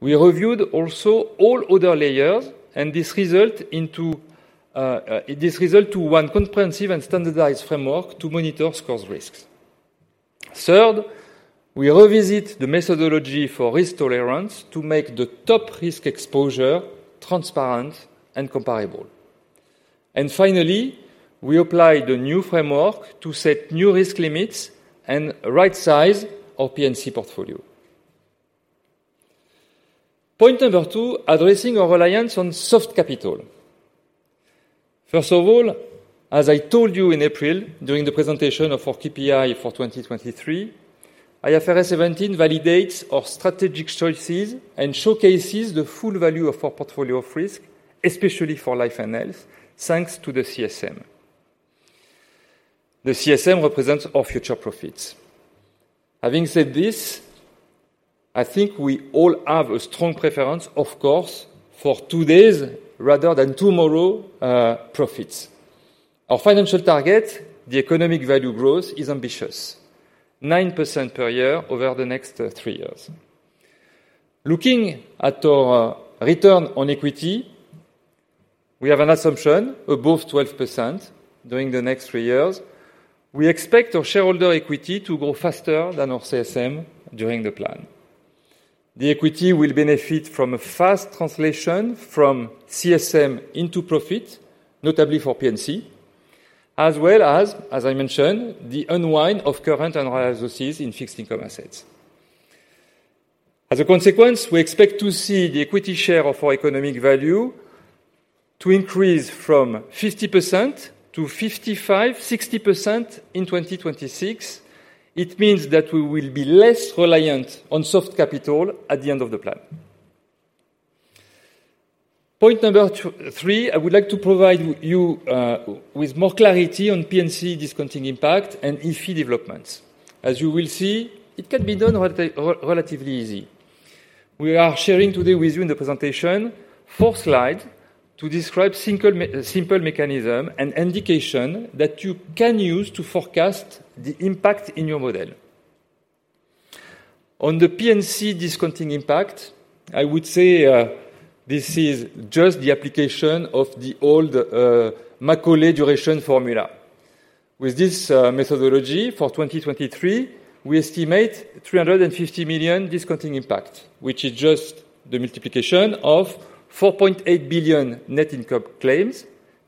we reviewed also all other layers, and this result into this result to one comprehensive and standardized framework to monitor SCOR's risks. Third, we revisit the methodology for risk tolerance to make the top risk exposure transparent and comparable. And finally, we apply the new framework to set new risk limits and rightsize our P&C portfolio. Point number two, addressing our reliance on soft capital. First of all, as I told you in April during the presentation of our KPI for 2023, IFRS 17 validates our strategic choices and showcases the full value of our portfolio of risk, especially for Life & Health, thanks to the CSM. The CSM represents our future profits. Having said this, I think we all have a strong preference, of course, for today's rather than tomorrow, profits. Our financial target, the economic value growth, is ambitious, 9% per year over the next three years. Looking at our return on equity, we have an assumption above 12% during the next three years. We expect our shareholder equity to grow faster than our CSM during the plan. The equity will benefit from a fast translation from CSM into profit, notably for P&C. As well as, as I mentioned, the unwind of current and resources in fixed income assets. As a consequence, we expect to see the equity share of our economic value to increase from 50% to 55%-60% in 2026. It means that we will be less reliant on soft capital at the end of the plan. Point number three, I would like to provide you with more clarity on P&C discounting impact and IFI developments. As you will see, it can be done relatively easy. We are sharing today with you in the presentation four slides to describe simple mechanism and indication that you can use to forecast the impact in your model. On the P&C discounting impact, I would say, this is just the application of the old Macaulay duration formula. With this methodology, for 2023, we estimate 350 million discounting impact, which is just the multiplication of 4.8 billion net income claims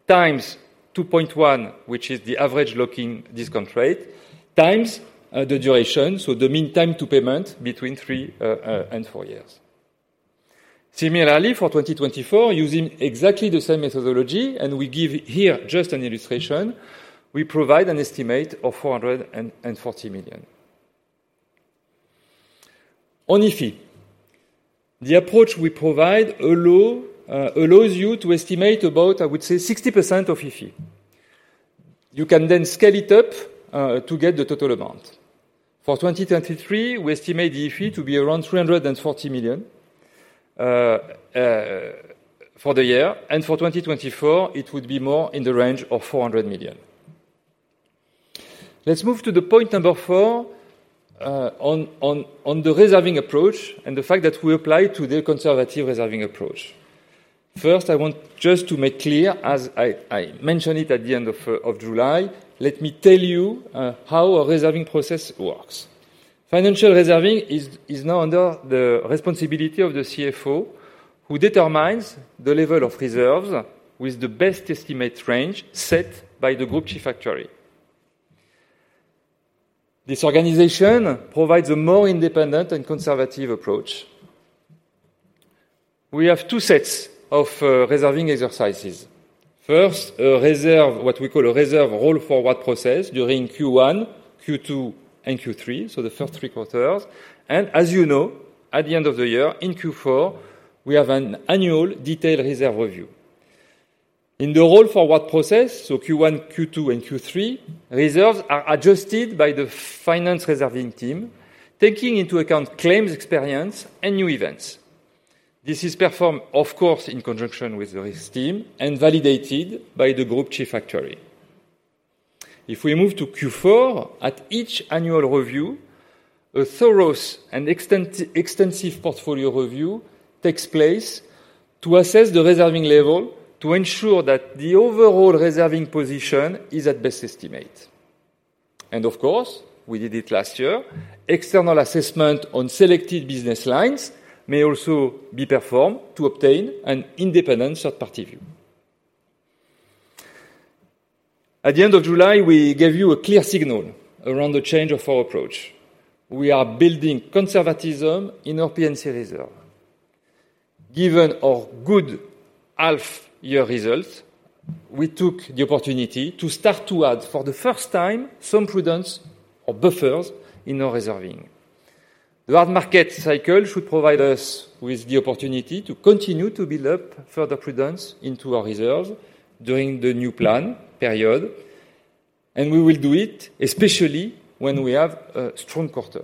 times 2.1, which is the average lock-in discount rate, times the duration, so the mean time to payment between three and years. Similarly, for 2024, using exactly the same methodology, and we give here just an illustration, we provide an estimate of 440 million. On IFI, the approach we provide allows you to estimate about, I would say, 60% of IFI. You can then scale it up to get the total amount. For 2023, we estimate the IFI to be around 340 million for the year, and for 2024, it would be more in the range of 400 million. Let's move to point number four, on the reserving approach and the fact that we apply to the conservative reserving approach. First, I want just to make clear, as I mentioned it at the end of July, let me tell you how our reserving process works. Financial reserving is now under the responsibility of the CFO, who determines the level of reserves with the best estimate range set by the group chief actuary. This organization provides a more independent and conservative approach. We have two sets of reserving exercises. First, a reserve, what we call a reserve roll-forward process during Q1, Q2, and Q3, so the first three quarters. As you know, at the end of the year, in Q4, we have an annual detailed reserve review. In the roll-forward process, so Q1, Q2, and Q3, reserves are adjusted by the finance reserving team, taking into account claims, experience, and new events. This is performed, of course, in conjunction with the risk team and validated by the group chief actuary. If we move to Q4, at each annual review, a thorough and extensive portfolio review takes place to assess the reserving level, to ensure that the overall reserving position is at best estimate. Of course, we did it last year; external assessment on selected business lines may also be performed to obtain an independent third-party view. At the end of July, we gave you a clear signal around the change of our approach. We are building conservatism in our P&C reserve. Given our good half-year results, we took the opportunity to start to add, for the first time, some prudence or buffers in our reserving. The hard market cycle should provide us with the opportunity to continue to build up further prudence into our reserve during the new plan period, and we will do it especially when we have a strong quarter.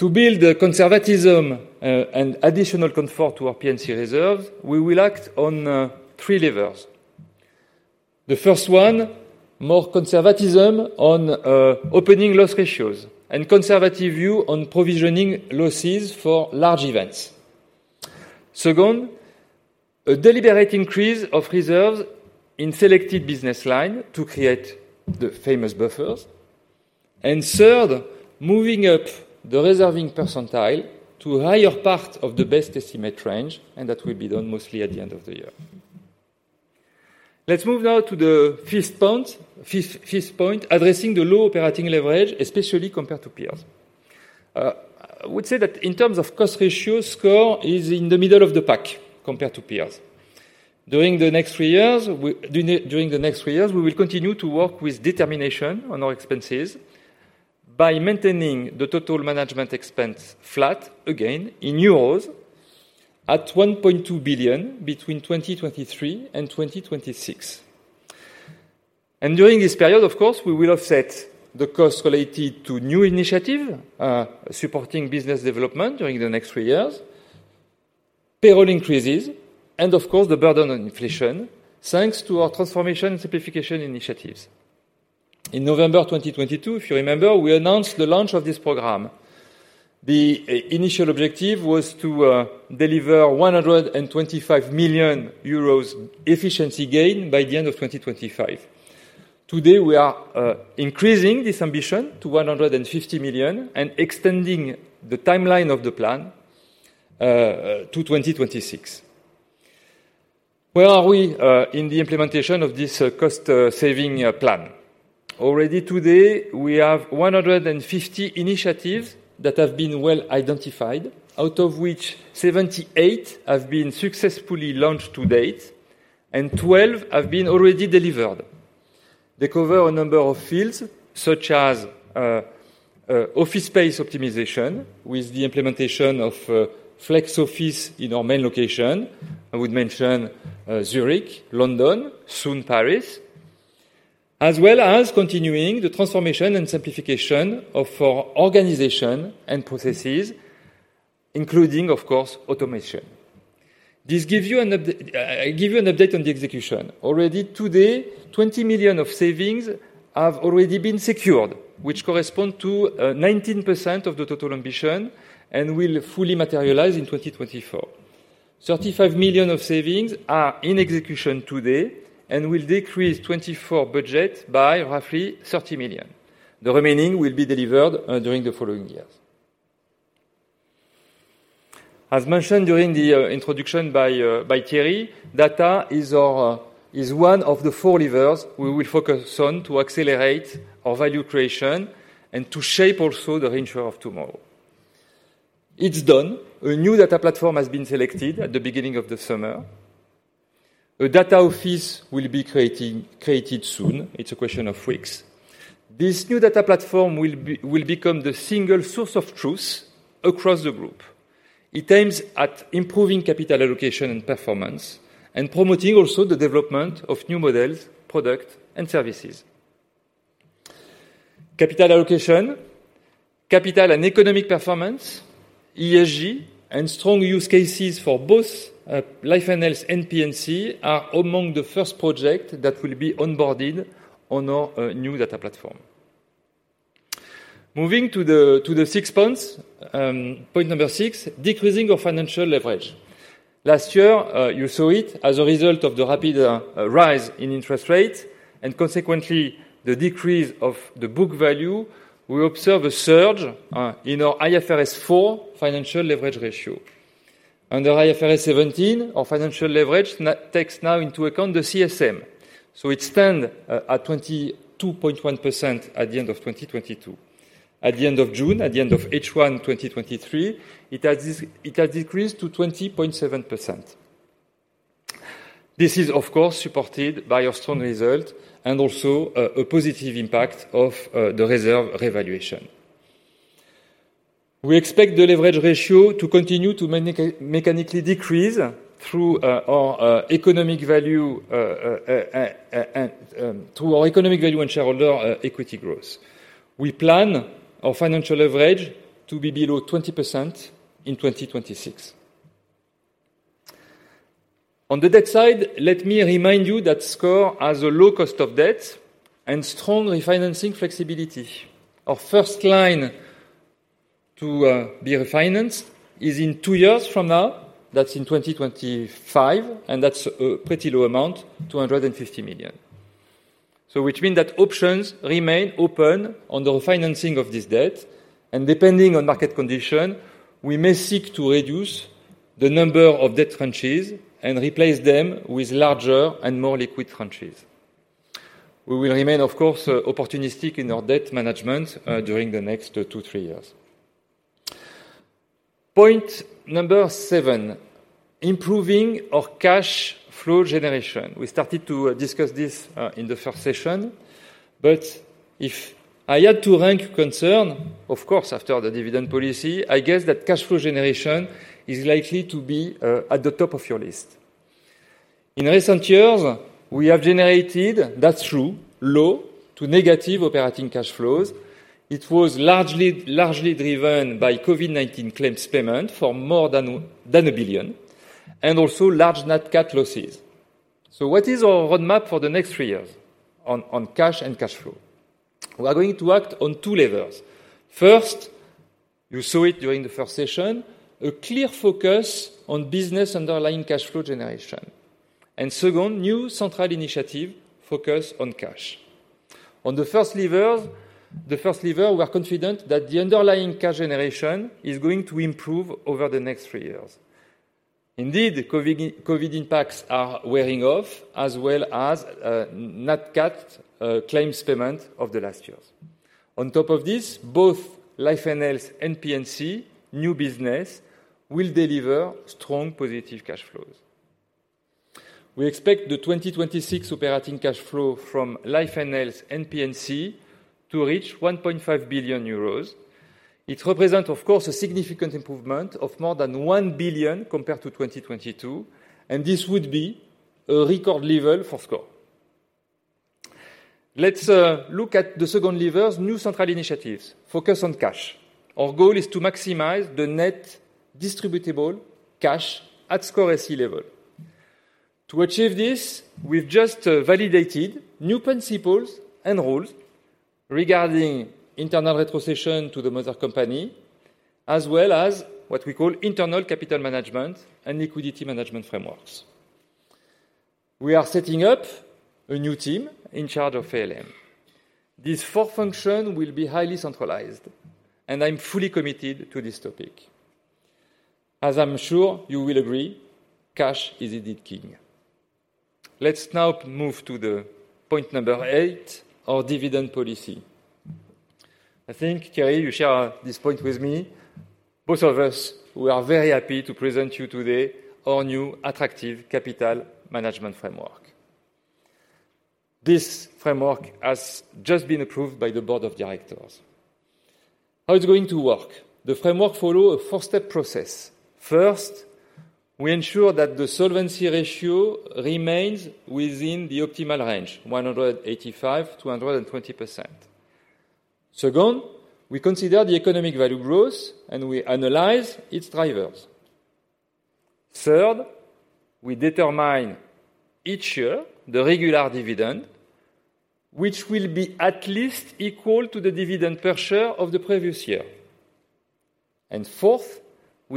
To build the conservatism and additional comfort to our P&C reserves, we will act on three levers. The first one, more conservatism on opening loss ratios and conservative view on provisioning losses for large events. Second, a deliberate increase of reserves in selected business line to create the famous buffers. Third, moving up the reserving percentile to a higher part of the best estimate range, and that will be done mostly at the end of the year. Let's move now to the fifth point, addressing the low operating leverage, especially compared to peers. I would say that in terms of cost ratio, SCOR is in the middle of the pack compared to peers. During the next three years, we will continue to work with determination on our expenses by maintaining the total management expense flat again in 1.2 billion euros between 2023 and 2026. And during this period, of course, we will offset the cost related to new initiative supporting business development during the next three years, payroll increases, and of course, the burden on inflation, thanks to our transformation and simplification initiatives. In November 2022, if you remember, we announced the launch of this program. The initial objective was to deliver 125 million euros efficiency gain by the end of 2025. Today, we are increasing this ambition to 150 million and extending the timeline of the plan to 2026. Where are we in the implementation of this cost-saving plan? Already today, we have 150 initiatives that have been well identified, out of which 78 have been successfully launched to date and 12 have been already delivered. They cover a number of fields, such as office space optimization, with the implementation of flex-office in our main location. I would mention Zurich, London, soon Paris, as well as continuing the transformation and simplification of our organization and processes, including, of course, automation. I give you an update on the execution. Already today, 20 million of savings have already been secured, which correspond to 19% of the total ambition and will fully materialize in 2024. 35 million of savings are in execution today and will decrease 2024 budget by roughly 30 million. The remaining will be delivered during the following years. As mentioned during the introduction by Thierry, data is one of the four levers we will focus on to accelerate our value creation and to shape also the insurer of tomorrow. It's done. A new data platform has been selected at the beginning of the summer. A data office will be created soon. It's a question of weeks. This new data platform will become the single source of truth across the group. It aims at improving capital allocation and performance, and promoting also the development of new models, product, and services. Capital allocation, capital and economic performance, ESG, and strong use cases for both, Life & Health and P&C are among the first project that will be onboarded on our new data platform. Moving to the six points, point number six: decreasing our financial leverage. Last year, you saw it as a result of the rapid rise in interest rates and consequently, the decrease of the book value, we observe a surge in our IFRS 4 financial leverage ratio. Under IFRS 17, our financial leverage now takes into account the CSM, so it stands at 22.1% at the end of 2022. At the end of June, at the end of H1 2023, it has decreased to 20.7%. This is, of course, supported by a strong result and also a positive impact of the reserve revaluation. We expect the leverage ratio to continue to mechanically decrease through our economic value and shareholder equity growth. We plan our financial leverage to be below 20% in 2026. On the debt side, let me remind you that SCOR has a low cost of debt and strong refinancing flexibility. Our first line to be refinanced is in two years from now. That's in 2025, and that's a pretty low amount, 250 million. So which mean that options remain open on the refinancing of this debt, and depending on market condition, we may seek to reduce the number of debt tranches and replace them with larger and more liquid tranches. We will remain, of course, opportunistic in our debt management during the next two, three years. Point number seven: improving our cash flow generation. We started to discuss this in the first session, but if I had to rank concern, of course, after the dividend policy, I guess that cash flow generation is likely to be at the top of your list. In recent years, we have generated, that's true, low to negative operating cash flows. It was largely driven by COVID-19 claims payment for more than 1 billion, and also large Nat Cat losses. So what is our roadmap for the next three years on cash and cash flow? We are going to act on two levers. First, you saw it during the first session, a clear focus on business underlying cash flow generation. And second, new central initiative focus on cash. On the first lever, we are confident that the underlying cash generation is going to improve over the next three years. Indeed, COVID impacts are wearing off, as well as Nat Cat claims payment of the last years. On top of this, both Life & Health and P&C new business will deliver strong positive cash flows. We expect the 2026 operating cash flow from Life & Health and P&C to reach 1.5 billion euros. It represents, of course, a significant improvement of more than 1 billion compared to 2022, and this would be a record level for SCOR. Let's look at the second lever's new central initiatives, focus on cash. Our goal is to maximize the net distributable cash at SCOR SE level. To achieve this, we've just validated new principles and rules regarding internal retrocession to the mother company, as well as what we call internal capital management and liquidity management frameworks. We are setting up a new team in charge of ALM. This core function will be highly centralized, and I'm fully committed to this topic. As I'm sure you will agree, cash is indeed king. Let's now move to point number eight, our dividend policy. I think, Thierry, you share this point with me. Both of us, we are very happy to present you today our new attractive capital management framework. This framework has just been approved by the board of directors. How it's going to work? The framework follow a four-step process. First, we ensure that the solvency ratio remains within the optimal range, 185%-220%. Second, we consider the economic value growth, and we analyze its drivers. Third, we determine each year the regular dividend, which will be at least equal to the dividend per share of the previous year. And fourth, we determine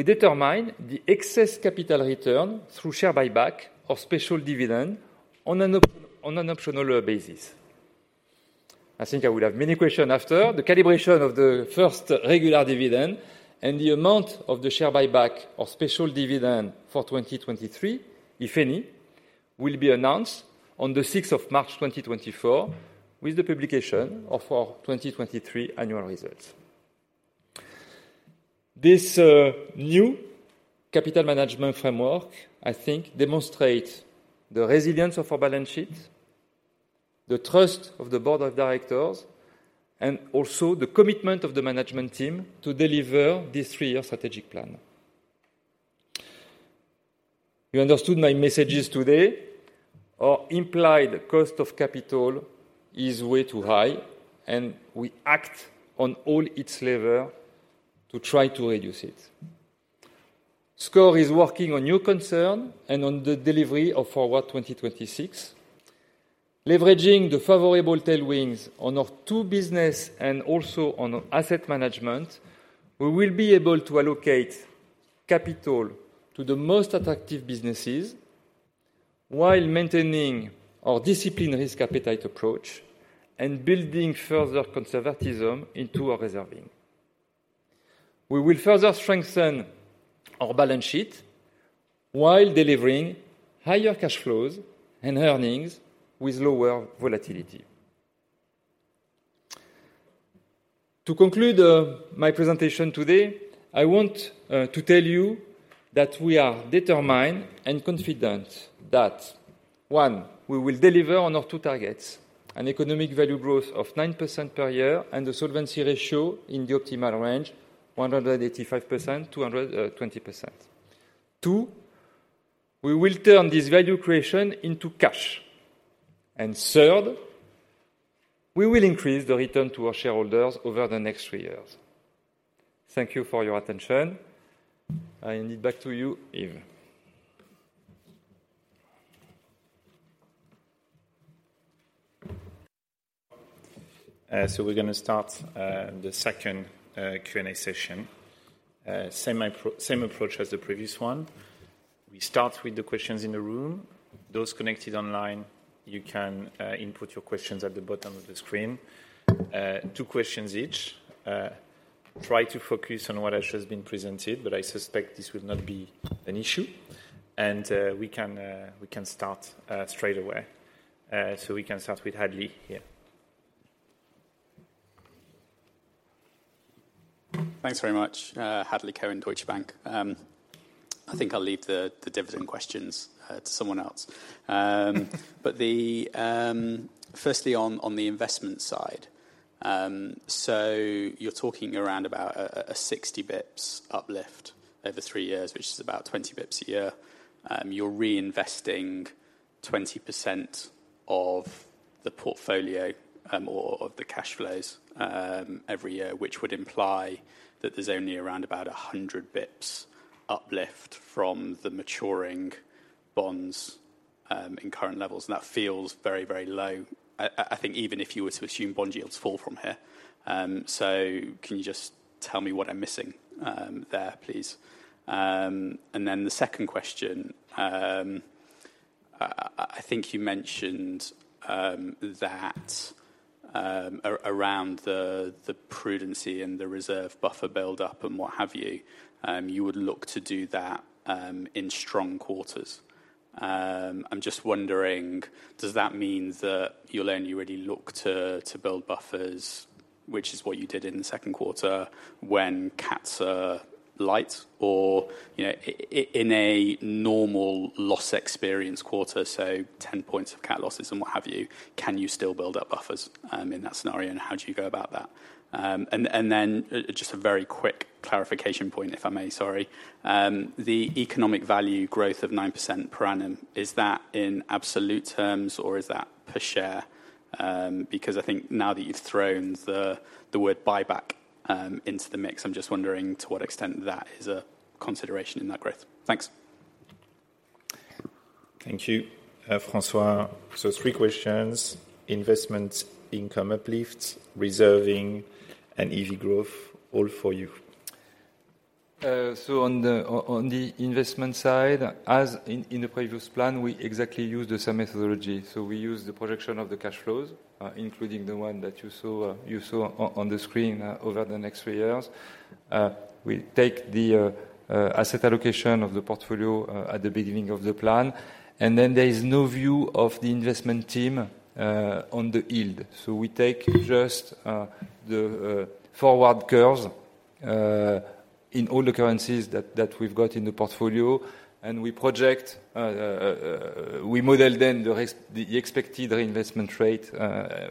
the excess capital return through share buyback or special dividend on an optional basis. I think I will have many question after. The calibration of the first regular dividend and the amount of the share buyback or special dividend for 2023, if any, will be announced on the 6th of March, 2024, with the publication of our 2023 annual results. This, new capital management framework, I think, demonstrate the resilience of our balance sheet, the trust of the board of directors, and also the commitment of the management team to deliver this three-year strategic plan. You understood my messages today. Our implied cost of capital is way too high, and we act on all its lever to try to reduce it. SCOR is working on your concern and on the delivery of Forward 2026. Leveraging the favorable tailwinds on our two business and also on asset management, we will be able to allocate capital to the most attractive businesses while maintaining our discipline risk appetite approach and building further conservatism into our reserving. We will further strengthen our balance sheet while delivering higher cash flows and earnings with lower volatility. To conclude my presentation today, I want to tell you that we are determined and confident that, one, we will deliver on our two targets: an economic value growth of 9% per year and a solvency ratio in the optimal range, 185%-220%. Two, we will turn this value creation into cash. And third, we will increase the return to our shareholders over the next three years. Thank you for your attention. I hand it back to you, Yves. So we're gonna start the second Q&A session. Same approach as the previous one. We start with the questions in the room. Those connected online, you can input your questions at the bottom of the screen. Two questions each. Try to focus on what else has been presented, but I suspect this will not be an issue. And we can start straight away. So we can start with Hadley here. Thanks very much. Hadley Cohen, Deutsche Bank. I think I'll leave the dividend questions to someone else. But firstly, on the investment side, so you're talking around about a 60 bips uplift over three years, which is about 20 bips a year. You're reinvesting 20% of the portfolio or of the cash flows every year, which would imply that there's only around about a 100 bips uplift from the maturing bonds in current levels, and that feels very, very low. I think even if you were to assume bond yields fall from here. So can you just tell me what I'm missing there, please? And then the second question. I think you mentioned that around the prudence and the reserve buffer build-up, and what have you, you would look to do that in strong quarters. I'm just wondering, does that mean that you'll only really look to build buffers, which is what you did in the second quarter, when cats are light or, you know, in a normal loss experience quarter, so 10 points of cat losses and what have you, can you still build up buffers in that scenario, and how do you go about that? And then just a very quick clarification point, if I may, sorry. The economic value growth of 9% per annum, is that in absolute terms, or is that per share? Because I think now that you've thrown the word "buyback," into the mix, I'm just wondering to what extent that is a consideration in that growth. Thanks. Thank you. François, so three questions: investment, income uplift, reserving, and EV growth, all for you. So on the investment side, as in the previous plan, we exactly use the same methodology. So we use the projection of the cash flows, including the one that you saw on the screen, over the next three years. We take the asset allocation of the portfolio at the beginning of the plan, and then there is no view of the investment team on the yield. So we take just the forward curves in all the currencies that we've got in the portfolio, and we project, we model then the expected reinvestment rate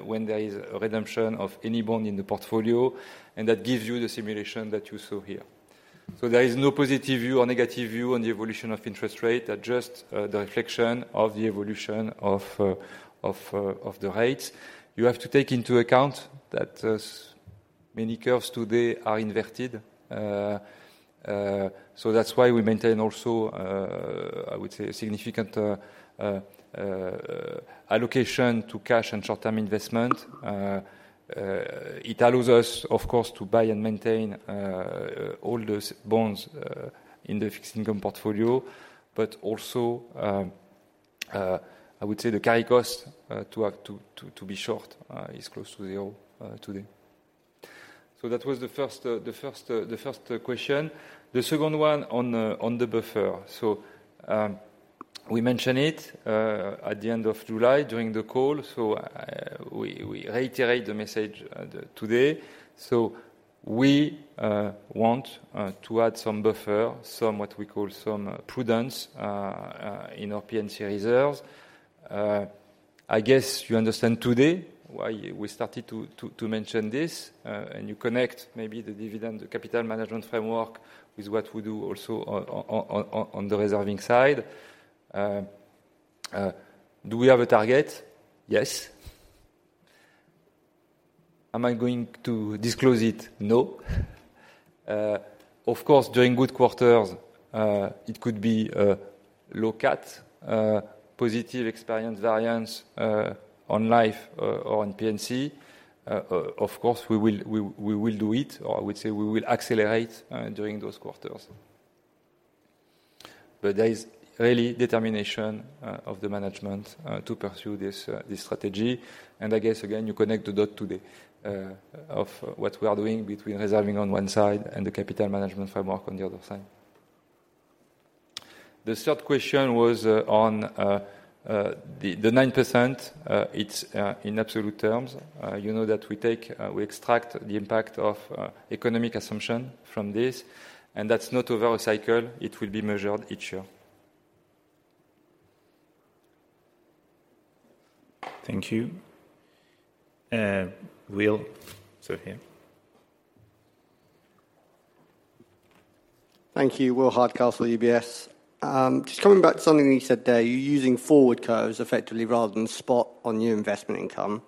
when there is a redemption of any bond in the portfolio, and that gives you the simulation that you saw here. So there is no positive view or negative view on the evolution of interest rate, that's just the reflection of the evolution of the rates. You have to take into account that many curves today are inverted. So that's why we maintain also, I would say, a significant allocation to cash and short-term investment. It allows us, of course, to buy and maintain all those bonds in the fixed income portfolio, but also, I would say, the carry cost to have to be short is close to zero today. So that was the first question. The second one on the buffer. We mention it at the end of July during the call, so we reiterate the message today. So we want to add some buffer, some what we call some prudence in our P&C reserves. I guess you understand today why we started to mention this, and you connect maybe the dividend, the capital management framework with what we do also on the reserving side. Do we have a target? Yes. Am I going to disclose it? No. Of course, during good quarters, it could be low cat, positive experience variance on life or on P&C. Of course, we will do it, or I would say we will accelerate during those quarters. But there is really determination of the management to pursue this this strategy. And I guess, again, you connect the dot to the of what we are doing between reserving on one side and the capital management framework on the other side. The third question was on the the 9%, it's in absolute terms. You know that we take we extract the impact of economic assumption from this, and that's not over a cycle, it will be measured each year. Thank you. Will. So here. Thank you. Will Hardcastle, UBS. Just coming back to something you said there, you're using forward curves effectively rather than spot on new investment income.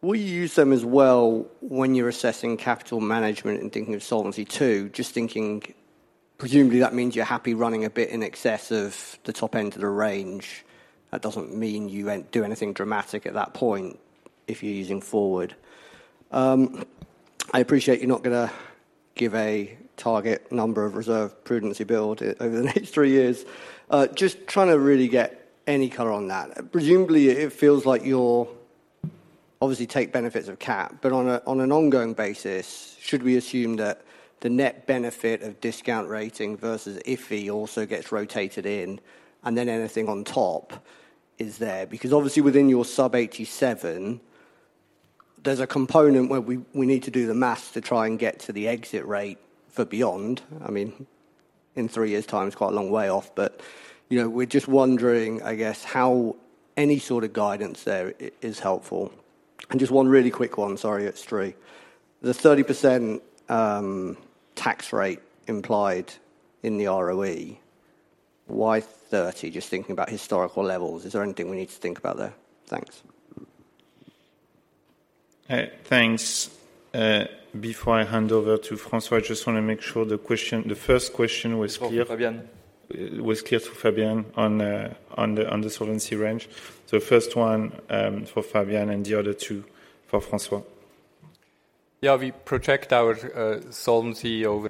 Will you use them as well when you're assessing capital management and thinking of solvency too? Just thinking, presumably, that means you're happy running a bit in excess of the top end of the range. That doesn't mean you'd do anything dramatic at that point if you're using forward. I appreciate you're not gonna give a target number of reserve prudency build over the next three years. Just trying to really get any color on that. Presumably, it feels like you're obviously take benefits of cat, but on a, on an ongoing basis, should we assume that the net benefit of discount rating versus IFI also gets rotated in, and then anything on top is there? Because obviously within your sub-87, there's a component where we, we need to do the math to try and get to the exit rate for beyond. I mean, in three years time, it's quite a long way off, but, you know, we're just wondering, I guess, how any sort of guidance there is helpful. And just one really quick one, sorry, it's three. The 30% tax rate implied in the ROE, why 30? Just thinking about historical levels. Is there anything we need to think about there? Thanks. Thanks. Before I hand over to François, I just want to make sure the question, the first question was clear— For Fabian. —was clear to Fabian on the solvency range. So first one, for Fabian and the other two for François. Yeah, we project our solvency over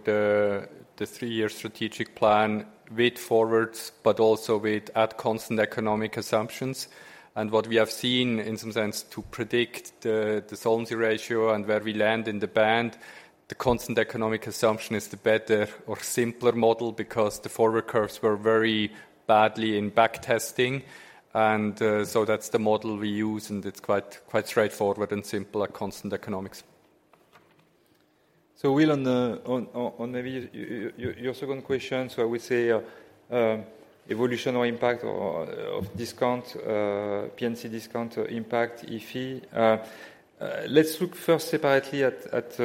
the three-year strategic plan with forwards, but also with constant economic assumptions. What we have seen, in some sense, to predict the solvency ratio and where we land in the band, the constant economic assumption is the better or simpler model because the forward curves were very badly in backtesting. So that's the model we use, and it's quite straightforward and simple at constant economics. So, Will, your second question, so I would say evolution or impact of discount P&C discount impact IFI. Let's look first separately at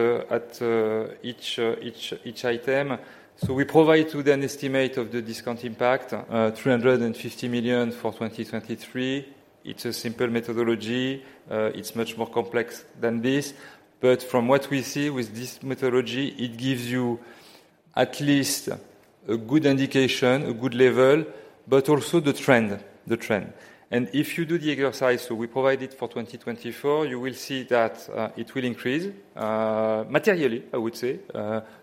each item. So we provide with an estimate of the discount impact 350 million for 2023. It's a simple methodology. It's much more complex than this, but from what we see with this methodology, it gives you at least a good indication, a good level, but also the trend, the trend. And if you do the exercise, so we provided for 2024, you will see that it will increase materially, I would say,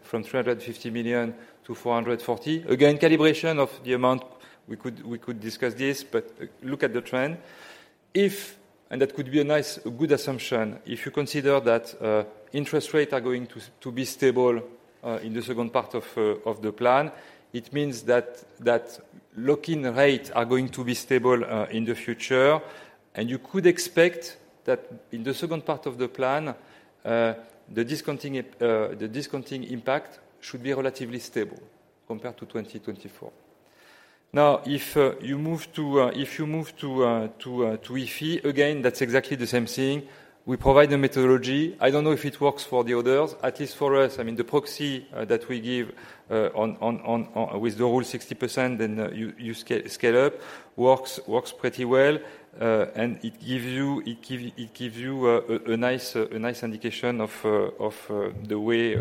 from 350 million to 440 million. Again, calibration of the amount, we could, we could discuss this, but look at the trend. If, and that could be a nice, a good assumption, if you consider that interest rates are going to to be stable in the second part of of the plan, it means that that lock-in rates are going to be stable in the future. You could expect that in the second part of the plan, the discounting impact should be relatively stable compared to 2024. Now, if you move to IFI, again, that's exactly the same thing. We provide the methodology. I don't know if it works for the others. At least for us, I mean, the proxy that we give on with the rule 60%, then you scale up, works pretty well, and it gives you a nice indication of the way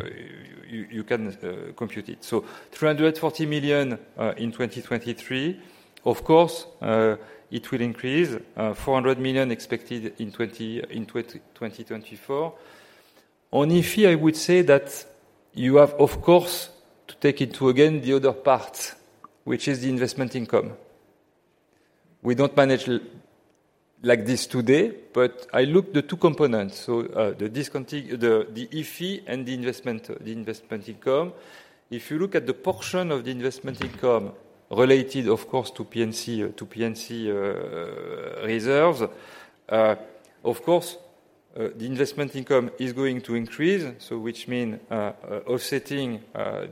you can compute it. So 340 million in 2023, of course, it will increase, 400 million expected in 2024. On IFI, I would say that you have, of course, to take into, again, the other part, which is the investment income. We don't manage like this today, but I look the two components, so, the discounting, the, the IFI and the investment, the investment income. If you look at the portion of the investment income related, of course, to P&C, to P&C, reserves, of course, the investment income is going to increase, so which mean, offsetting,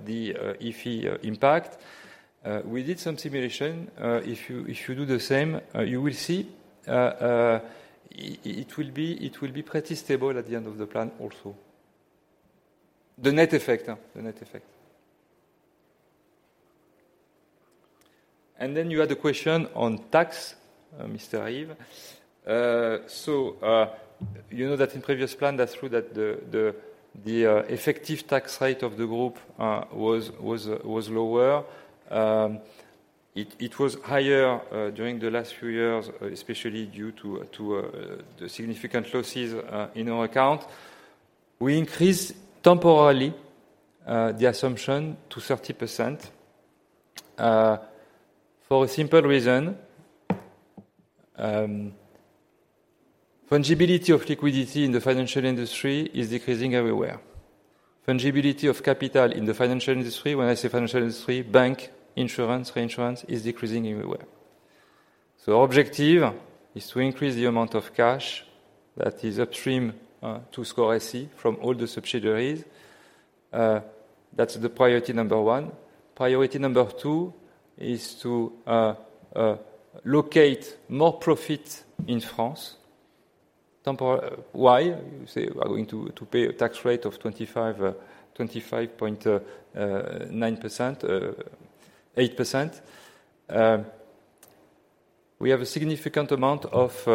the, IFI, impact. We did some simulation. If you do the same, you will see, it will be pretty stable at the end of the plan also. The net effect. Then you had a question on tax, Mr. Yves. So, you know that in previous plan, that's true that the effective tax rate of the group was lower. It was higher during the last few years, especially due to the significant losses in our account. We increased temporarily the assumption to 30%, for a simple reason. Fungibility of liquidity in the financial industry is decreasing everywhere. Fungibility of capital in the financial industry, when I say financial industry, bank, insurance, reinsurance, is decreasing everywhere. So our objective is to increase the amount of cash that is upstream to SCOR SE from all the subsidiaries. That's the priority number 1. Priority number 2 is to locate more profit in France. Why? You say we are going to pay a tax rate of 25.9%, 8%. We have a significant amount of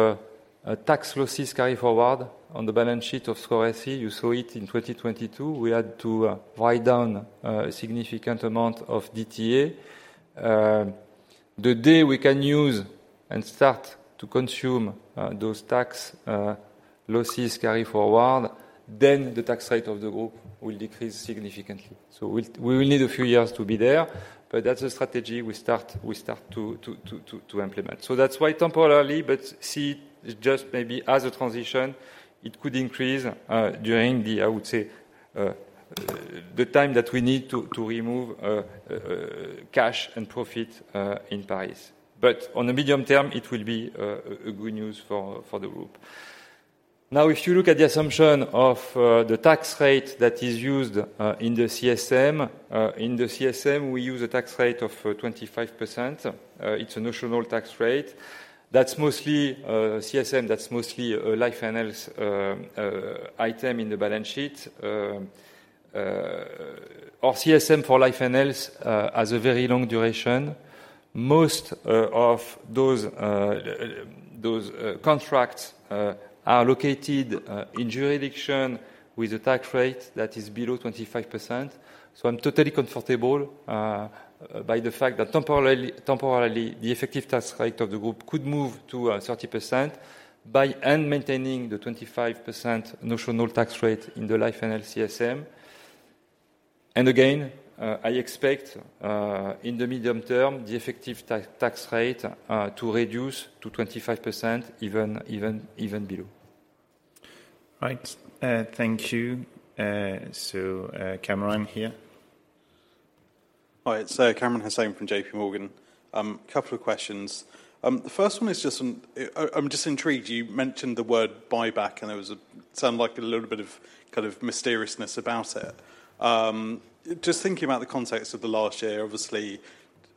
tax losses carry forward on the balance sheet of SCOR SE. You saw it in 2022. We had to write down a significant amount of DTA. The day we can use and start to consume those tax losses carry forward, then the tax rate of the group will decrease significantly. So we will need a few years to be there, but that's a strategy we start to implement. So that's why temporarily, but see, just maybe as a transition, it could increase during the, I would say, the time that we need to remove cash and profit in Paris. But on the medium term, it will be a good news for the group. Now, if you look at the assumption of the tax rate that is used in the CSM, in the CSM, we use a tax rate of 25%. It's a notional tax rate. That's mostly CSM, that's mostly a Life & Health item in the balance sheet. Our CSM for Life & Health has a very long duration. Most of those contracts are located in jurisdiction with a tax rate that is below 25%. So I'm totally comfortable by the fact that temporarily the effective tax rate of the group could move to 30% by and maintaining the 25% notional tax rate in the Life & Health CSM. And again I expect in the medium term the effective tax rate to reduce to 25%, even below. Right. Thank you. So, Kamran, here. Hi, it's Kamran Hossain from JPMorgan. A couple of questions. The first one is just, I'm just intrigued. You mentioned the word buyback, and there was a sound like a little bit of kind of mysteriousness about it. Just thinking about the context of the last year, obviously,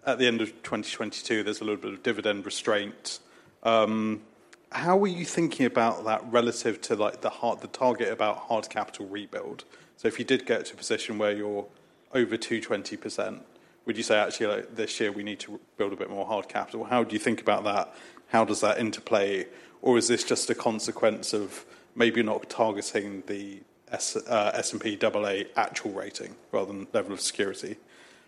at the end of 2022, there's a little bit of dividend restraint. How were you thinking about that relative to, like, the hard- the target about hard capital rebuild? So if you did get to a position where you're over 220%, would you say, "Actually, like, this year, we need to build a bit more hard capital?" How do you think about that? How does that interplay, or is this just a consequence of maybe not targeting the S, uh, S&P double A actual rating rather than level of security?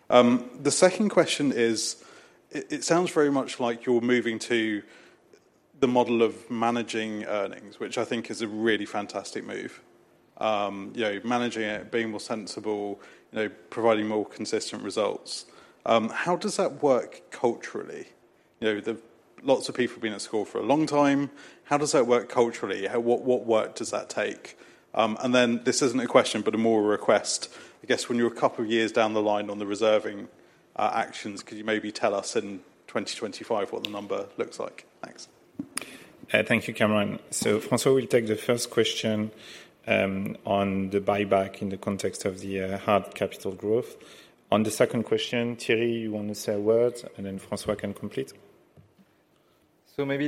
The second question is, it sounds very much like you're moving to the model of managing earnings, which I think is a really fantastic move. You know, managing it, being more sensible, you know, providing more consistent results. How does that work culturally? You know, lots of people have been at school for a long time. How does that work culturally? How? What work does that take? And then this isn't a question, but a more request. I guess when you're a couple of years down the line on the reserving actions, could you maybe tell us in 2025 what the number looks like? Thanks. Thank you, Kamran. So François will take the first question on the buyback in the context of the hard capital growth. On the second question, Thierry, you want to say a word, and then François can complete. So maybe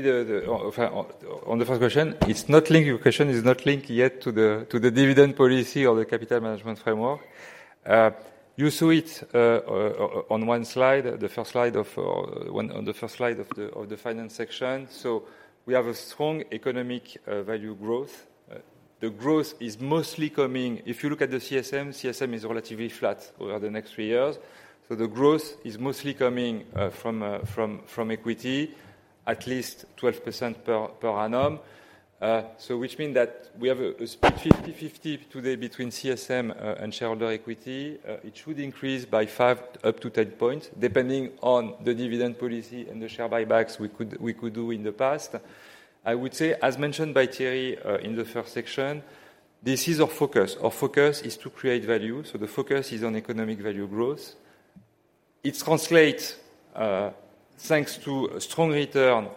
on the first question, it's not linked. Your question is not linked yet to the dividend policy or the capital management framework. You saw it on the first slide of the finance section. So we have a strong economic value growth. The growth is mostly coming. If you look at the CSM, CSM is relatively flat over the next three years, so the growth is mostly coming from equity, at least 12% per annum. So which mean that we have a split 50/50 today between CSM and shareholder equity. It should increase by 5-10 points, depending on the dividend policy and the share buybacks we could do in the past. I would say, as mentioned by Thierry, in the first section, this is our focus. Our focus is to create value, so the focus is on economic value growth. It translates, thanks to a strong return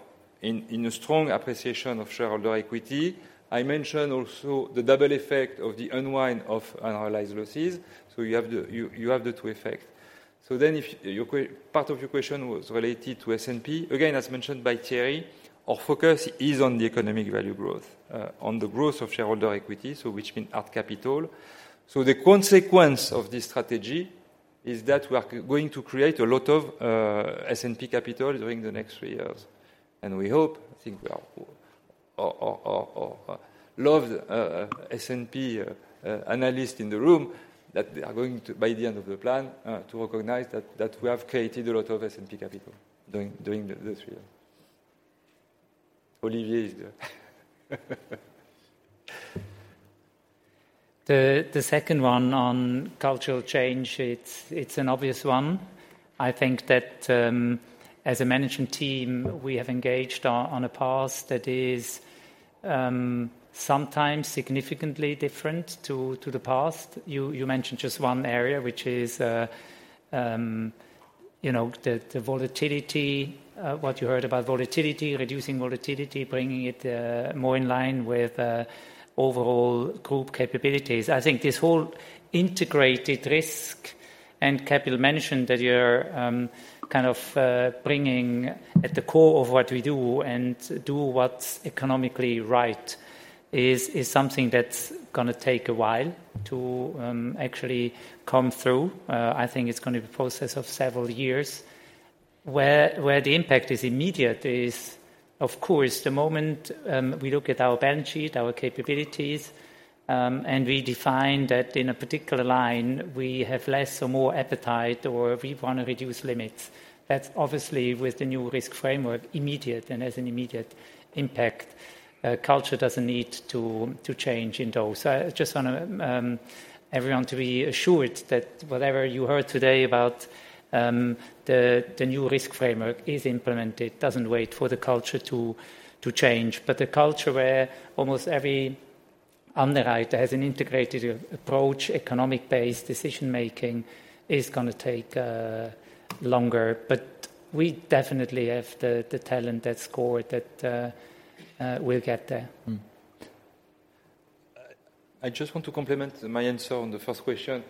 in a strong appreciation of shareholder equity. I mentioned also the double effect of the unwind of unrealized losses, so you have the two effect. So then if part of your question was related to S&P. Again, as mentioned by Thierry, our focus is on the economic value growth, on the growth of shareholder equity, so which mean hard capital. So the consequence of this strategy is that we are going to create a lot of S&P capital during the next three years. And we hope, I think we are, S&P analyst in the room, that they are going to, by the end of the plan, to recognize that, that we have created a lot of S&P capital during the three years. Olivier is there. The second one on cultural change, it's an obvious one. I think that as a management team, we have engaged on a path that is sometimes significantly different to the past. You mentioned just one area, which is you know, the volatility, what you heard about volatility, reducing volatility, bringing it more in line with overall group capabilities. I think this whole integrated risk and capital management that you're kind of bringing at the core of what we do and do what's economically right is something that's gonna take a while to actually come through. I think it's gonna be a process of several years. Where the impact is immediate is, of course, the moment we look at our balance sheet, our capabilities, and we define that in a particular line, we have less or more appetite, or we want to reduce limits. That's obviously, with the new risk framework, immediate and has an immediate impact. Culture doesn't need to change in those. I just want everyone to be assured that whatever you heard today about the new risk framework is implemented, doesn't wait for the culture to change. But the culture where almost every underwriter has an integrated approach, economic-based decision-making, is gonna take longer. But we definitely have the talent at SCOR that we'll get there. I just want to complement my answer on the first question.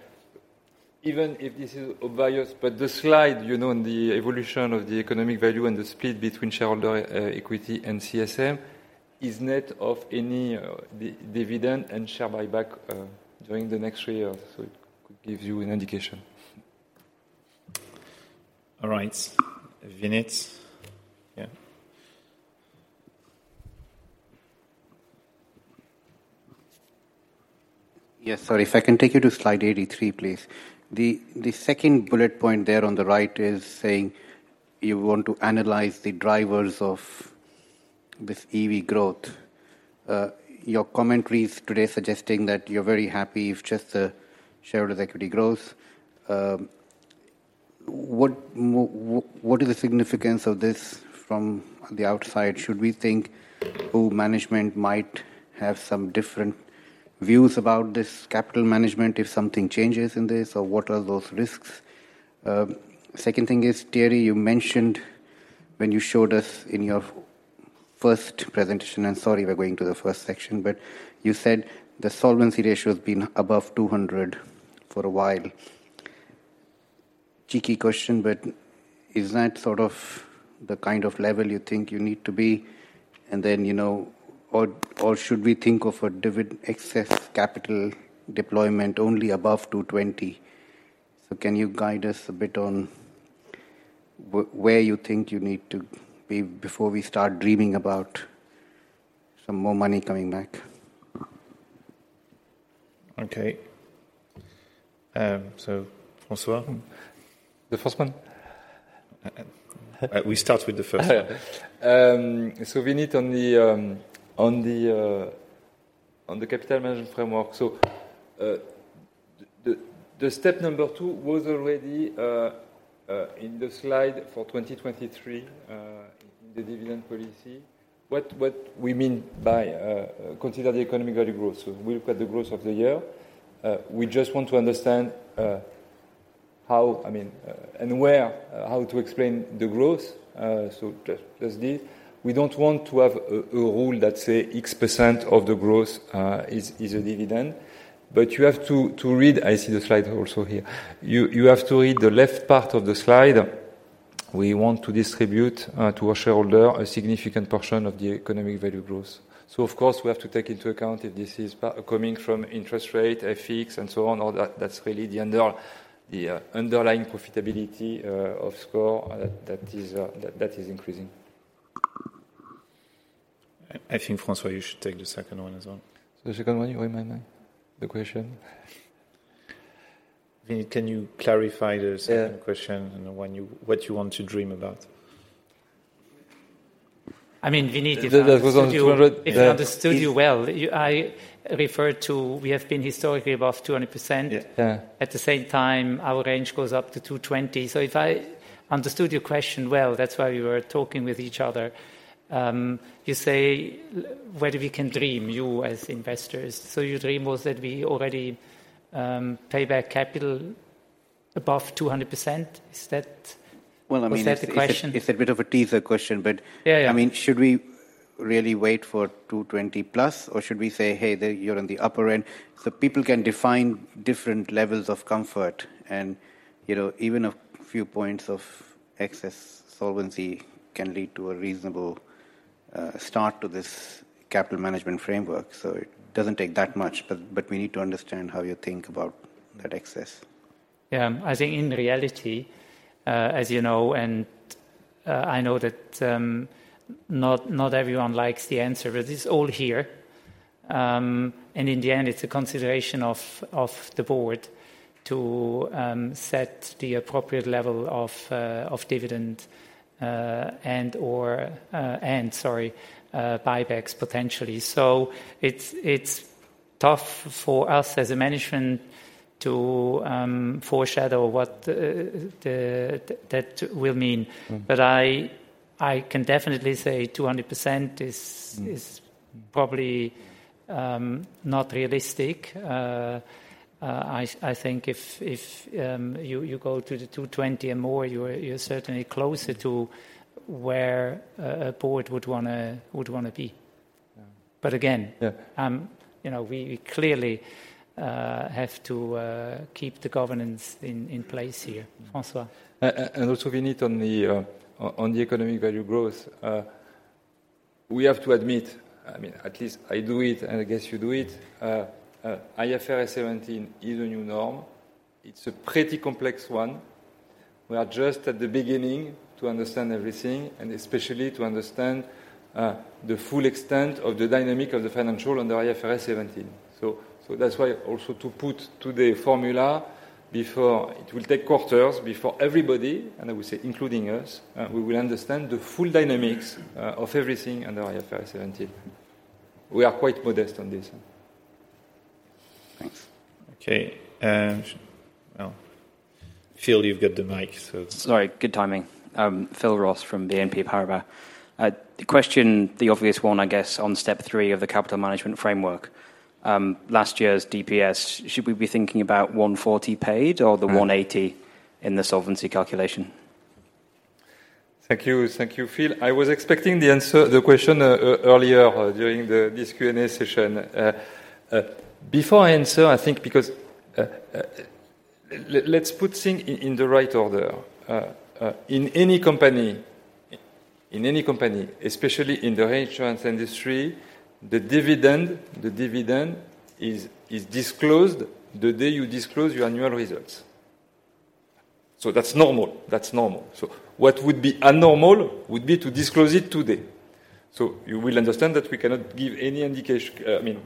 Even if this is obvious, but the slide, you know, on the evolution of the economic value and the spread between shareholder equity and CSM is net of any dividend and share buyback during the next three years. So it could give you an indication. All right. Vinit? Yeah. Yes, sorry. If I can take you to slide 83, please. The second bullet point there on the right is saying you want to analyze the drivers of this EV growth. Your commentary today is suggesting that you're very happy with just the shareholder's equity growth. What is the significance of this from the outside? Should we think who management might have some different views about this capital management if something changes in this, or what are those risks? Second thing is, Thierry, you mentioned when you showed us in your first presentation, and sorry, we're going to the first section, but you said the solvency ratio has been above 200 for a while. Cheeky question, but is that sort of the kind of level you think you need to be? Then, you know, or should we think of a dividend excess capital deployment only above 220? So can you guide us a bit on where you think you need to be before we start dreaming about some more money coming back? Okay. So François? The first one? We start with the first one. So Vinit on the, on the, on the capital management framework. So, the, the step number 2 was already, in the slide for 2023, in the dividend policy. What, what we mean by, consider the economic value growth. So we look at the growth of the year. We just want to understand, how, I mean, and where, how to explain the growth. So just, just this. We don't want to have a, a rule that say X% of the growth, is, is a dividend. But you have to, to read-- I see the slide also here. You, you have to read the left part of the slide. We want to distribute, to our shareholder a significant portion of the economic value growth. So of course, we have to take into account if this is coming from interest rate, FX, and so on, all that. That's really the underlying profitability of SCOR. That is increasing. I think, François, you should take the second one as well. The second one, you remind me the question? Vinit, can you clarify the— Yeah. —second question and when you—what you want to dream about? I mean, Vinit, if I— That was on 200— —if I understood you well, I referred to we have been historically above 200%. Yeah. At the same time, our range goes up to 220. So if I understood your question well, that's why we were talking with each other. You say where we can dream, you as investors. So your dream was that we already pay back capital above 200%? Is that— Well, I mean— —was that the question? It's a bit of a teaser question, but— Yeah, yeah —I mean, should we really wait for 220+, or should we say, "Hey, there, you're on the upper end"? So people can define different levels of comfort. And, you know, even a few points of excess solvency can lead to a reasonable start to this capital management framework. So it doesn't take that much, but, but we need to understand how you think about that excess. Yeah. I think in reality, as you know, and I know that not everyone likes the answer, but it's all here. And in the end, it's a consideration of the board to set the appropriate level of dividend and/or, and sorry, buybacks potentially. So it's tough for us as a management to foreshadow what that will mean. But I can definitely say 200% is probably not realistic. I think if you go to the 220 and more, you're certainly closer to where a board would wanna be. Yeah. But again, you know, we clearly have to keep the governance in place here. François? And also Vinit on the economic value growth. We have to admit, I mean, at least I do it, and I guess you do it, IFRS 17 is a new norm. It's a pretty complex one. We are just at the beginning to understand everything, and especially to understand the full extent of the dynamic of the financial under IFRS 17. So that's why also to put to the formula before it will take quarters, before everybody, and I would say including us, we will understand the full dynamics of everything under IFRS 17. We are quite modest on this. Thanks. Okay, Phil, you've got the mic, so- Sorry, good timing. I'm Phil Ross from BNP Paribas. The question, the obvious one, I guess, on step three of the capital management framework. Last year's DPS, should we be thinking about 140 paid or the 180 in the solvency calculation? Thank you. Thank you, Phil. I was expecting the answer, the question, earlier during this Q&A session. Before I answer, I think because, let's put things in the right order. In any company, in any company, especially in the reinsurance industry, the dividend, the dividend is disclosed the day you disclose your annual results. So that's normal. That's normal. So what would be abnormal would be to disclose it today. So you will understand that we cannot give any indication—I mean,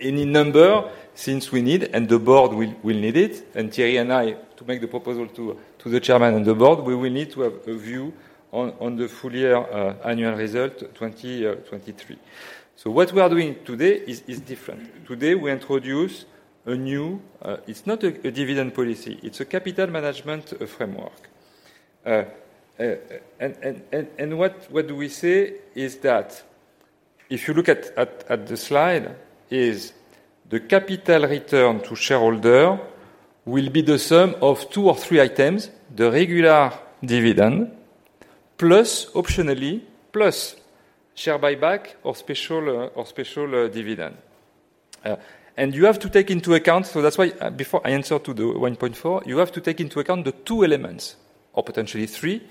no number, since we need, and the board will need it, and Thierry and I, to make the proposal to the chairman and the board, we will need to have a view on the full year annual result 2023. So what we are doing today is different. Today, we introduce a new. It's not a dividend policy, it's a capital management framework. And what do we say is that if you look at the slide, the capital return to shareholder will be the sum of two or three items: the regular dividend, plus optionally, plus share buyback or special dividend. And you have to take into account, so that's why, before I answer to the 1.4, you have to take into account the two elements, or potentially three,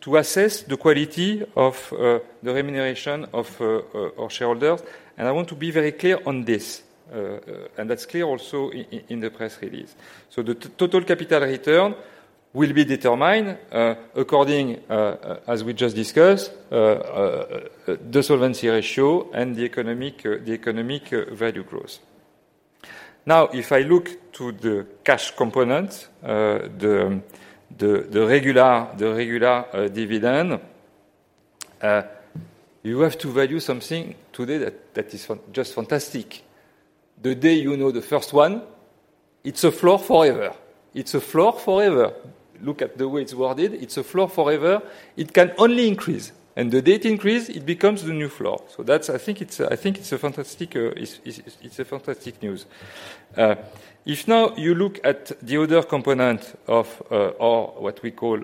to assess the quality of the remuneration of our shareholders. And I want to be very clear on this, and that's clear also in the press release. So the total capital return will be determined according as we just discussed, the solvency ratio and the economic value growth. Now, if I look to the cash component, the regular dividend, you have to value something today that is just fantastic. Today you know the first one, it's a floor forever. It's a floor forever. Look at the way it's worded, it's a floor forever. It can only increase, and the day it increases, it becomes the new floor. So that's. I think it's a fantastic news. Now, if you look at the other component of or what we call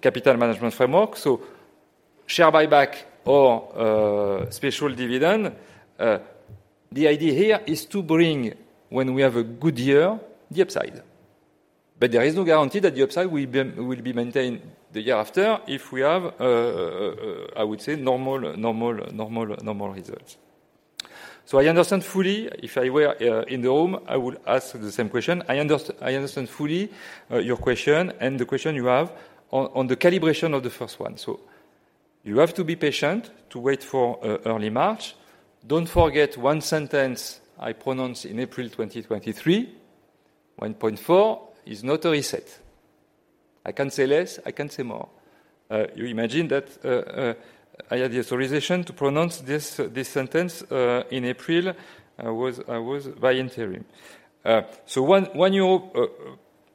capital management framework, so share buyback or special dividend, the idea here is to bring, when we have a good year, the upside. But there is no guarantee that the upside will be maintained the year after if we have, I would say, normal results. So I understand fully, if I were in the room, I would ask the same question. I understand fully your question and the question you have on the calibration of the first one. So you have to be patient to wait for early March. Don't forget one sentence I pronounce in April 2023: 1.4 is not a reset. I can't say less, I can't say more. You imagine that I had the authorization to pronounce this sentence in April; I was by interim. So one year,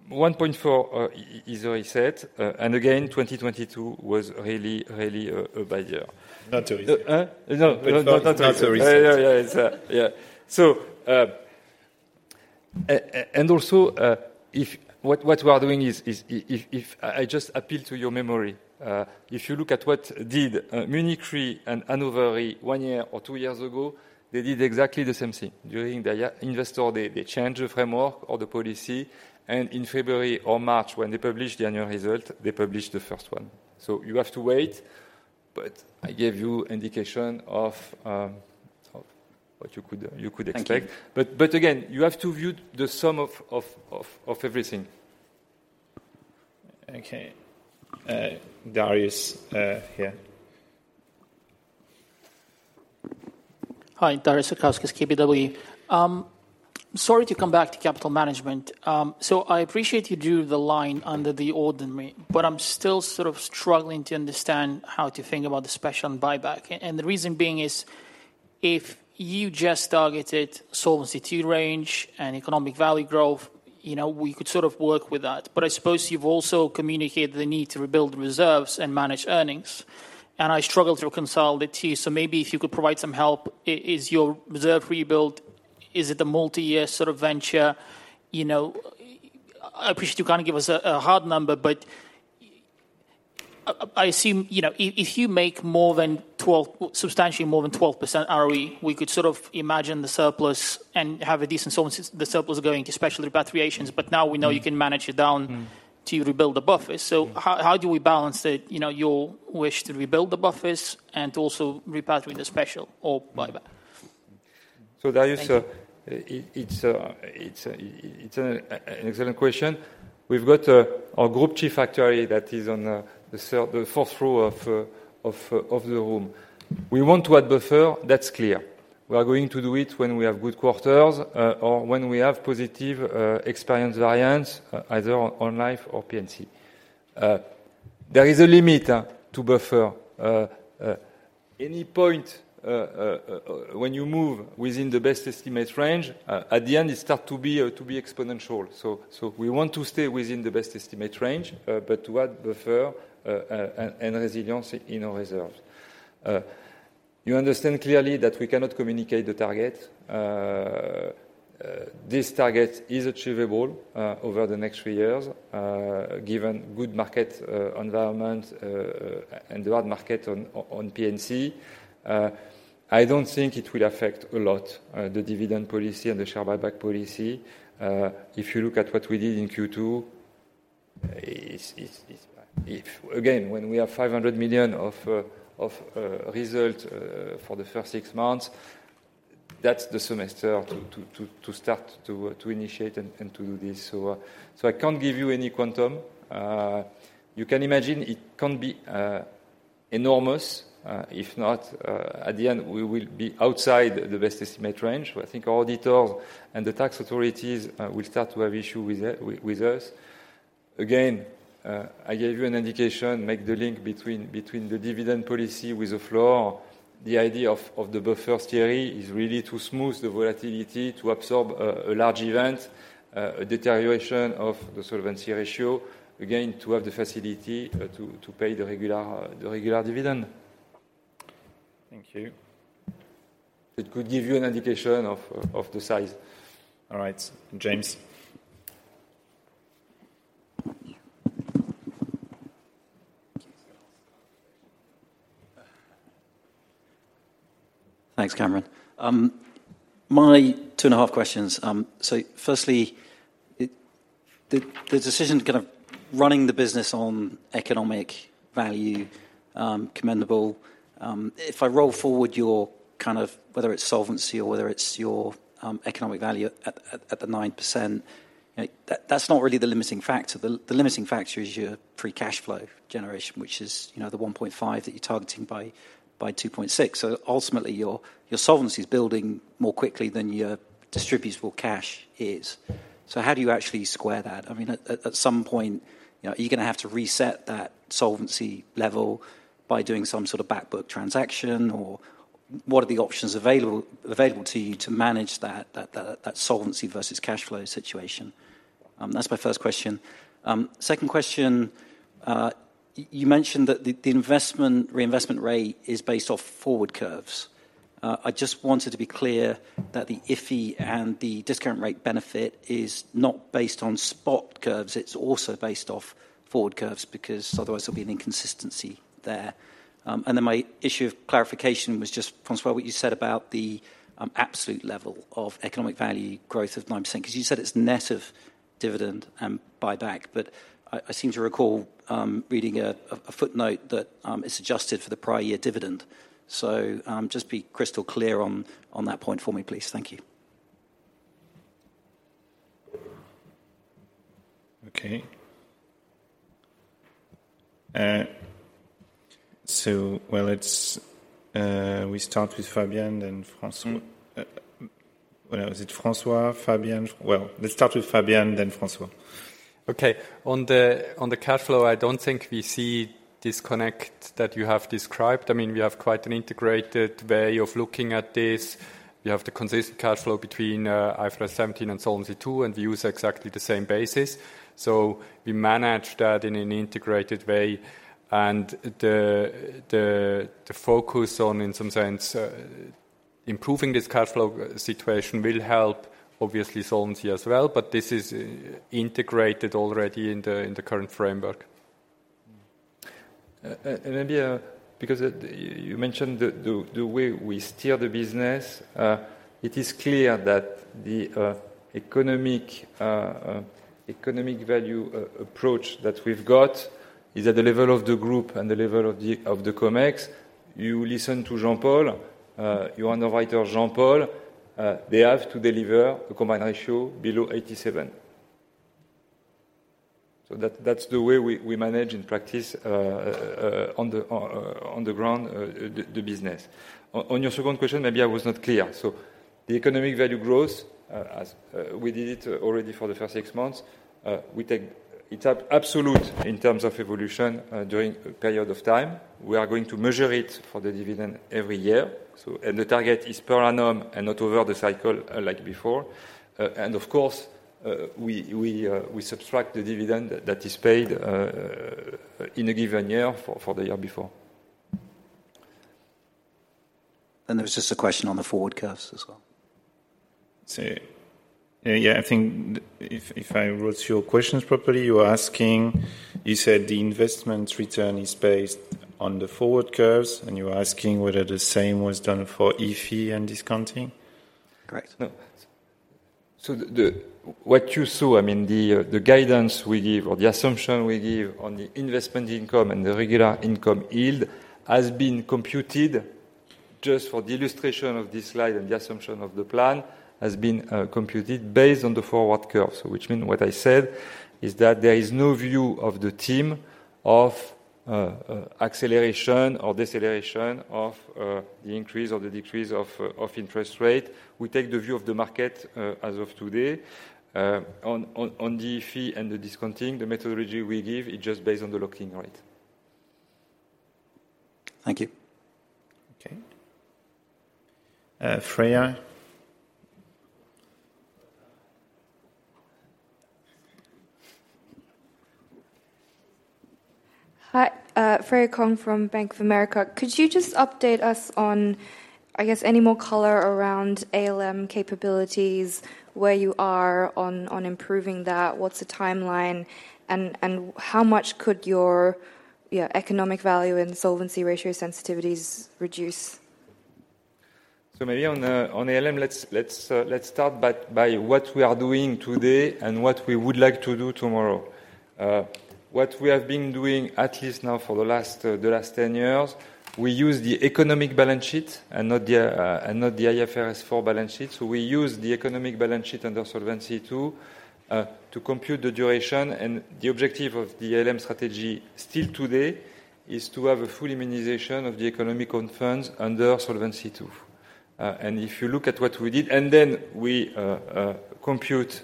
1.4 is a reset, and again, 2022 was really, really a bad year. Not a reset. No, not, not a reset. Not a reset. Yeah, yeah. It's, yeah. So, and also, if what we are doing is, if I just appeal to your memory, if you look at what did Munich Re and Hannover Re one year or two years ago, they did exactly the same thing. During the year investor, they changed the framework or the policy, and in February or March, when they published the annual result, they published the first one. So you have to wait, but I gave you indication of what you could expect. But again, you have to view the sum of everything. Okay. Darius, here. Hi, Darius Satkauskas, KBW. Sorry to come back to capital management. So, I appreciate you drew the line under the ordinary, but I'm still sort of struggling to understand how to think about the special buyback. And the reason being is if you just targeted Solvency II range and economic value growth, you know, we could sort of work with that. But I suppose you've also communicated the need to rebuild reserves and manage earnings, and I struggle to reconcile the two. So maybe if you could provide some help. Is your reserve rebuild, is it a multi-year sort of venture? You know, I appreciate you can't give us a hard number, but I assume, you know, if you make more than 12%--substantially more than 12% ROE, we could sort of imagine the surplus and have a decent solvency, the surplus going to special repatriations, but now we know you can manage it down to rebuild the buffers. How do we balance the, you know, your wish to rebuild the buffers and also repatriate the special or buyback? So, Darius— Thank you. —it's an excellent question. We've got our group chief actuary that is on the third, the fourth row of the room. We want to add buffer, that's clear. We are going to do it when we have good quarters or when we have positive experience variance, either on Life or P&C. There is a limit to buffer. When you move within the best estimate range, at the end, it start to be exponential. So we want to stay within the best estimate range, but to add buffer and resilience in our reserves. You understand clearly that we cannot communicate the target. This target is achievable over the next three years, given good market environment, and the world market on P&C. I don't think it will affect a lot the dividend policy and the share buyback policy. If you look at what we did in Q2, it's, if, again, when we have 500 million of result for the first six months, that's the semester to start to initiate and to do this. So, so I can't give you any quantum. You can imagine it can't be enormous, if not, at the end, we will be outside the best estimate range. I think our auditors and the tax authorities will start to have issue with it, with us. Again, I gave you an indication, make the link between the dividend policy with the floor. The idea of the buffer theory is really to smooth the volatility, to absorb a large event, a deterioration of the solvency ratio, again, to have the facility to pay the regular dividend. Thank you. It could give you an indication of the size. All right, James? Thanks, Kamran. My 2.5 questions. So firstly, the decision to kind of running the business on economic value, commendable. If I roll forward your kind of whether it's solvency or whether it's your economic value at the 9%, you know, that's not really the limiting factor. The limiting factor is your free cash flow generation, which is, you know, the 1.5 that you're targeting by 2026. So ultimately, your solvency is building more quickly than your distributable cash is. So how do you actually square that? I mean, at some point, you know, are you going to have to reset that solvency level by doing some sort of back book transaction? Or what are the options available to you to manage that solvency versus cash flow situation? That's my first question. Second question, you mentioned that the investment reinvestment rate is based off forward curves. I just wanted to be clear that the IFI and the discount rate benefit is not based on spot curves, it's also based off forward curves, because otherwise there'll be an inconsistency there. And then my issue of clarification was just, François, what you said about the absolute level of economic value growth of 9%, 'cause you said it's net of dividend and buyback, but I seem to recall reading a footnote that it's adjusted for the prior year dividend. So, just be crystal clear on that point for me, please. Thank you. Okay. So, well, let's start with Fabian, then François. Well, is it François, Fabian? Well, let's start with Fabian, then François. Okay. On the, on the cash flow, I don't think we see disconnect that you have described. I mean, we have quite an integrated way of looking at this. We have the consistent cash flow between IFRS 17 and Solvency II, and we use exactly the same basis. So we manage that in an integrated way, and the focus on, in some sense, improving this cash flow situation will help, obviously, solvency as well, but this is integrated already in the current framework. Maybe because you mentioned the way we steer the business, it is clear that the economic value approach that we've got is at the level of the group and the level of the Comex. You listen to Jean-Paul, you invite Jean-Paul, they have to deliver a combined ratio below 87%. So that's the way we manage in practice on the ground the business. On your second question, maybe I was not clear. So the economic value growth, as we did it already for the first six months, we take—it's absolute in terms of evolution during a period of time. We are going to measure it for the dividend every year, so and the target is per annum and not over the cycle, like before. And of course, we subtract the dividend that is paid in a given year for the year before. There was just a question on the forward curves as well. So, yeah, I think if I wrote your questions properly, you are asking—you said the investment return is based on the forward curves, and you are asking whether the same was done for IFI and discounting? Correct. No. So the what you saw, I mean, the guidance we give or the assumption we give on the investment income and the regular income yield has been computed just for the illustration of this slide, and the assumption of the plan has been computed based on the forward curve. So which mean what I said is that there is no view of the team of acceleration or deceleration of the increase or the decrease of interest rate. We take the view of the market as of today on the fee and the discounting. The methodology we give is just based on the locking rate. Thank you. Okay. Freya? Hi, Freya Kong from Bank of America. Could you just update us on, I guess, any more color around ALM capabilities, where you are on improving that, what's the timeline, and how much could your economic value and solvency ratio sensitivities reduce? So maybe on ALM, let's start by what we are doing today and what we would like to do tomorrow. What we have been doing, at least now for the last 10 years, we use the economic balance sheet and not the IFRS 4 balance sheet. So we use the economic balance sheet under Solvency II to compute the duration, and the objective of the ALM strategy still today is to have a full immunization of the economic own funds under Solvency II. And if you look at what we did. And then we compute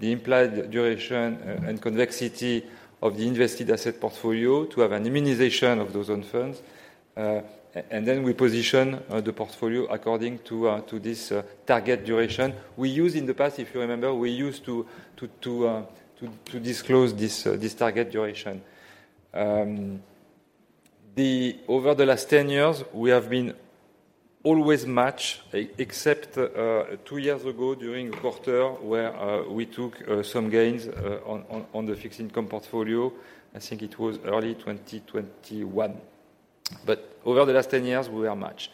the implied duration and convexity of the invested asset portfolio to have an immunization of those own funds, and then we position the portfolio according to this target duration. In the past, if you remember, we used to disclose this target duration. Over the last 10 years, we have been always match, except two years ago during a quarter where we took some gains on the fixed income portfolio. I think it was early 2021, but over the last 10 years, we were much.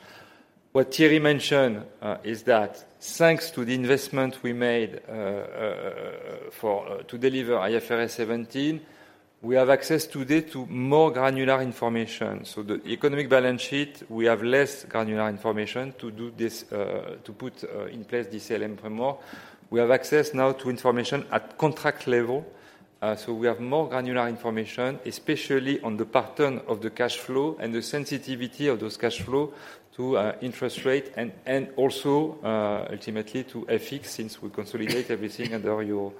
What Thierry mentioned is that thanks to the investment we made for to deliver IFRS 17, we have access today to more granular information. So the economic balance sheet, we have less granular information to do this to put in place this ALM framework. We have access now to information at contract level, so we have more granular information, especially on the pattern of the cash flow and the sensitivity of those cash flow to interest rate and also ultimately to FX, since we consolidate everything under euro,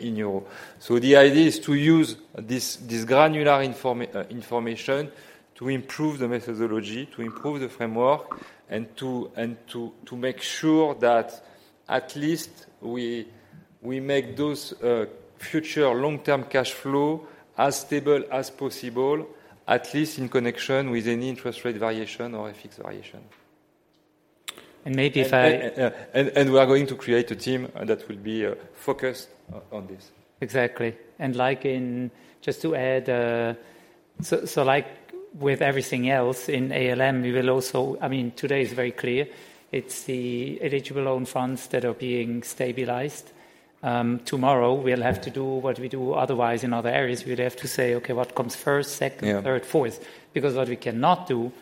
in euro. So the idea is to use this granular information to improve the methodology, to improve the framework, and to make sure that at least we make those future long-term cash flow as stable as possible, at least in connection with any interest rate variation or FX variation. And maybe if I- We are going to create a team that will be focused on this. Exactly. And like in—just to add, so, so like with everything else in ALM, we will also, I mean, today is very clear, it's the eligible own funds that are being stabilized. Tomorrow, we'll have to do what we do otherwise in other areas. We'll have to say, "Okay, what comes first, second— Yeah. —third, fourth?" Because what we cannot do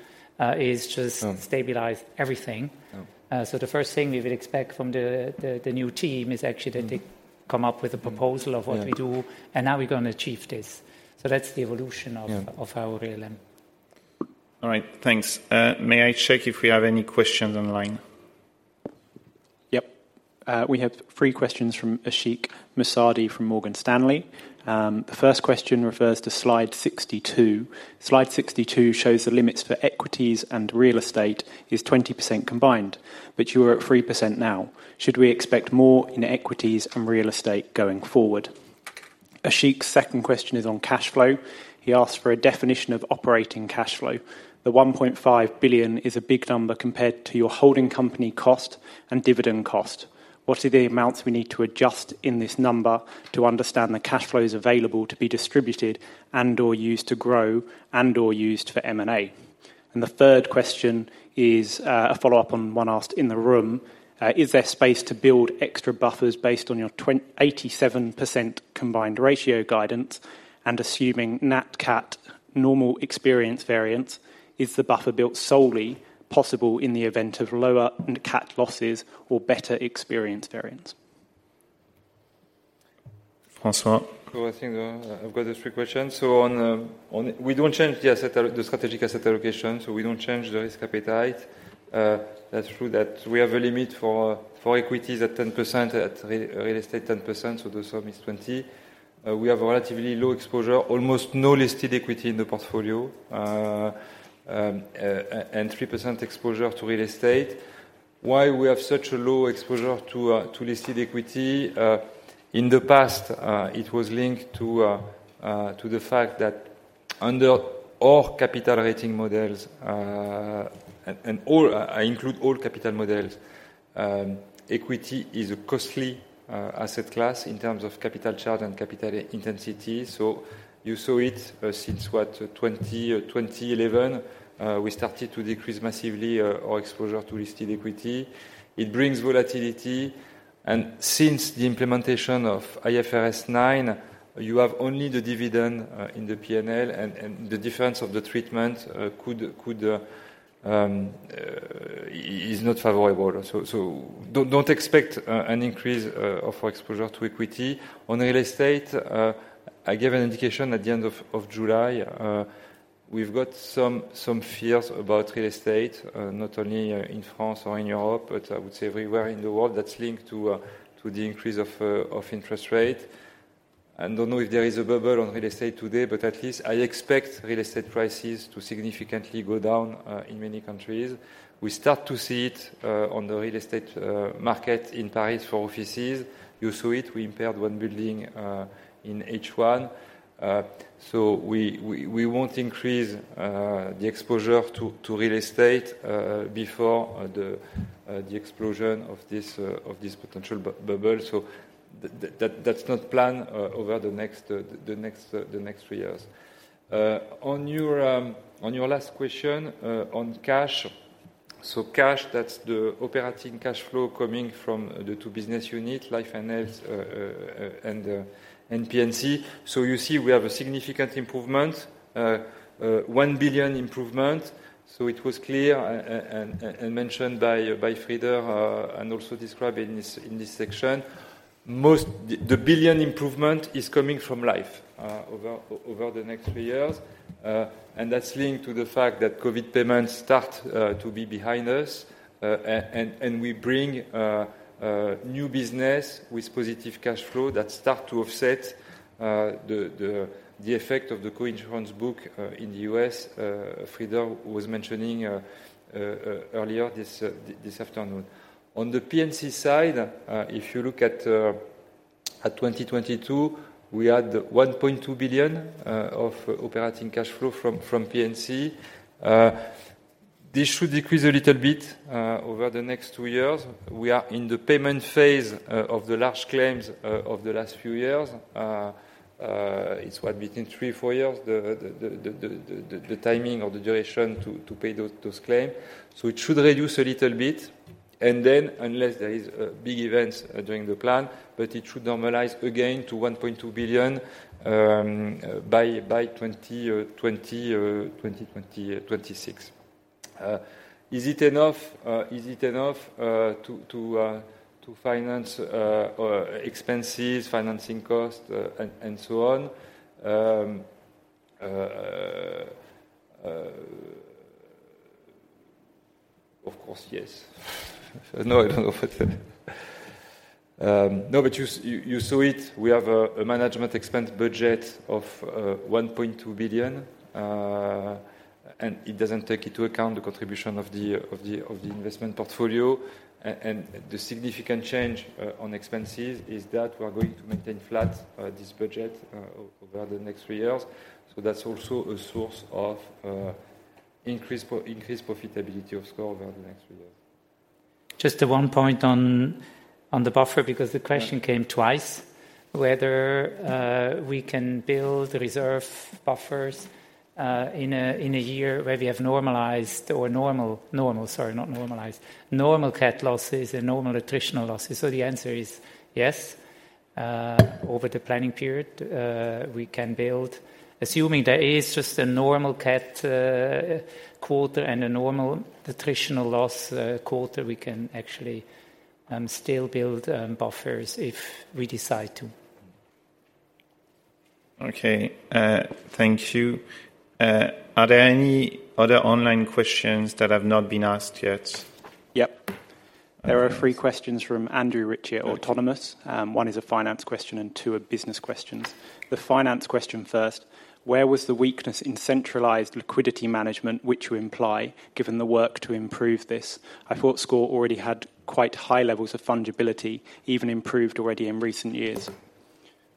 is just— No. —stabilize everything. No. So the first thing we will expect from the new team is actually that they come up with a proposal of what we do and how we're going to achieve this. So that's the evolution of— Yeah. —of our ALM. All right, thanks. May I check if we have any questions online? Yep. We have three questions from Ashik Musaddi from Morgan Stanley. The first question refers to slide 62. Slide 62 shows the limits for equities and real estate is 20% combined, but you are at 3% now. Should we expect more in equities and real estate going forward? Ashik's second question is on cash flow. He asks for a definition of operating cash flow. The 1.5 billion is a big number compared to your holding company cost and dividend cost. What are the amounts we need to adjust in this number to understand the cash flows available to be distributed and/or used to grow and/or used for M&A? And the third question is, a follow-up on one asked in the room. Is there space to build extra buffers based on your 87% combined ratio guidance, and assuming Nat Cat normal experience variance, is the buffer built solely possible in the event of lower Nat Cat losses or better experience variance? François? So I think I've got the three questions. So on, on. We don't change the asset allocation, the strategic asset allocation, so we don't change the risk appetite. That's true that we have a limit for equities at 10%, real estate 10%, so the sum is 20. We have a relatively low exposure, almost no listed equity in the portfolio, and 3% exposure to real estate. Why we have such a low exposure to listed equity? In the past, it was linked to the fact that under all capital rating models, and all capital models. I include all capital models, equity is a costly asset class in terms of capital charge and capital intensity. So you saw it since what? 2011, we started to decrease massively our exposure to listed equity. It brings volatility, and since the implementation of IFRS 9, you have only the dividend in the P&L, and the difference of the treatment is not favorable. So don't expect an increase of our exposure to equity. On real estate, I gave an indication at the end of July. We've got some fears about real estate, not only in France or in Europe, but I would say everywhere in the world. That's linked to the increase of interest rate. I don't know if there is a bubble on real estate today, but at least I expect real estate prices to significantly go down in many countries. We start to see it on the real estate market in Paris for offices. You saw it, we impaired one building in H1. So we won't increase the exposure to real estate before the explosion of this potential bubble. So that's not planned over the next three years. On your last question on cash. So cash, that's the operating cash flow coming from the two business unit, Life & Health, and P&C. So you see, we have a significant improvement, 1 billion improvement. So it was clear, and mentioned by Frieder, and also described in this section. The billion improvement is coming from Life over the next three years. And that's linked to the fact that COVID payments start to be behind us, and we bring new business with positive cash flow that start to offset the effect of the coinsurance book in the U.S., Frieder was mentioning earlier this afternoon. On the P&C side, if you look at 2022, we had 1.2 billion of operating cash flow from P&C. This should decrease a little bit over the next two years. We are in the payment phase of the large claims of the last few years. It's what? Between three to four years, the timing or the duration to pay those claims. So it should reduce a little bit, and then unless there is big events during the plan, but it should normalize again to 1.2 billion by 2026. Is it enough to finance expenses, financing costs, and so on? Of course, yes. No, I don't know what to—no, but you saw it. We have a management expense budget of 1.2 billion, and it doesn't take into account the contribution of the investment portfolio. The significant change on expenses is that we are going to maintain flat this budget over the next three years. So that's also a source of increased profitability of SCOR over the next three years. Just one point on the buffer, because the question came twice, whether we can build the reserve buffers in a year where we have normalized or normal—normal, sorry, not normalized. Normal cat losses and normal attritional losses. So the answer is yes. Over the planning period, we can build, assuming there is just a normal cat quarter and a normal attritional loss quarter, we can actually still build buffers if we decide to. Okay, thank you. Are there any other online questions that have not been asked yet? Yep. There are three questions from Andrew Ritchie at Autonomous. One is a finance question, and two are business questions. The finance question first: Where was the weakness in centralized liquidity management, which you imply, given the work to improve this? I thought SCOR already had quite high levels of fungibility, even improved already in recent years.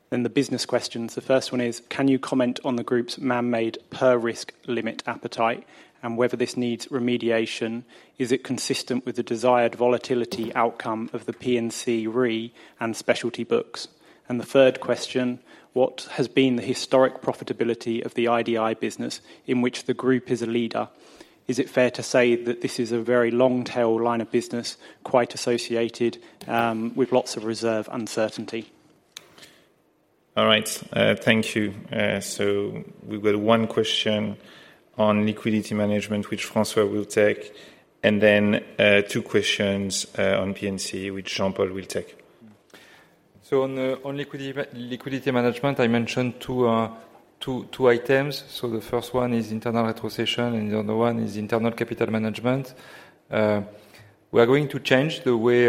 Then the business questions. The first one is: Can you comment on the group's man-made per risk limit appetite and whether this needs remediation? Is it consistent with the desired volatility outcome of the P&C Re and Specialty books? And the third question: What has been the historic profitability of the IDI business in which the group is a leader? Is it fair to say that this is a very long-tail line of business, quite associated with lots of reserve uncertainty? All right, thank you. So we've got one question on liquidity management, which François will take, and then two questions on P&C, which Jean-Paul will take. On liquidity management, I mentioned two items. The first one is internal retrocession, and the other one is internal capital management. We are going to change the way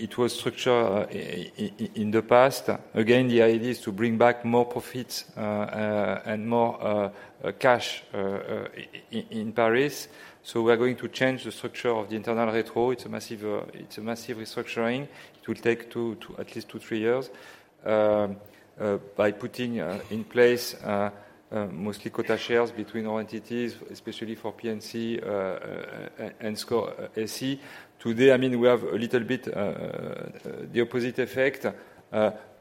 it was structured in the past. Again, the idea is to bring back more profits and more cash in Paris. We are going to change the structure of the internal retro. It's a massive restructuring. It will take two to at least two to three years by putting in place mostly quota shares between our entities, especially for P&C and SCOR SE. Today, I mean, we have a little bit the opposite effect.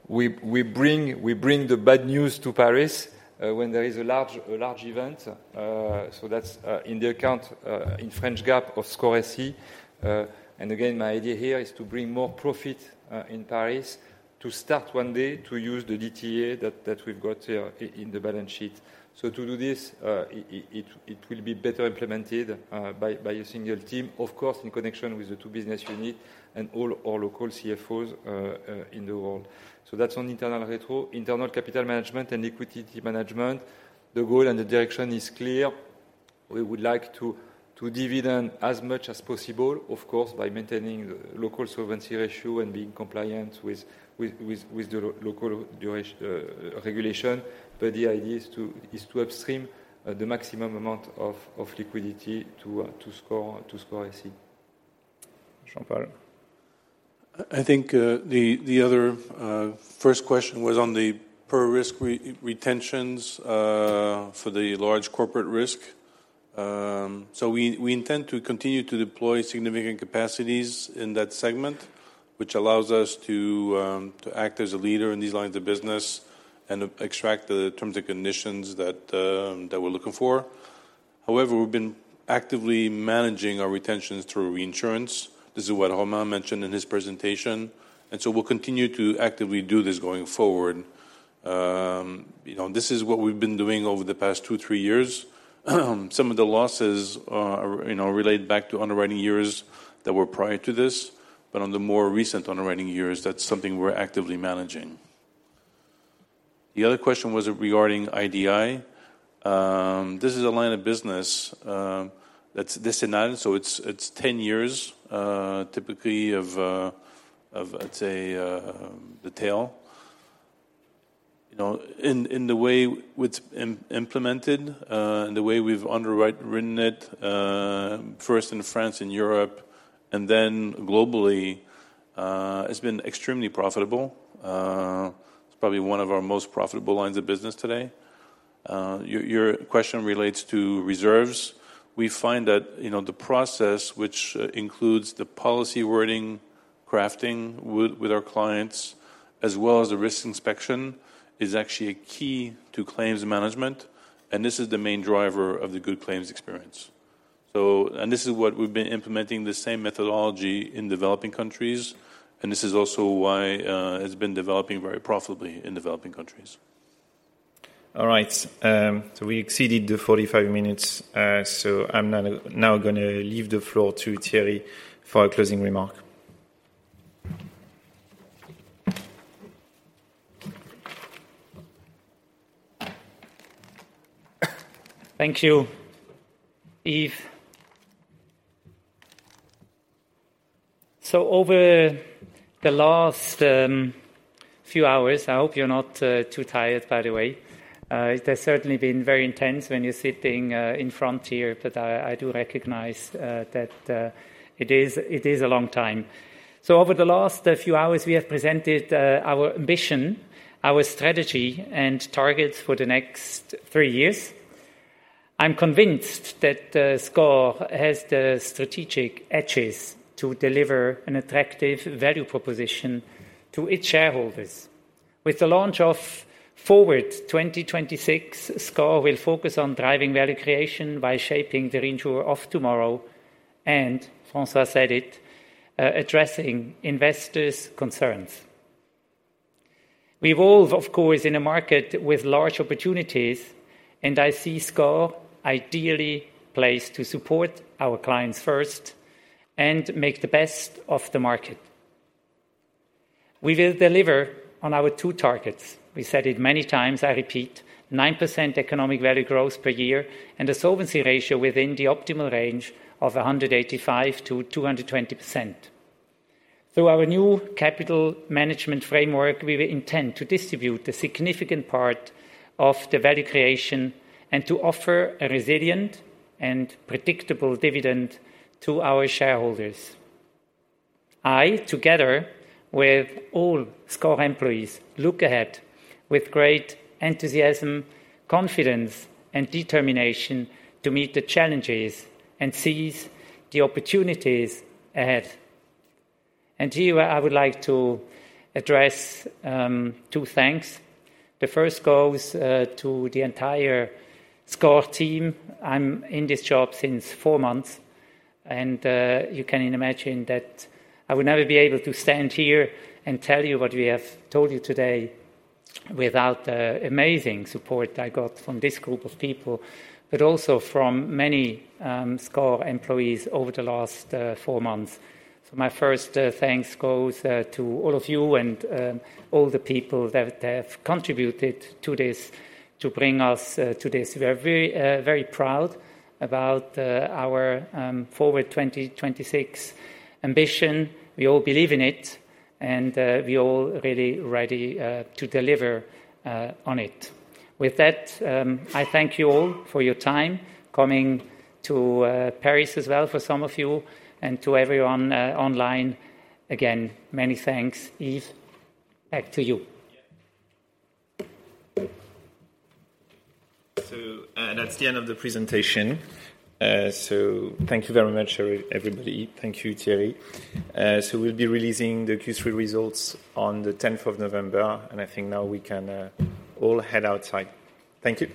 We bring the bad news to Paris when there is a large event. So that's in the account in French GAAP of SCOR SE. And again, my idea here is to bring more profit in Paris, to start one day, to use the DTA that we've got in the balance sheet. So to do this, it will be better implemented by a single team, of course, in connection with the two business unit and all our local CFOs in the world. So that's on internal retro. Internal capital management and liquidity management, the goal and the direction is clear. We would like to dividend as much as possible, of course, by maintaining the local solvency ratio and being compliant with the local regulation. But the idea is to upstream the maximum amount of liquidity to SCOR SE. Jean-Paul? I think, the other first question was on the per risk retentions, for the large corporate risk. So we intend to continue to deploy significant capacities in that segment, which allows us to act as a leader in these lines of business and extract the terms and conditions that we're looking for. However, we've been actively managing our retentions through reinsurance. This is what Romain mentioned in his presentation, and so we'll continue to actively do this going forward. You know, this is what we've been doing over the past two, three years. Some of the losses are, you know, relate back to underwriting years that were prior to this, but on the more recent underwriting years, that's something we're actively managing. The other question was regarding IDI. This is a line of business that's decennial, so it's 10 years typically of, let's say, the tail. You know, in the way it's implemented, and the way we've underwritten it, first in France and Europe, and then globally, has been extremely profitable. It's probably one of our most profitable lines of business today. Your question relates to reserves. We find that, you know, the process, which includes the policy wording, crafting with our clients, as well as the risk inspection, is actually a key to claims management, and this is the main driver of the good claims experience. And this is what we've been implementing the same methodology in developing countries, and this is also why it's been developing very profitably in developing countries. All right. So we exceeded the 45 minutes, so I'm now gonna leave the floor to Thierry for our closing remark. Thank you, Yves. So over the last few hours, I hope you're not too tired, by the way. It has certainly been very intense when you're sitting in front here, but I do recognize that it is a long time. So over the last few hours, we have presented our ambition, our strategy, and targets for the next three years. I'm convinced that SCOR has the strategic edges to deliver an attractive value proposition to its shareholders. With the launch of Forward 2026, SCOR will focus on driving value creation by shaping the reinsurer of tomorrow, and François said it, addressing investors' concerns. We evolve, of course, in a market with large opportunities, and I see SCOR ideally placed to support our clients first and make the best of the market. We will deliver on our two targets. We said it many times, I repeat, 9% economic value growth per year and a solvency ratio within the optimal range of 185%-220%. Through our new capital management framework, we will intend to distribute a significant part of the value creation and to offer a resilient and predictable dividend to our shareholders. I, together with all SCOR employees, look ahead with great enthusiasm, confidence, and determination to meet the challenges and seize the opportunities ahead. And here, I would like to address two thanks. The first goes to the entire SCOR team. I'm in this job since four months, and you can imagine that I would never be able to stand here and tell you what we have told you today without the amazing support I got from this group of people, but also from many SCOR employees over the last four months. So my first thanks goes to all of you and all the people that have contributed to this, to bring us to this. We are very, very proud about our Forward 2026 ambition. We all believe in it, and we all really ready to deliver on it. With that, I thank you all for your time, coming to Paris as well for some of you, and to everyone online. Again, many thanks. Yves, back to you. So, that's the end of the presentation. So thank you very much, everybody. Thank you, Thierry. So we'll be releasing the Q3 results on the tenth of November, and I think now we can all head outside. Thank you.